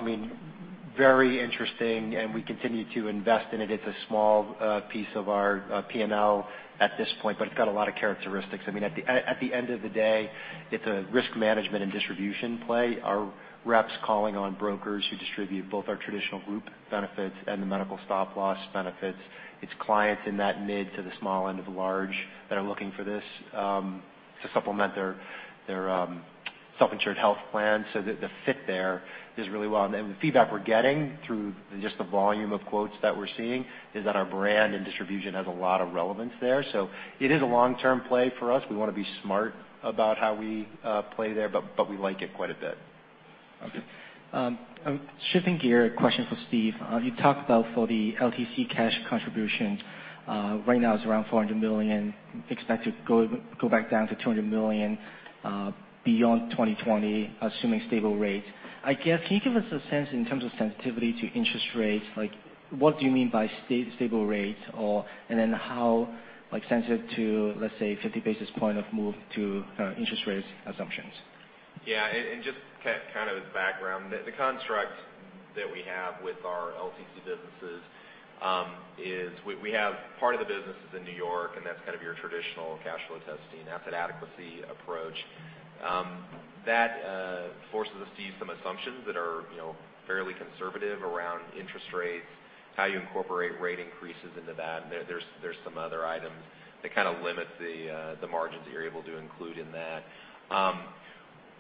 S4: very interesting, and we continue to invest in it. It's a small piece of our P&L at this point, but it's got a lot of characteristics. At the end of the day, it's a risk management and distribution play. Our reps calling on brokers who distribute both our traditional group benefits and the medical stop loss benefits. It's clients in that mid to the small end of large that are looking for this to supplement their self-insured health plan. The fit there is really well. The feedback we're getting through just the volume of quotes that we're seeing is that our brand and distribution has a lot of relevance there. It is a long-term play for us. We want to be smart about how we play there, but we like it quite a bit.
S9: Shifting gear, a question for Steve. You talked about for the LTC cash contribution, right now it's around $400 million, expect to go back down to $200 million beyond 2020, assuming stable rates. Can you give us a sense in terms of sensitivity to interest rates, like what do you mean by stable rates? How sensitive to, let's say, 50 basis points of move to interest rates assumptions?
S3: Just kind of as background, the construct that we have with our LTC businesses is we have part of the business is in New York, and that's kind of your traditional cash flow testing, asset adequacy approach. That forces us to use some assumptions that are fairly conservative around interest rates, how you incorporate rate increases into that, and there's some other items that kind of limit the margins that you're able to include in that.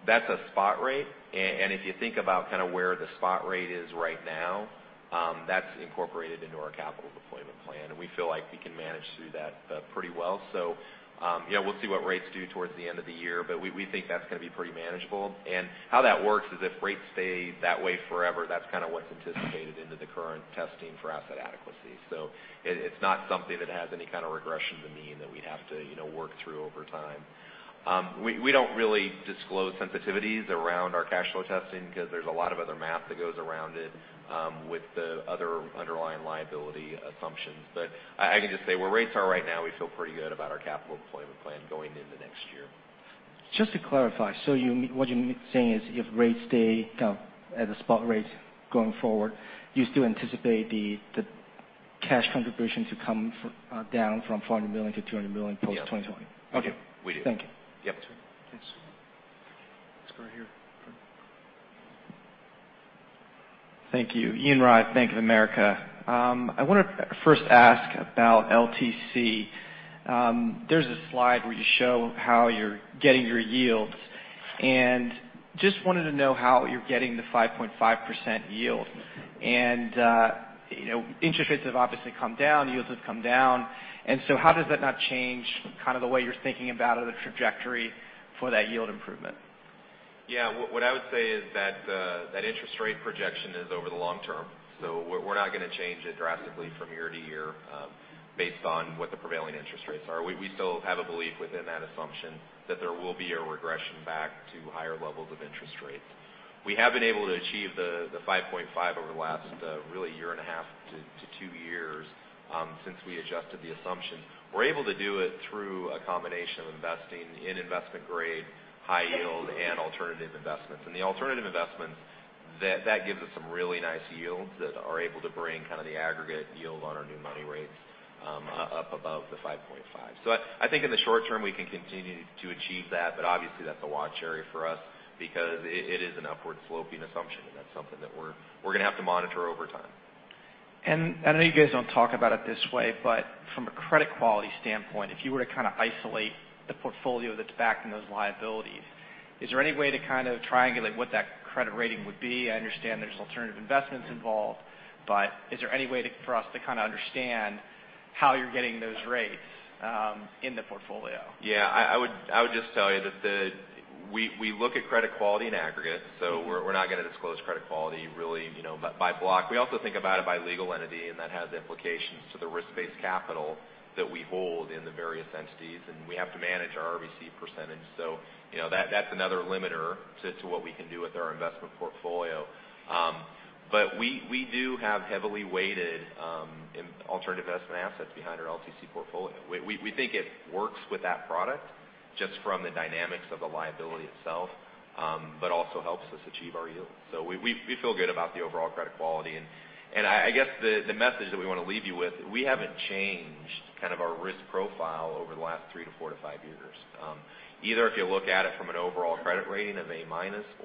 S3: That's a spot rate. If you think about where the spot rate is right now, that's incorporated into our capital deployment plan, and we feel like we can manage through that pretty well. We'll see what rates do towards the end of the year, but we think that's going to be pretty manageable. How that works is if rates stay that way forever, that's kind of what's anticipated into the current testing for asset adequacy. It's not something that has any kind of regression to mean that we'd have to work through over time. We don't really disclose sensitivities around our cash flow testing because there's a lot of other math that goes around it with the other underlying liability assumptions. I can just say where rates are right now, we feel pretty good about our capital deployment plan going into next year.
S9: Just to clarify, what you're saying is if rates stay at the spot rates going forward, you still anticipate the cash contribution to come down from $400 million to $200 million post-2020?
S3: Yeah.
S9: Okay.
S3: We do.
S9: Thank you.
S3: Yep.
S2: Let's go right here.
S10: Thank you. Ian Rai, Bank of America. I want to first ask about LTC. There's a slide where you show how you're getting your yields, and just wanted to know how you're getting the 5.5% yield. Interest rates have obviously come down, yields have come down. So how does that not change kind of the way you're thinking about the trajectory for that yield improvement?
S3: Yeah. What I would say is that that interest rate projection is over the long term. We're not going to change it drastically from year to year based on what the prevailing interest rates are. We still have a belief within that assumption that there will be a regression back to higher levels of interest rates. We have been able to achieve the 5.5% over the last really year and a half to two years since we adjusted the assumption. We're able to do it through a combination of investing in investment-grade, high yield, and alternative investments. The alternative investments, that gives us some really nice yields that are able to bring kind of the aggregate yield on our new money rates up above the 5.5%. I think in the short term, we can continue to achieve that, but obviously that's a watch area for us because it is an upward-sloping assumption, and that's something that we're going to have to monitor over time.
S10: I know you guys don't talk about it this way, but from a credit quality standpoint, if you were to kind of isolate the portfolio that's backing those liabilities, is there any way to kind of triangulate what that credit rating would be? I understand there's alternative investments involved, but is there any way for us to kind of understand how you're getting those rates in the portfolio?
S3: I would just tell you that we look at credit quality in aggregate. We're not going to disclose credit quality really by block. We also think about it by legal entity, and that has implications to the risk-based capital that we hold in the various entities, and we have to manage our RBC percentage. That's another limiter to what we can do with our investment portfolio. But we do have heavily weighted alternative investment assets behind our LTC portfolio. We think it works with that product just from the dynamics of the liability itself but also helps us achieve our yields. I guess the message that we want to leave you with, we haven't changed kind of our risk profile over the last three to four to five years. Either if you look at it from an overall credit rating of A-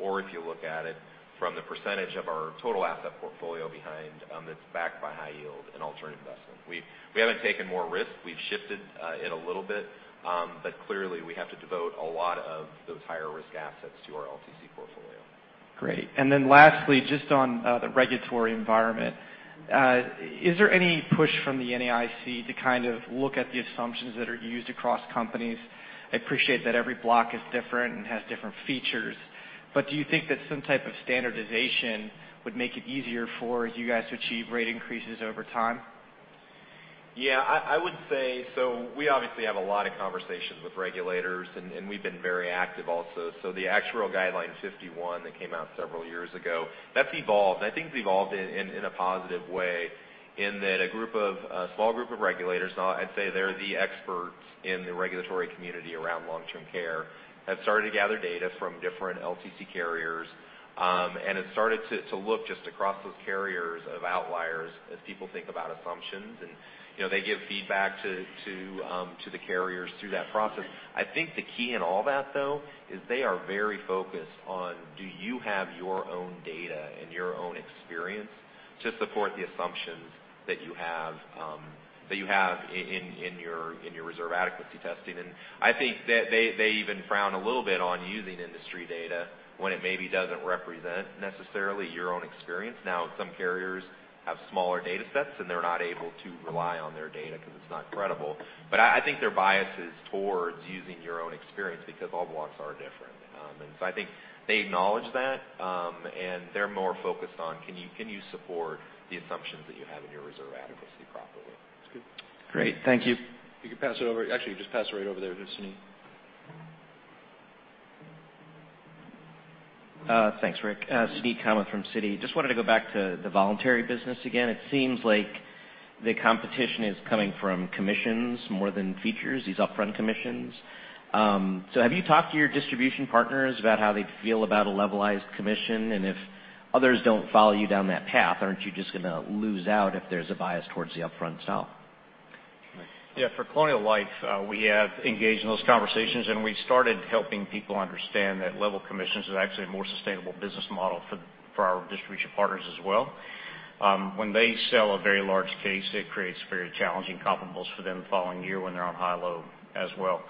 S3: or if you look at it from the percentage of our total asset portfolio behind that's backed by high yield and alternative investment. We haven't taken more risk. We've shifted it a little bit. Clearly, we have to devote a lot of those higher-risk assets to our LTC portfolio.
S10: Great. Lastly, just on the regulatory environment. Is there any push from the NAIC to kind of look at the assumptions that are used across companies? I appreciate that every block is different and has different features, but do you think that some type of standardization would make it easier for you guys to achieve rate increases over time?
S3: Yeah. I would say, we obviously have a lot of conversations with regulators, and we've been very active also. The Actuarial Guideline 51 that came out several years ago, that's evolved. I think it's evolved in a positive way in that a small group of regulators, I'd say they're the experts in the regulatory community around long-term care, have started to gather data from different LTC carriers. It started to look just across those carriers of outliers as people think about assumptions, and they give feedback to the carriers through that process. I think the key in all that, though, is they are very focused on do you have your own data and your own experience to support the assumptions that you have in your reserve adequacy testing? I think that they even frown a little bit on using industry data when it maybe doesn't represent necessarily your own experience. Now, some carriers have smaller data sets, and they're not able to rely on their data because it's not credible. I think their bias is towards using your own experience because all blocks are different. I think they acknowledge that, and they're more focused on can you support the assumptions that you have in your reserve adequacy properly?
S10: That's good. Great. Thank you.
S2: You can pass it over. Actually, just pass it right over there to Suneet.
S7: Thanks, Rick. Suneet Kamath from Citigroup. Just wanted to go back to the voluntary business again. It seems like the competition is coming from commissions more than features, these upfront commissions. Have you talked to your distribution partners about how they feel about a levelized commission? If others don't follow you down that path, aren't you just going to lose out if there's a bias towards the upfront sell?
S5: Yeah. For Colonial Life, we have engaged in those conversations, and we started helping people understand that level commissions is actually a more sustainable business model for our distribution partners as well. When they sell a very large case, it creates very challenging comparables for them the following year when they're on high-low as well.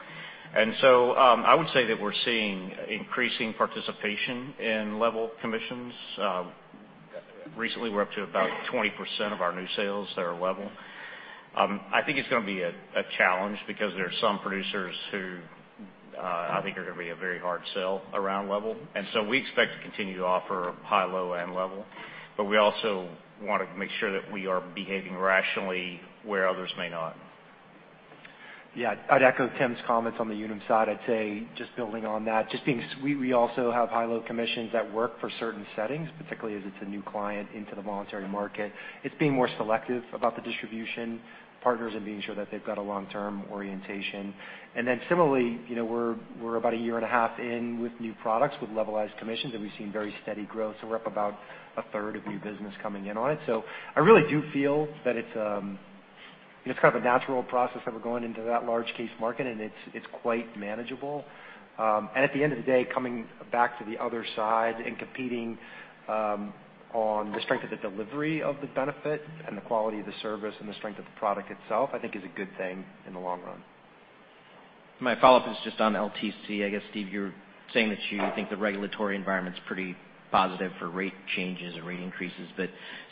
S5: I would say that we're seeing increasing participation in level commissions. Recently, we're up to about 20% of our new sales that are level. I think it's going to be a challenge because there are some producers who I think are going to be a very hard sell around level. We expect to continue to offer high-low and level, but we also want to make sure that we are behaving rationally where others may not.
S4: Yeah. I'd echo Tim's comments on the Unum side. I'd say, just building on that, just because we also have high-low commissions that work for certain settings, particularly as it's a new client into the voluntary market. It's being more selective about the distribution partners and being sure that they've got a long-term orientation. Similarly, we're about a year and a half in with new products with levelized commissions, and we've seen very steady growth. We're up about a third of new business coming in on it. I really do feel that it's kind of a natural process that we're going into that large case market and it's quite manageable. At the end of the day, coming back to the other side and competing on the strength of the delivery of the benefit and the quality of the service and the strength of the product itself, I think is a good thing in the long run.
S7: My follow-up is just on LTC. I guess, Steve, you're saying that you think the regulatory environment's pretty positive for rate changes or rate increases.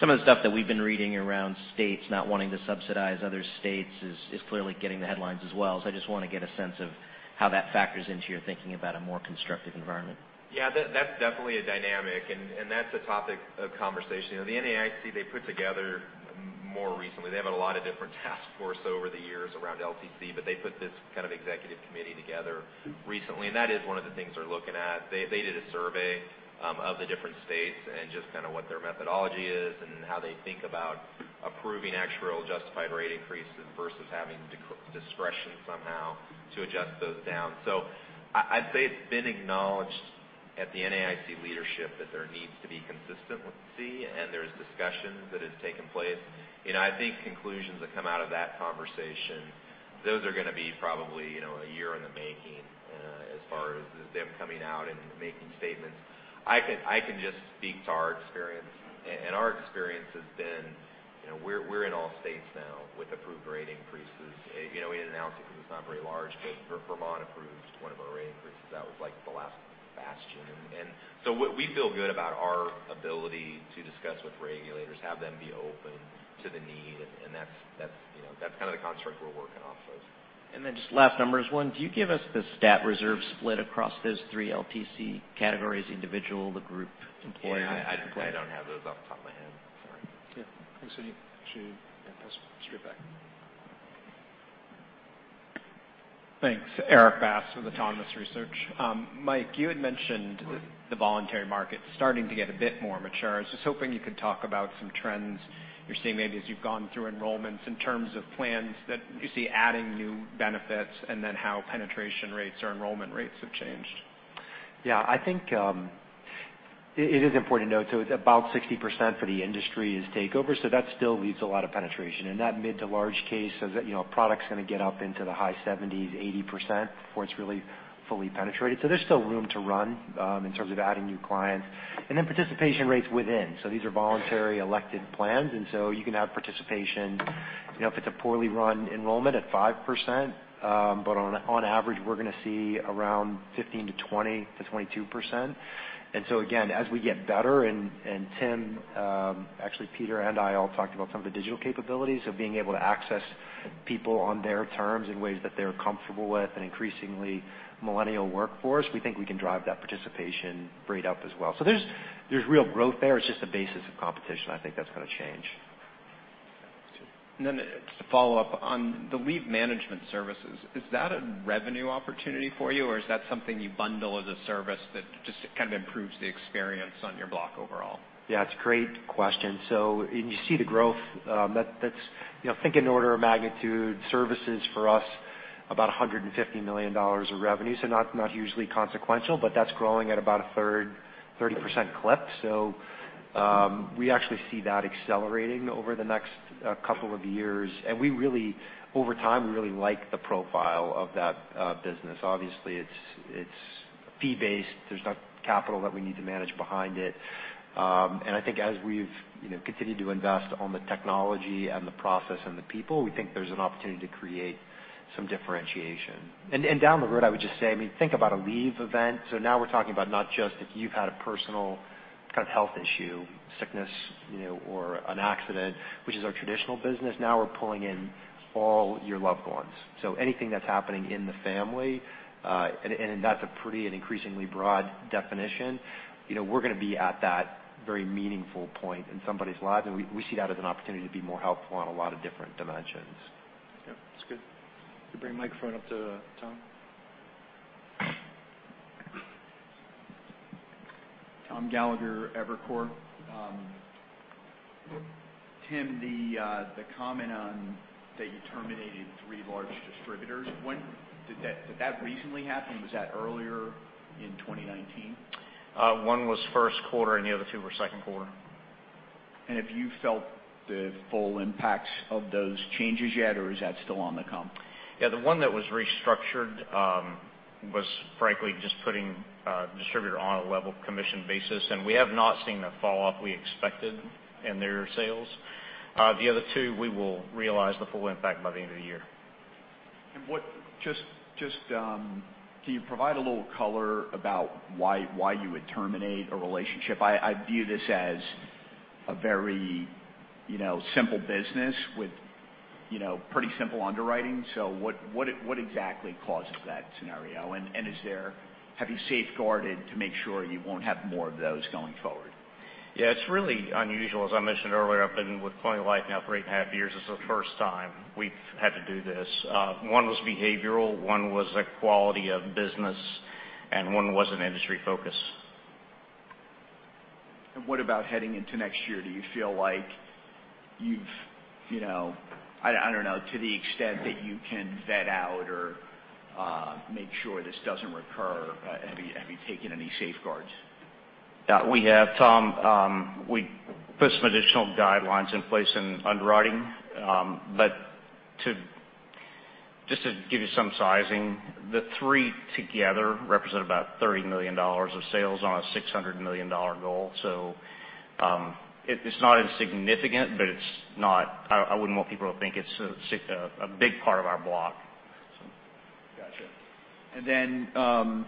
S7: Some of the stuff that we've been reading around states not wanting to subsidize other states is clearly getting the headlines as well. I just want to get a sense of how that factors into your thinking about a more constructive environment.
S3: Yeah. That's definitely a dynamic, and that's a topic of conversation. The NAIC, they put together more recently, they have a lot of different task force over the years around LTC, but they put this kind of executive committee together recently, and that is one of the things they're looking at. They did a survey of the different states and just kind of what their methodology is and how they think about approving actuarial justified rate increases versus having discretion somehow to adjust those down. I'd say it's been acknowledged at the NAIC leadership that there needs to be consistency, and there's discussions that has taken place. I think conclusions that come out of that conversation, those are going to be probably a year in the making as far as them coming out and making statements. I can just speak to our experience, and our experience has been we're in all states now with approved rate increases. We didn't announce it because it's not very large, but Vermont approved one of our rate increases. That was the last bastion. We feel good about our ability to discuss with regulators, have them be open to the need, and that's kind of the construct we're working off of.
S7: Just last, on number one, do you give us the stat reserve split across those three LTC categories, individual, the group, employer?
S3: I don't have those off the top of my head, sorry.
S5: Yeah. Thanks, Suneet. Pass it straight back.
S11: Thanks. Erik Bass with Autonomous Research. Mike, you had mentioned the voluntary market starting to get a bit more mature. I was just hoping you could talk about some trends you're seeing maybe as you've gone through enrollments in terms of plans that you see adding new benefits, and then how penetration rates or enrollment rates have changed.
S4: I think it is important to note, it's about 60% for the industry is takeover, that still leaves a lot of penetration. In that mid to large case, a product's going to get up into the high 70s, 80% before it's really fully penetrated. There's still room to run in terms of adding new clients. Participation rates within. These are voluntary elected plans, you can have participation if it's a poorly run enrollment at 5%. On average, we're going to see around 15%-20%-22%. Again, as we get better, Tim, actually Peter and I all talked about some of the digital capabilities of being able to access people on their terms in ways that they're comfortable with, an increasingly millennial workforce, we think we can drive that participation rate up as well. There's real growth there. It's just the basis of competition, I think that's going to change.
S11: Just a follow-up on the leave management services. Is that a revenue opportunity for you, or is that something you bundle as a service that just kind of improves the experience on your block overall?
S4: It's a great question. You see the growth. Think in order of magnitude services for us, about $150 million of revenue. Not hugely consequential, but that's growing at about a third, 30% clip. We actually see that accelerating over the next couple of years, and over time, we really like the profile of that business. Obviously, it's fee-based. There's not capital that we need to manage behind it. I think as we've continued to invest on the technology and the process and the people, we think there's an opportunity to create some differentiation. Down the road, I would just say, think about a leave event. Now we're talking about not just if you've had a personal kind of health issue, sickness, or an accident, which is our traditional business. Now we're pulling in all your loved ones. Anything that's happening in the family, and that's a pretty and increasingly broad definition. We're going to be at that very meaningful point in somebody's life, and we see that as an opportunity to be more helpful on a lot of different dimensions.
S5: Yeah. That's good.
S2: Can you bring the microphone up to Tom?
S12: Tom Gallagher, Evercore. Tim, the comment on that you terminated three large distributors, did that recently happen? Was that earlier in 2019?
S5: One was first quarter, and the other two were second quarter.
S12: Have you felt the full impact of those changes yet, or is that still on the come?
S5: Yeah. The one that was restructured was frankly just putting a distributor on a level commission basis, and we have not seen the falloff we expected in their sales. The other two, we will realize the full impact by the end of the year.
S12: Can you provide a little color about why you would terminate a relationship? I view this as a very simple business with pretty simple underwriting. What exactly causes that scenario? Have you safeguarded to make sure you won't have more of those going forward?
S5: It's really unusual. As I mentioned earlier, I've been with Colonial Life now for eight and a half years. This is the first time we've had to do this. One was behavioral, one was a quality of business, and one was an industry focus.
S12: What about heading into next year? Do you feel like you've, I don't know, to the extent that you can vet out or make sure this doesn't recur, have you taken any safeguards?
S5: We have, Tom. We put some additional guidelines in place in underwriting. Just to give you some sizing, the three together represent about $30 million of sales on a $600 million goal. It's not insignificant, but I wouldn't want people to think it's a big part of our block.
S12: Got you.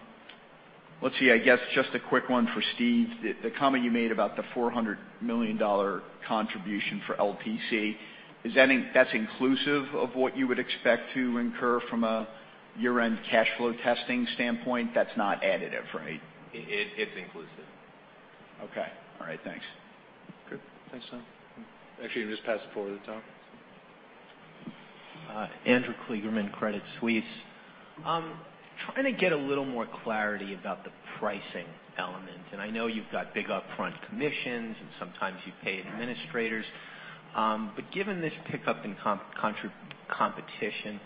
S12: Let's see. I guess just a quick one for Steve. The comment you made about the $400 million contribution for LTC. That's inclusive of what you would expect to incur from a year-end cash flow testing standpoint? That's not additive, right?
S2: It's inclusive.
S12: Okay. All right. Thanks.
S2: Good. Thanks, Tom. Actually, just pass it forward to Tom.
S13: Andrew Kligerman, Credit Suisse. Trying to get a little more clarity about the pricing element. I know you've got big upfront commissions, and sometimes you pay administrators. Given this pickup in competition,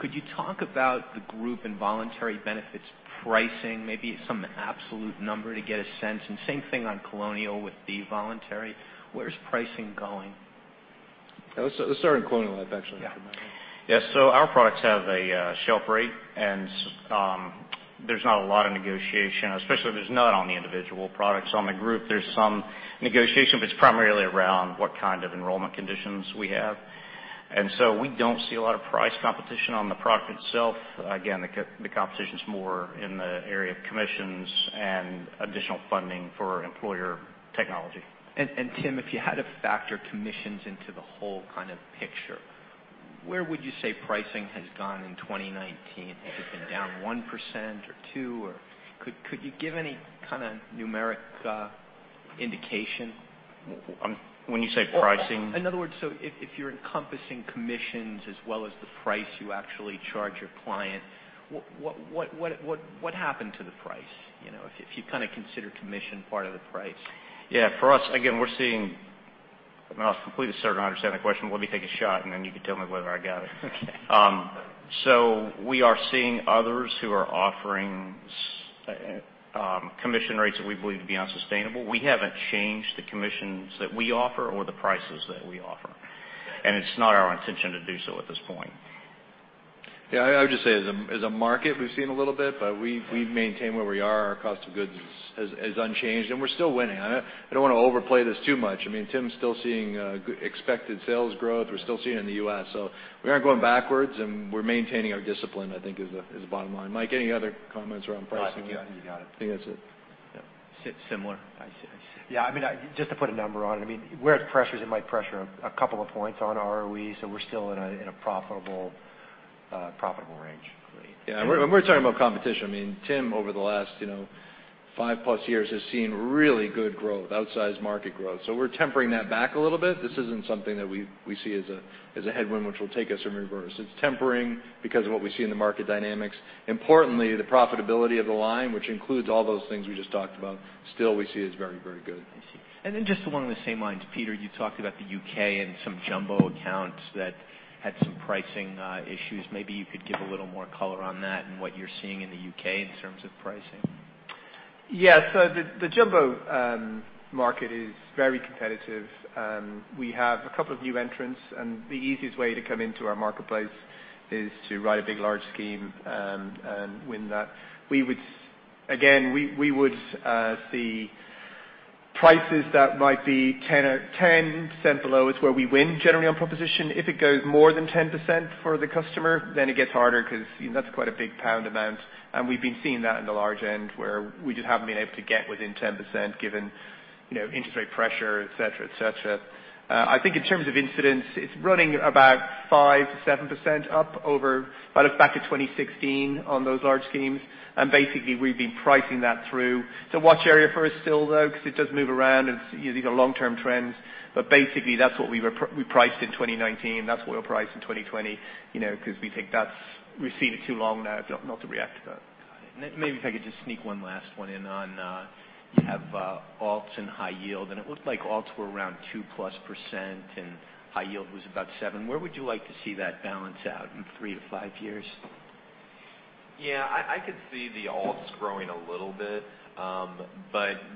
S13: could you talk about the group involuntary benefits pricing, maybe some absolute number to get a sense, and same thing on Colonial with the voluntary. Where's pricing going?
S2: Let's start in Colonial Life, actually.
S5: Yeah. Our products have a shelf rate, and there's not a lot of negotiation, especially there's none on the individual products. On the group, there's some negotiation, but it's primarily around what kind of enrollment conditions we have. We don't see a lot of price competition on the product itself. Again, the competition's more in the area of commissions and additional funding for employer technology.
S13: Tim, if you had to factor commissions into the whole kind of picture, where would you say pricing has gone in 2019? Has it been down 1% or 2%? Could you give any kind of numeric indication?
S5: When you say pricing?
S13: In other words, if you're encompassing commissions as well as the price you actually charge your client, what happened to the price? If you kind of consider commission part of the price.
S5: Yeah. For us, again, I'm not completely certain I understand the question. Let me take a shot, and then you can tell me whether I got it.
S13: Okay.
S5: We are seeing others who are offering commission rates that we believe to be unsustainable. We haven't changed the commissions that we offer or the prices that we offer, and it's not our intention to do so at this point.
S2: Yeah. I would just say, as a market, we've seen a little bit, but we've maintained where we are. Our cost of goods is unchanged, and we're still winning. I don't want to overplay this too much. Tim's still seeing expected sales growth. We're still seeing it in the U.S. We aren't going backwards, and we're maintaining our discipline, I think is the bottom line. Mike, any other comments around pricing? You got it. I think that's it. Yeah. Similar.
S4: Yeah. Just to put a number on it, where it pressures, it might pressure a couple of points on our ROEs, we're still in a profitable range.
S2: Great. Yeah. When we're talking about competition, Tim, over the last five-plus years, has seen really good growth, outsized market growth. We're tempering that back a little bit. This isn't something that we see as a headwind which will take us in reverse. It's tempering because of what we see in the market dynamics. Importantly, the profitability of the line, which includes all those things we just talked about, still we see as very, very good.
S13: I see. Just along the same lines, Peter, you talked about the U.K. and some jumbo accounts that had some pricing issues. Maybe you could give a little more color on that and what you're seeing in the U.K. in terms of pricing.
S6: Yeah. The jumbo market is very competitive. We have a couple of new entrants, the easiest way to come into our marketplace is to write a big, large scheme and win that. Again, we would see prices that might be 10% below is where we win generally on proposition. If it goes more than 10% for the customer, it gets harder because that's quite a big pound amount, we've been seeing that in the large end where we just haven't been able to get within 10% given interest rate pressure, et cetera. I think in terms of incidence, it's running about 5%-7% up over back to 2016 on those large schemes, basically, we've been pricing that through. It's a watch area for us still, though, because it does move around, these are long-term trends. Basically, that's what we priced in 2019. That's what we'll price in 2020 because we've seen it too long now not to react to that.
S13: Maybe if I could just sneak one last one in on, you have alts and high yield, and it looked like alts were around 2+% and high yield was about seven. Where would you like to see that balance out in 3-5 years?
S3: Yeah. I could see the alts growing a little bit.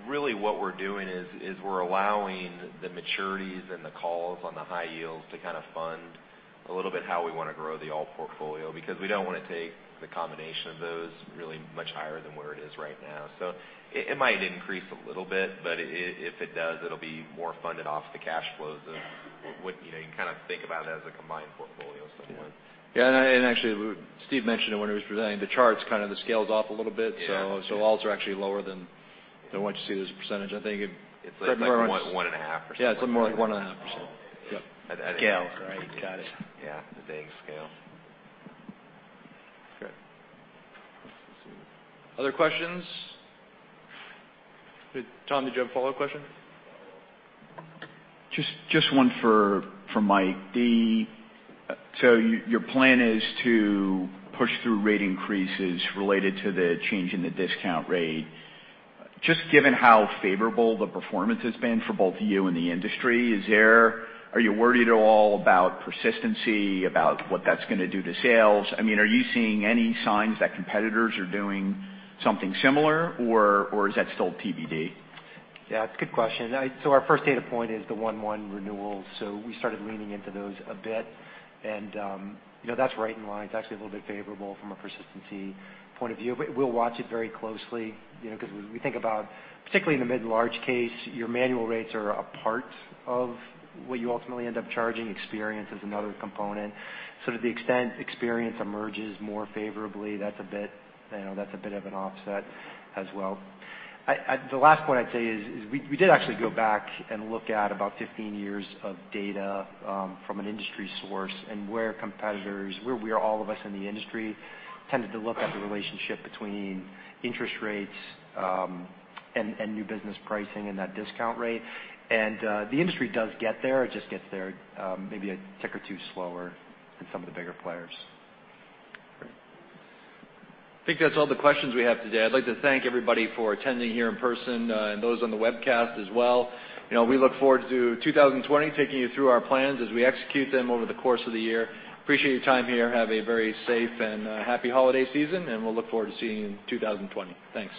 S3: Really what we're doing is we're allowing the maturities and the calls on the high yields to fund a little bit how we want to grow the alt portfolio. We don't want to take the combination of those really much higher than where it is right now. It might increase a little bit, but if it does, it'll be more funded off the cash flows of what you can think about it as a combined portfolio somewhere.
S2: Yeah. Actually, Steve mentioned it when he was presenting the charts, the scale's off a little bit.
S3: Yeah.
S2: Alts are actually lower than what you see as a %. I think.
S3: It's like one and a half %.
S2: Yeah, it's more like one and a half %. Yep.
S13: Scale. Right. Got it.
S3: Yeah. The scale.
S2: Okay. Other questions? Tom, did you have a follow question?
S12: Just one for Mike. Your plan is to push through rate increases related to the change in the discount rate. Just given how favorable the performance has been for both you and the industry, are you worried at all about persistency, about what that's going to do to sales? Are you seeing any signs that competitors are doing something similar? Or is that still TBD?
S4: Yeah. Good question. Our first data point is the one/one renewal, so we started leaning into those a bit. That's right in line. It's actually a little bit favorable from a persistency point of view. We'll watch it very closely, because when we think about, particularly in the mid and large case, your manual rates are a part of what you ultimately end up charging. Experience is another component. To the extent experience emerges more favorably, that's a bit of an offset as well. The last point I'd say is we did actually go back and look at about 15 years of data from an industry source and where competitors, where all of us in the industry, tended to look at the relationship between interest rates and new business pricing and that discount rate.
S3: The industry does get there, it just gets there maybe a tick or two slower than some of the bigger players.
S2: Great. I think that's all the questions we have today. I'd like to thank everybody for attending here in person, and those on the webcast as well. We look forward to 2020, taking you through our plans as we execute them over the course of the year. Appreciate your time here. Have a very safe and happy holiday season, and we'll look forward to seeing you in 2020. Thanks.